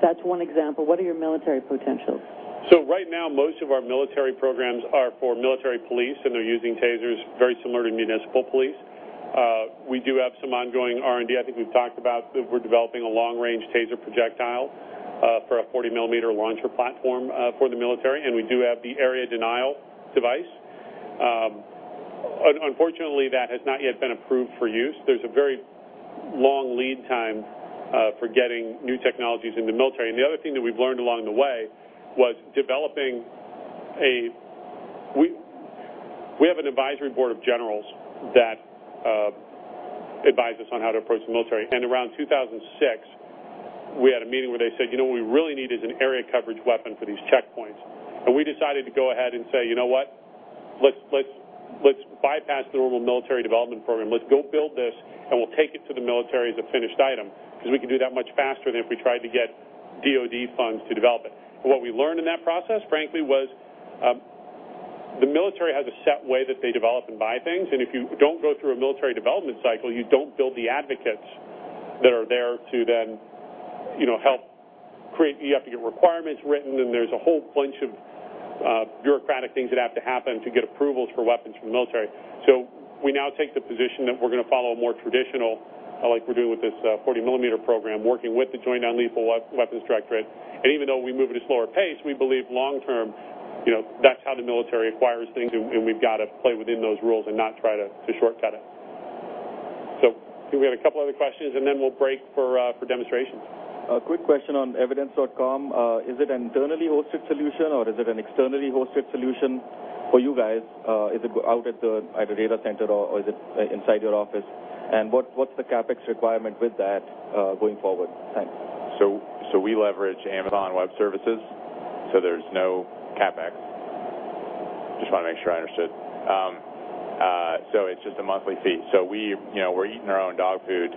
That's one example. What are your military potentials? So right now, most of our military programs are for military police. And they're using TASERs very similar to municipal police. We do have some ongoing R and D. I think we've talked about that we're developing a long-range TASER projectile for a 40 mm launcher platform for the military. And we do have the area denial device. Unfortunately, that has not yet been approved for use. There's a very long lead time for getting new technologies in the military. And the other thing that we've learned along the way we have an advisory board of generals that advises us on how to approach the military. And around 2006, we had a meeting where they said, "You know what we really need is an area coverage weapon for these checkpoints." And we decided to go ahead and say, "You know what? Let's bypass the normal military development program. Let's go build this. And we'll take it to the military as a finished item because we can do that much faster than if we tried to get DOD funds to develop it. What we learned in that process, frankly, was the military has a set way that they develop and buy things. And if you don't go through a military development cycle, you don't build the advocates that are there to then help create you have to get requirements written. And there's a whole bunch of bureaucratic things that have to happen to get approvals for weapons from the military. So we now take the position that we're going to follow a more traditional, like we're doing with this 40mm program, working with the Joint Non-Lethal Weapons Directorate. And even though we move at a slower pace, we believe long-term, that's how the military acquires things. We've got to play within those rules and not try to shortcut it. I think we had a couple of other questions. Then we'll break for demonstrations. A quick question on Evidence.com. Is it an internally hosted solution? Or is it an externally hosted solution for you guys? Is it out at the data center? Or is it inside your office? And what's the CapEx requirement with that going forward? Thanks. So we leverage Amazon Web Services. So there's no CapEx. Just want to make sure I understood. So it's just a monthly fee. So we're eating our own dog food.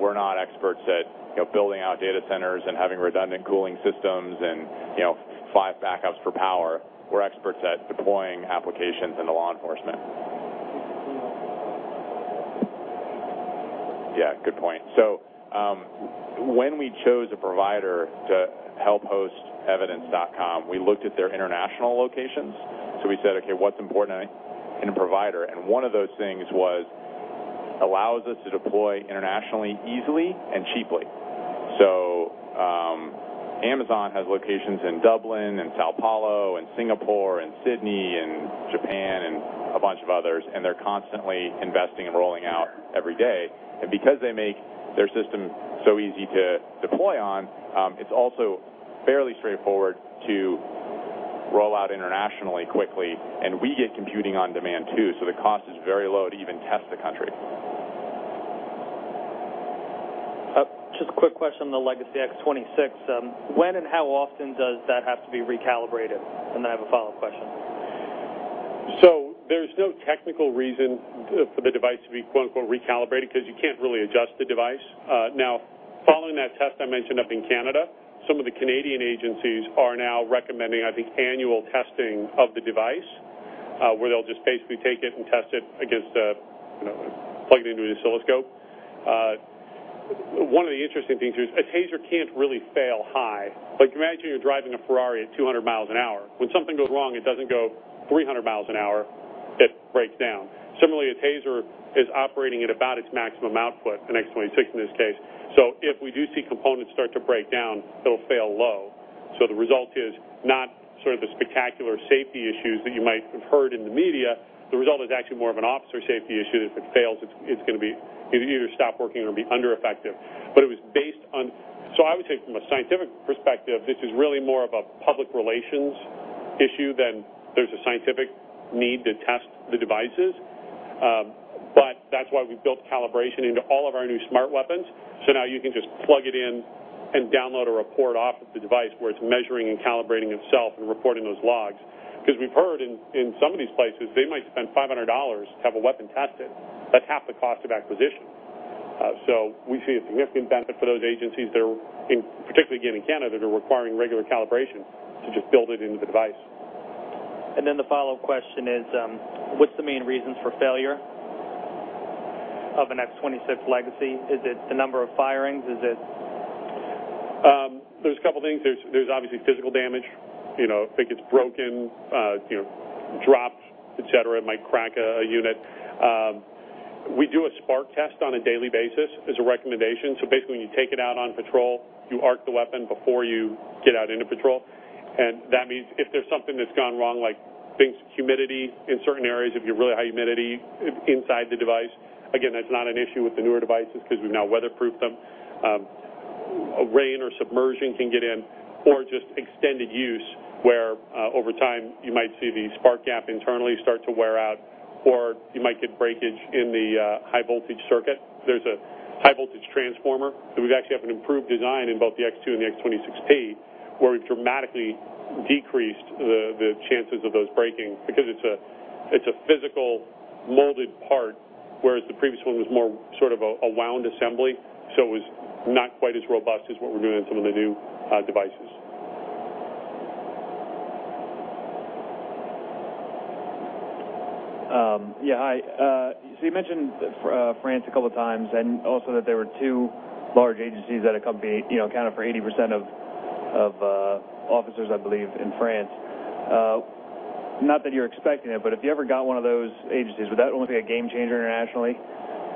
We're not experts at building out data centers and having redundant cooling systems and five backups for power. We're experts at deploying applications into law enforcement. Yeah. Good point. So when we chose a provider to help host Evidence.com, we looked at their international locations. So we said, "Okay. What's important in a provider?" And one of those things was allows us to deploy internationally easily and cheaply. So Amazon has locations in Dublin and São Paulo and Singapore and Sydney and Japan and a bunch of others. And they're constantly investing and rolling out every day. And because they make their system so easy to deploy on, it's also fairly straightforward to roll out internationally quickly. We get computing on demand too. The cost is very low to even test the country. Just a quick question on the legacy X26. When and how often does that have to be recalibrated? And then I have a follow-up question. There's no technical reason for the device to be "recalibrated" because you can't really adjust the device. Now, following that test I mentioned up in Canada, some of the Canadian agencies are now recommending, I think, annual testing of the device where they'll just basically take it and test it, plug it into an oscilloscope. One of the interesting things is a TASER can't really fail high. Imagine you're driving a Ferrari at 200 mi an hour. When something goes wrong, it doesn't go 300 mi an hour. It breaks down. Similarly, a TASER is operating at about its maximum output, an X26 in this case. So if we do see components start to break down, it'll fail low. So the result is not sort of the spectacular safety issues that you might have heard in the media. The result is actually more of an officer safety issue. If it fails, it's going to either stop working or be under-effective. But it was based on so I would say from a scientific perspective, this is really more of a public relations issue than there's a scientific need to test the devices. But that's why we've built calibration into all of our new smart weapons. So now you can just plug it in and download a report off of the device where it's measuring and calibrating itself and reporting those logs. Because we've heard in some of these places, they might spend $500 to have a weapon tested. That's half the cost of acquisition. So we see a significant benefit for those agencies that are, particularly again in Canada, that are requiring regular calibration to just build it into the device. And then the follow-up question is, what's the main reasons for failure of an X26 Legacy? Is it the number of firings? Is it? There's a couple of things. There's obviously physical damage. If it gets broken, dropped, etc., it might crack a unit. We do a spark test on a daily basis as a recommendation. So basically, when you take it out on patrol, you arc the weapon before you get out into patrol. And that means if there's something that's gone wrong, like humidity in certain areas, if you have really high humidity inside the device. Again, that's not an issue with the newer devices because we've now weatherproofed them. Rain or submersion can get in. Or just extended use where over time, you might see the spark gap internally start to wear out. Or you might get breakage in the high-voltage circuit. There's a high-voltage transformer. We actually have an improved design in both the X2 and the X26P where we've dramatically decreased the chances of those breaking because it's a physical molded part. Whereas the previous one was more sort of a wound assembly. So it was not quite as robust as what we're doing in some of the new devices. Yeah. So you mentioned France a couple of times and also that there were two large agencies that accounted for 80% of officers, I believe, in France. Not that you're expecting it. But if you ever got one of those agencies, would that almost be a game changer internationally?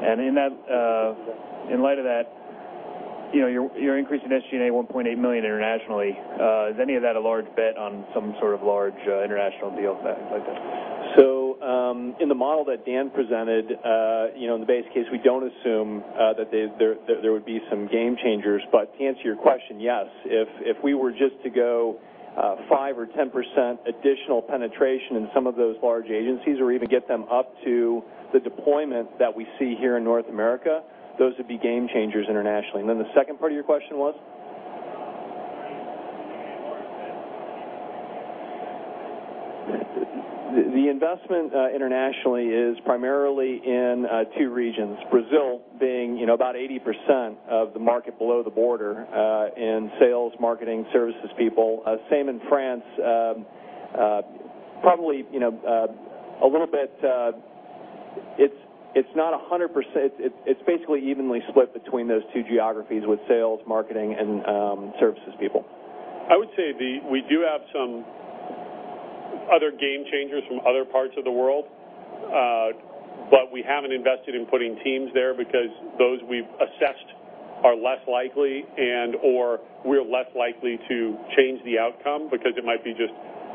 And in light of that, you're increasing SG&A $1.8 million internationally. Is any of that a large bet on some sort of large international deal like that? So in the model that Dan presented, in the base case, we don't assume that there would be some game changers. But to answer your question, yes. If we were just to go 5% or 10% additional penetration in some of those large agencies or even get them up to the deployment that we see here in North America, those would be game changers internationally. And then the second part of your question was? The investment internationally is primarily in two regions. Brazil being about 80% of the market below the border in sales, marketing, services people. Same in France. Probably a little bit it's not 100%. It's basically evenly split between those two geographies with sales, marketing, and services people. I would say we do have some other game changers from other parts of the world. But we haven't invested in putting teams there because those we've assessed are less likely and/or we're less likely to change the outcome because it might be just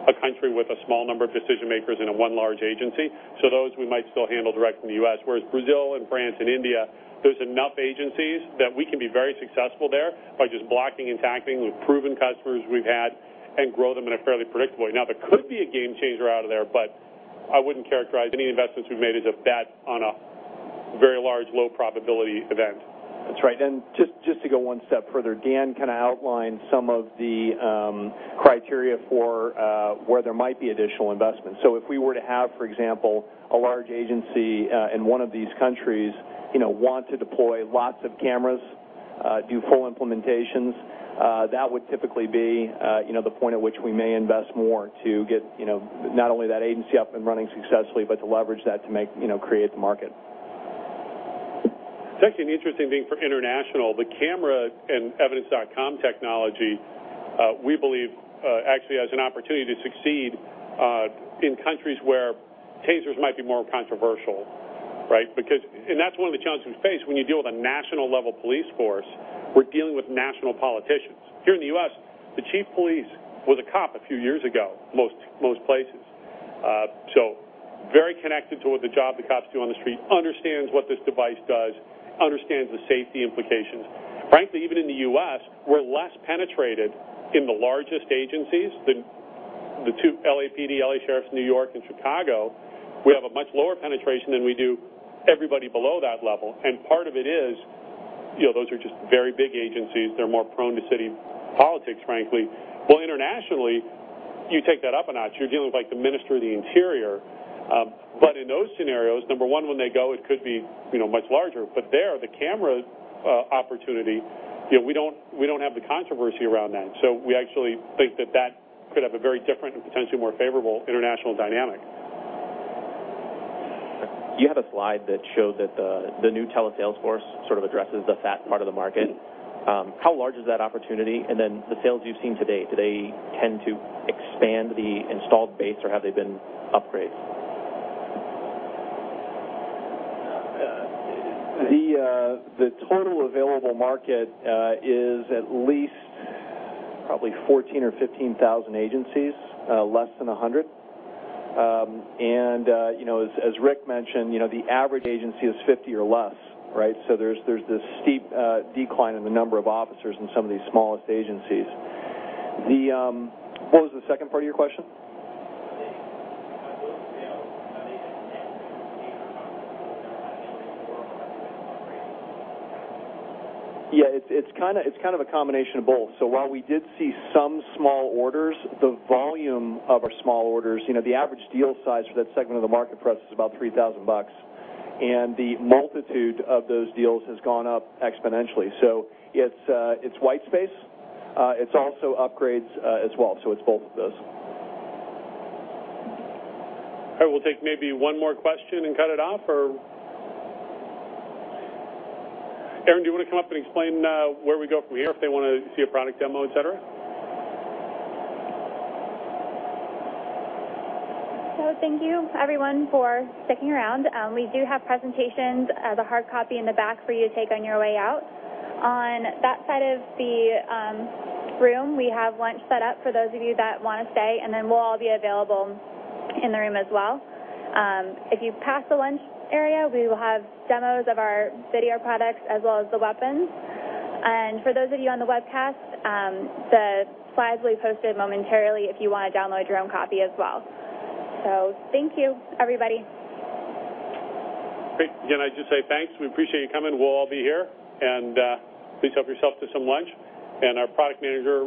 a country with a small number of decision-makers and one large agency. So those we might still handle direct from the U.S. Whereas Brazil and France and India, there's enough agencies that we can be very successful there by just blocking and tackling with proven customers we've had and grow them in a fairly predictable way. Now, there could be a game changer out of there. But I wouldn't characterize any investments we've made as a bet on a very large low-probability event. That's right. Just to go one step further, Dan kind of outlined some of the criteria for where there might be additional investment. If we were to have, for example, a large agency in one of these countries want to deploy lots of cameras, do full implementations, that would typically be the point at which we may invest more to get not only that agency up and running successfully but to leverage that to create the market. It's actually an interesting thing for international. The camera and Evidence.com technology, we believe, actually has an opportunity to succeed in countries where TASERs might be more controversial. Right? And that's one of the challenges we face when you deal with a national-level police force. We're dealing with national politicians. Here in the U.S., the chief police was a cop a few years ago in most places. So very connected to what the job the cops do on the street. Understands what this device does. Understands the safety implications. Frankly, even in the U.S., we're less penetrated in the largest agencies, the two LAPD, L.A. Sheriffs New York and Chicago. We have a much lower penetration than we do everybody below that level. And part of it is those are just very big agencies. They're more prone to city politics, frankly. Well, internationally, you take that up a notch. You're dealing with the Minister of the Interior. But in those scenarios, number one, when they go, it could be much larger. But there, the camera opportunity, we don't have the controversy around that. So we actually think that that could have a very different and potentially more favorable international dynamic. You had a slide that showed that the new Telesalesforce sort of addresses the fat part of the market. How large is that opportunity? And then the sales you've seen to date, do they tend to expand the installed base or have they been upgraded? The total available market is at least probably 14,000 or 15,000 agencies, less than 100. And as Rick mentioned, the average agency is 50 or less. Right? So there's this steep decline in the number of officers in some of these smallest agencies. What was the second part of your question? Yeah. It's kind of a combination of both. So while we did see some small orders, the volume of our small orders, the average deal size for that segment of the market for us is about $3,000. And the multitude of those deals has gone up exponentially. So it's white space. It's also upgrades as well. So it's both of those. All right. We'll take maybe one more question and cut it off. Or Erin, do you want to come up and explain where we go from here if they want to see a product demo, etc.? Thank you, everyone, for sticking around. We do have presentations, the hard copy in the back for you to take on your way out. On that side of the room, we have lunch set up for those of you that want to stay. Then we'll all be available in the room as well. If you pass the lunch area, we will have demos of our video products as well as the weapons. For those of you on the webcast, the slides will be posted momentarily if you want to download your own copy as well. Thank you, everybody. Great. Again, I'd just say thanks. We appreciate you coming. We'll all be here. Please help yourself to some lunch. Our product manager.